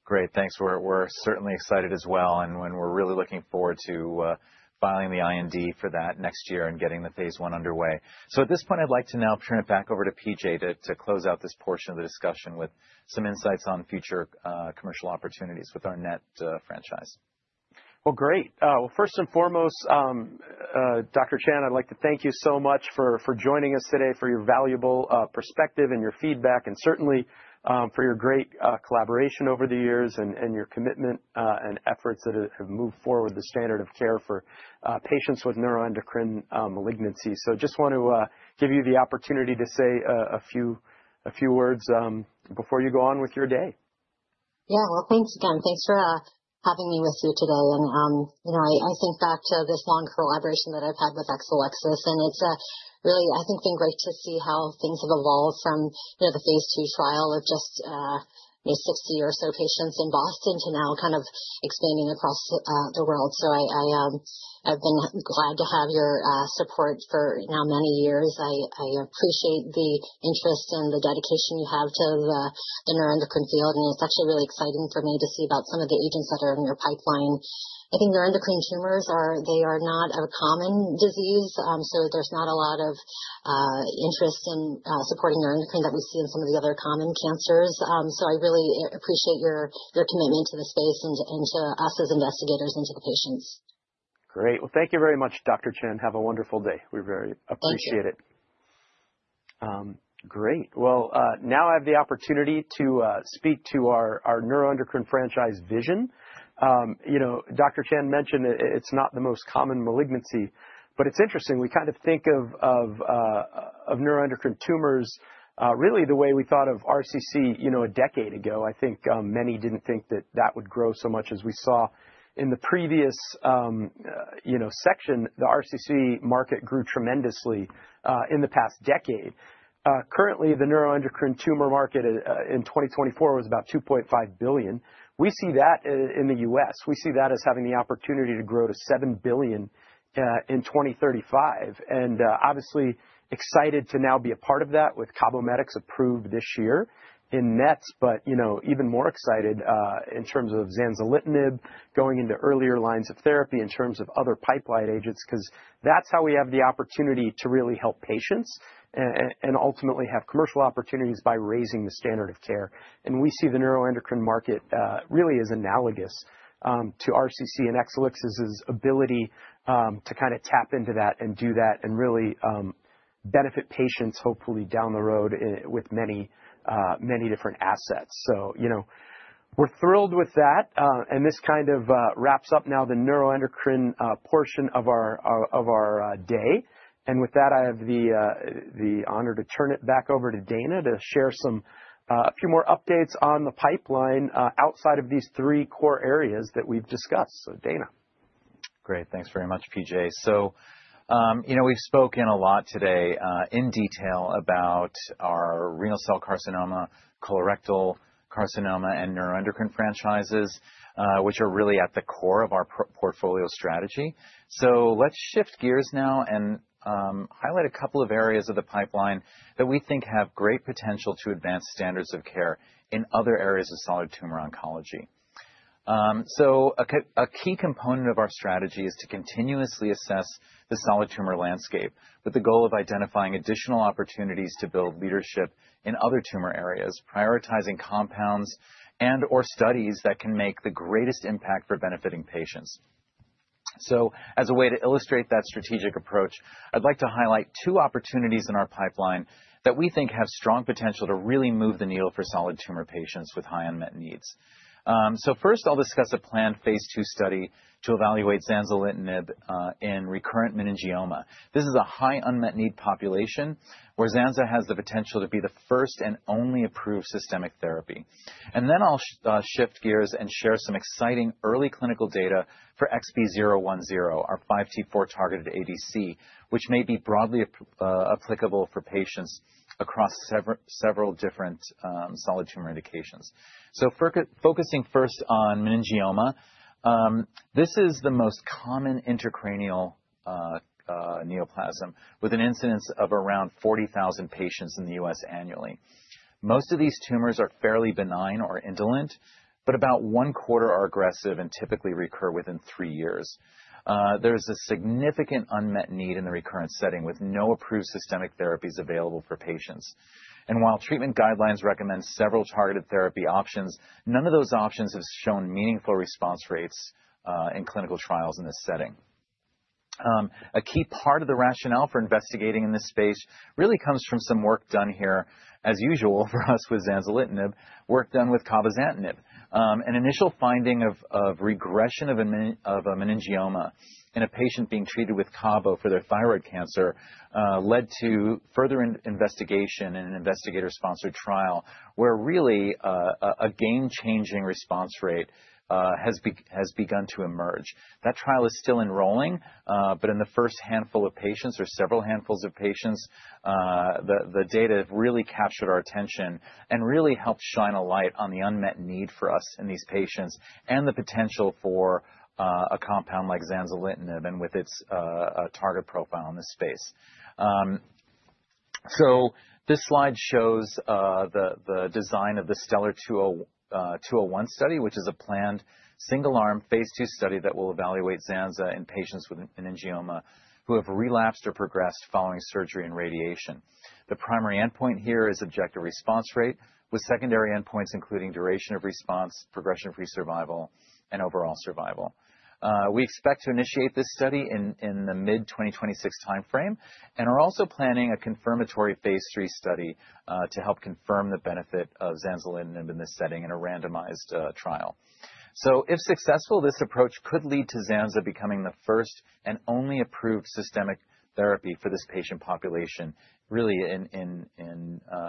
Great. Thanks. We're certainly excited as well. And we're really looking forward to filing the IND for that next year and getting the phase I underway. So at this point, I'd like to now turn it back over to P.J. to close out this portion of the discussion with some insights on future commercial opportunities with our NET franchise. Well, great. Well, first and foremost, Dr. Chan, I'd like to thank you so much for joining us today for your valuable perspective and your feedback and certainly for your great collaboration over the years and your commitment and efforts that have moved forward the standard of care for patients with neuroendocrine malignancy. So just want to give you the opportunity to say a few words before you go on with your day. Yeah. Well, thank you, Dan. Thanks for having me with you today. And I think back to this long collaboration that I've had with Exelixis. And it's really, I think, been great to see how things have evolved from the phase II trial of just 60 or so patients in Boston to now kind of expanding across the world. So I've been glad to have your support for now many years. I appreciate the interest and the dedication you have to the neuroendocrine field. And it's actually really exciting for me to see about some of the agents that are in your pipeline. I think neuroendocrine tumors, they are not a common disease. So there's not a lot of interest in supporting neuroendocrine that we see in some of the other common cancers. So I really appreciate your commitment to the space and to us as investigators and to the patients. Great. Well, thank you very much, Dr. Chan. Have a wonderful day. We very appreciate it. Great. Well, now I have the opportunity to speak to our neuroendocrine franchise vision. Dr. Chan mentioned it's not the most common malignancy, but it's interesting. We kind of think of neuroendocrine tumors really the way we thought of RCC a decade ago. I think many didn't think that that would grow so much as we saw in the previous section. The RCC market grew tremendously in the past decade. Currently, the neuroendocrine tumor market in 2024 was about $2.5 billion. We see that in the U.S. We see that as having the opportunity to grow to $7 billion in 2035. And obviously excited to now be a part of that with CABOMETYX approved this year in NETs. But even more excited in terms of zanzalitinib going into earlier lines of therapy in terms of other pipeline agents because that's how we have the opportunity to really help patients and ultimately have commercial opportunities by raising the standard of care. And we see the neuroendocrine market really as analogous to RCC and Exelixis' ability to kind of tap into that and do that and really benefit patients hopefully down the road with many different assets. So we're thrilled with that. And this kind of wraps up now the neuroendocrine portion of our day. And with that, I have the honor to turn it back over to Dana to share a few more updates on the pipeline outside of these three core areas that we've discussed. So, Dana. Great. Thanks very much, P.J. So we've spoken a lot today in detail about our renal cell carcinoma, colorectal carcinoma, and neuroendocrine franchises, which are really at the core of our portfolio strategy. So let's shift gears now and highlight a couple of areas of the pipeline that we think have great potential to advance standards of care in other areas of solid tumor oncology. So a key component of our strategy is to continuously assess the solid tumor landscape with the goal of identifying additional opportunities to build leadership in other tumor areas, prioritizing compounds and/or studies that can make the greatest impact for benefiting patients. So as a way to illustrate that strategic approach, I'd like to highlight two opportunities in our pipeline that we think have strong potential to really move the needle for solid tumor patients with high unmet needs. So first, I'll discuss a planned phase II study to evaluate zanzalitinib in recurrent meningioma. This is a high unmet need population where zanza has the potential to be the first and only approved systemic therapy. And then I'll shift gears and share some exciting early clinical data for XB010, our 5T4 targeted ADC, which may be broadly applicable for patients across several different solid tumor indications. So focusing first on meningioma, this is the most common intracranial neoplasm with an incidence of around 40,000 patients in the U.S. annually. Most of these tumors are fairly benign or indolent, but about one quarter are aggressive and typically recur within three years. There is a significant unmet need in the recurrent setting with no approved systemic therapies available for patients, and while treatment guidelines recommend several targeted therapy options, none of those options have shown meaningful response rates in clinical trials in this setting. A key part of the rationale for investigating in this space really comes from some work done here, as usual for us with zanzalitinib, work done with cabozantinib. An initial finding of regression of a meningioma in a patient being treated with cabo for their thyroid cancer led to further investigation in an investigator-sponsored trial where really a game-changing response rate has begun to emerge. That trial is still enrolling. But in the first handful of patients or several handfuls of patients, the data have really captured our attention and really helped shine a light on the unmet need for us in these patients and the potential for a compound like zanzalitinib and with its target profile in this space. So this slide shows the design of the STELLAR-201 study, which is a planned single-arm phase II study that will evaluate zanza in patients with meningioma who have relapsed or progressed following surgery and radiation. The primary endpoint here is objective response rate with secondary endpoints including duration of response, progression-free survival, and overall survival. We expect to initiate this study in the mid-2026 timeframe and are also planning a confirmatory phase III study to help confirm the benefit of zanzalitinib in this setting in a randomized trial. So if successful, this approach could lead to zanza becoming the first and only approved systemic therapy for this patient population really in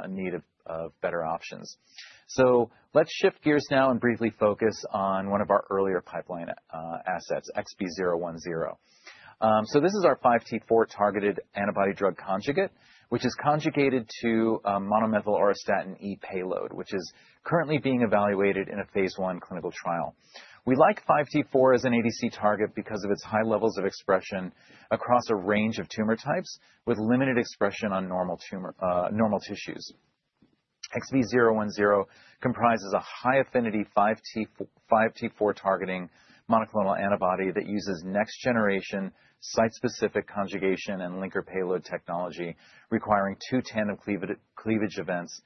need of better options. So let's shift gears now and briefly focus on one of our earlier pipeline assets, XB010. So this is our 5T4-targeted antibody-drug conjugate, which is conjugated to monomethyl auristatin E payload, which is currently being evaluated in a phase I clinical trial. We like 5T4 as an ADC target because of its high levels of expression across a range of tumor types with limited expression on normal tissues. XB010 comprises a high-affinity 5T4-targeting monoclonal antibody that uses next-generation site-specific conjugation and linker payload technology requiring two tandem cleavage events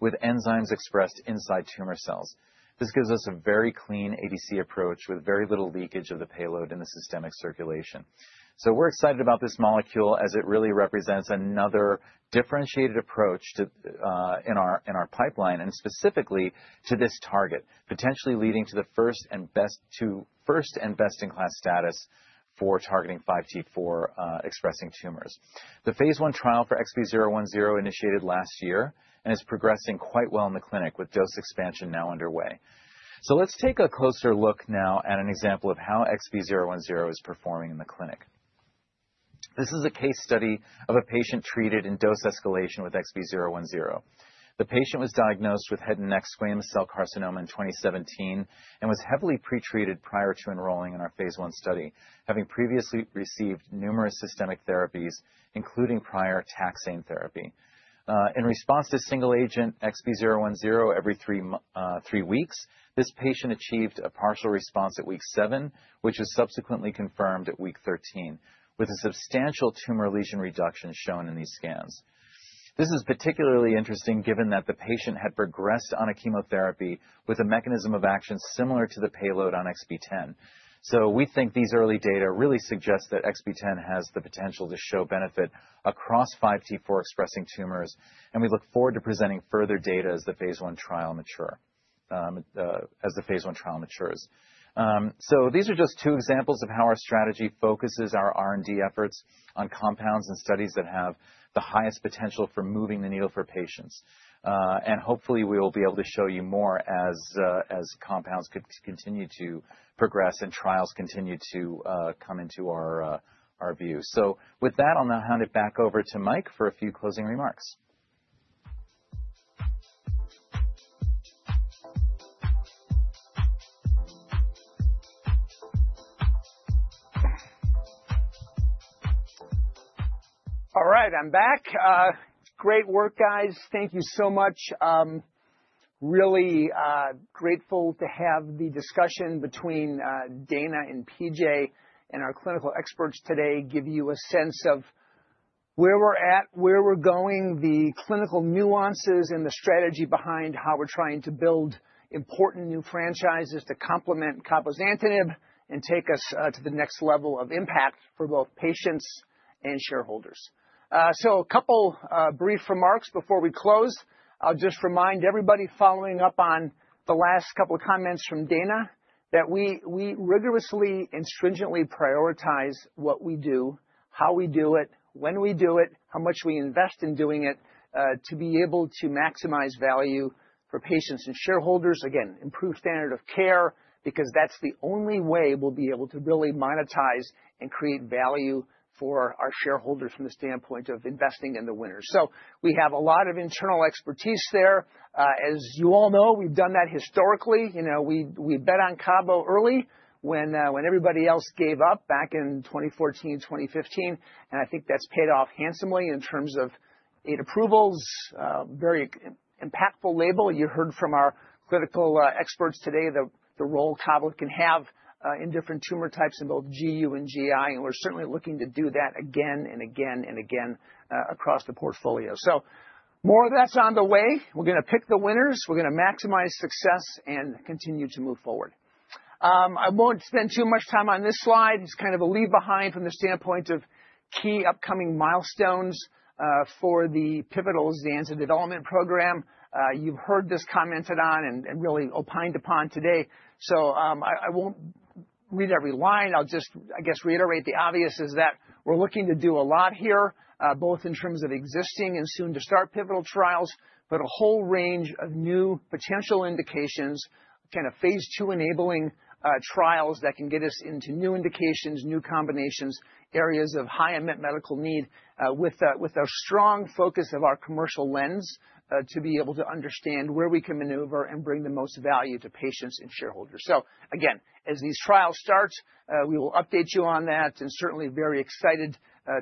with enzymes expressed inside tumor cells. This gives us a very clean ADC approach with very little leakage of the payload in the systemic circulation. So we're excited about this molecule as it really represents another differentiated approach in our pipeline and specifically to this target, potentially leading to the first and best-in-class status for targeting 5T4 expressing tumors. The phase I trial for XB010 initiated last year and is progressing quite well in the clinic with dose expansion now underway. So let's take a closer look now at an example of how XB010 is performing in the clinic. This is a case study of a patient treated in dose escalation with XB010. The patient was diagnosed with head and neck squamous cell carcinoma in 2017 and was heavily pretreated prior to enrolling in our phase I study, having previously received numerous systemic therapies, including prior taxane therapy. In response to single agent XB010 every three weeks, this patient achieved a partial response at week seven, which was subsequently confirmed at week 13 with a substantial tumor lesion reduction shown in these scans. This is particularly interesting given that the patient had progressed on a chemotherapy with a mechanism of action similar to the payload on XB10. So we think these early data really suggest that XB10 has the potential to show benefit across 5T4 expressing tumors. And we look forward to presenting further data as the phase I trial matures. So these are just two examples of how our strategy focuses our R&D efforts on compounds and studies that have the highest potential for moving the needle for patients. And hopefully, we will be able to show you more as compounds continue to progress and trials continue to come into our view. So with that, I'll now hand it back over to Mike for a few closing remarks. All right. I'm back. Great work, guys. Thank you so much. Really grateful to have the discussion between Dana and P.J. and our clinical experts today give you a sense of where we're at, where we're going, the clinical nuances, and the strategy behind how we're trying to build important new franchises to complement cabozantinib and take us to the next level of impact for both patients and shareholders. So a couple of brief remarks before we close. I'll just remind everybody following up on the last couple of comments from Dana that we rigorously and stringently prioritize what we do, how we do it, when we do it, how much we invest in doing it to be able to maximize value for patients and shareholders. Again, improve standard of care because that's the only way we'll be able to really monetize and create value for our shareholders from the standpoint of investing in the winners. So we have a lot of internal expertise there. As you all know, we've done that historically. We bet on cabo early when everybody else gave up back in 2014, 2015. And I think that's paid off handsomely in terms of eight approvals, very impactful label. You heard from our clinical experts today the role cabo can have in different tumor types in both GU and GI. And we're certainly looking to do that again and again and again across the portfolio. So more of that's on the way. We're going to pick the winners. We're going to maximize success and continue to move forward. I won't spend too much time on this slide. It's kind of a leave behind from the standpoint of key upcoming milestones for the pivotal zanza development program. You've heard this commented on and really opined upon today, so I won't read every line. I'll just, I guess, reiterate the obvious is that we're looking to do a lot here, both in terms of existing and soon-to-start pivotal trials, but a whole range of new potential indications, kind of phase II enabling trials that can get us into new indications, new combinations, areas of high unmet medical need with a strong focus of our commercial lens to be able to understand where we can maneuver and bring the most value to patients and shareholders, so again, as these trials start, we will update you on that and certainly very excited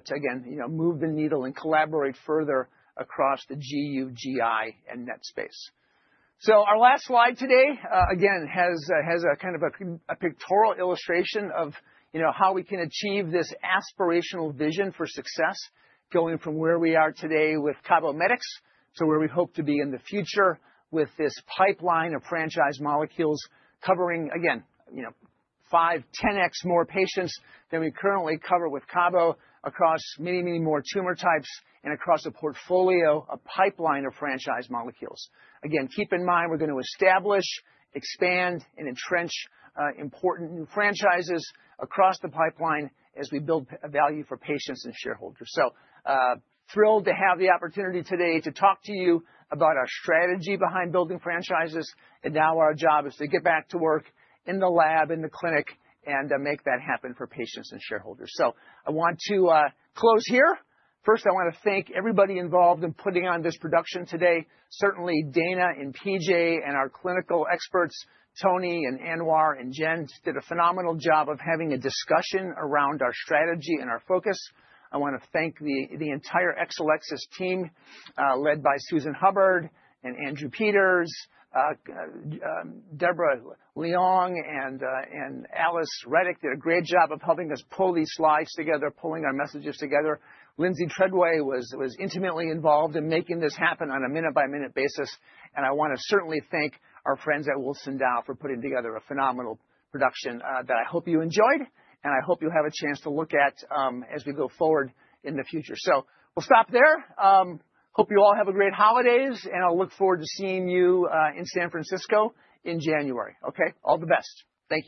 to, again, move the needle and collaborate further across the GU, GI, and NET space. So our last slide today, again, has a kind of a pictorial illustration of how we can achieve this aspirational vision for success going from where we are today with CABOMETYX to where we hope to be in the future with this pipeline of franchise molecules covering, again, five, 10x more patients than we currently cover with cabo across many, many more tumor types and across a portfolio of pipeline of franchise molecules. Again, keep in mind we're going to establish, expand, and entrench important new franchises across the pipeline as we build value for patients and shareholders. So thrilled to have the opportunity today to talk to you about our strategy behind building franchises. And now our job is to get back to work in the lab, in the clinic, and make that happen for patients and shareholders. So I want to close here. First, I want to thank everybody involved in putting on this production today. Certainly, Dana and P.J. and our clinical experts, Toni and Anwaar and Jen, did a phenomenal job of having a discussion around our strategy and our focus. I want to thank the entire Exelixis team led by Susan Hubbard and Andrew Peters, Debra Leong, and Alice Readick did a great job of helping us pull these slides together, pulling our messages together. Lindsay Treadway was intimately involved in making this happen on a minute-by-minute basis, and I want to certainly thank our friends at Wilson Dow for putting together a phenomenal production that I hope you enjoyed, and I hope you have a chance to look at as we go forward in the future. We'll stop there. Hope you all have great holidays. I'll look forward to seeing you in San Francisco in January. Okay? All the best. Thank you.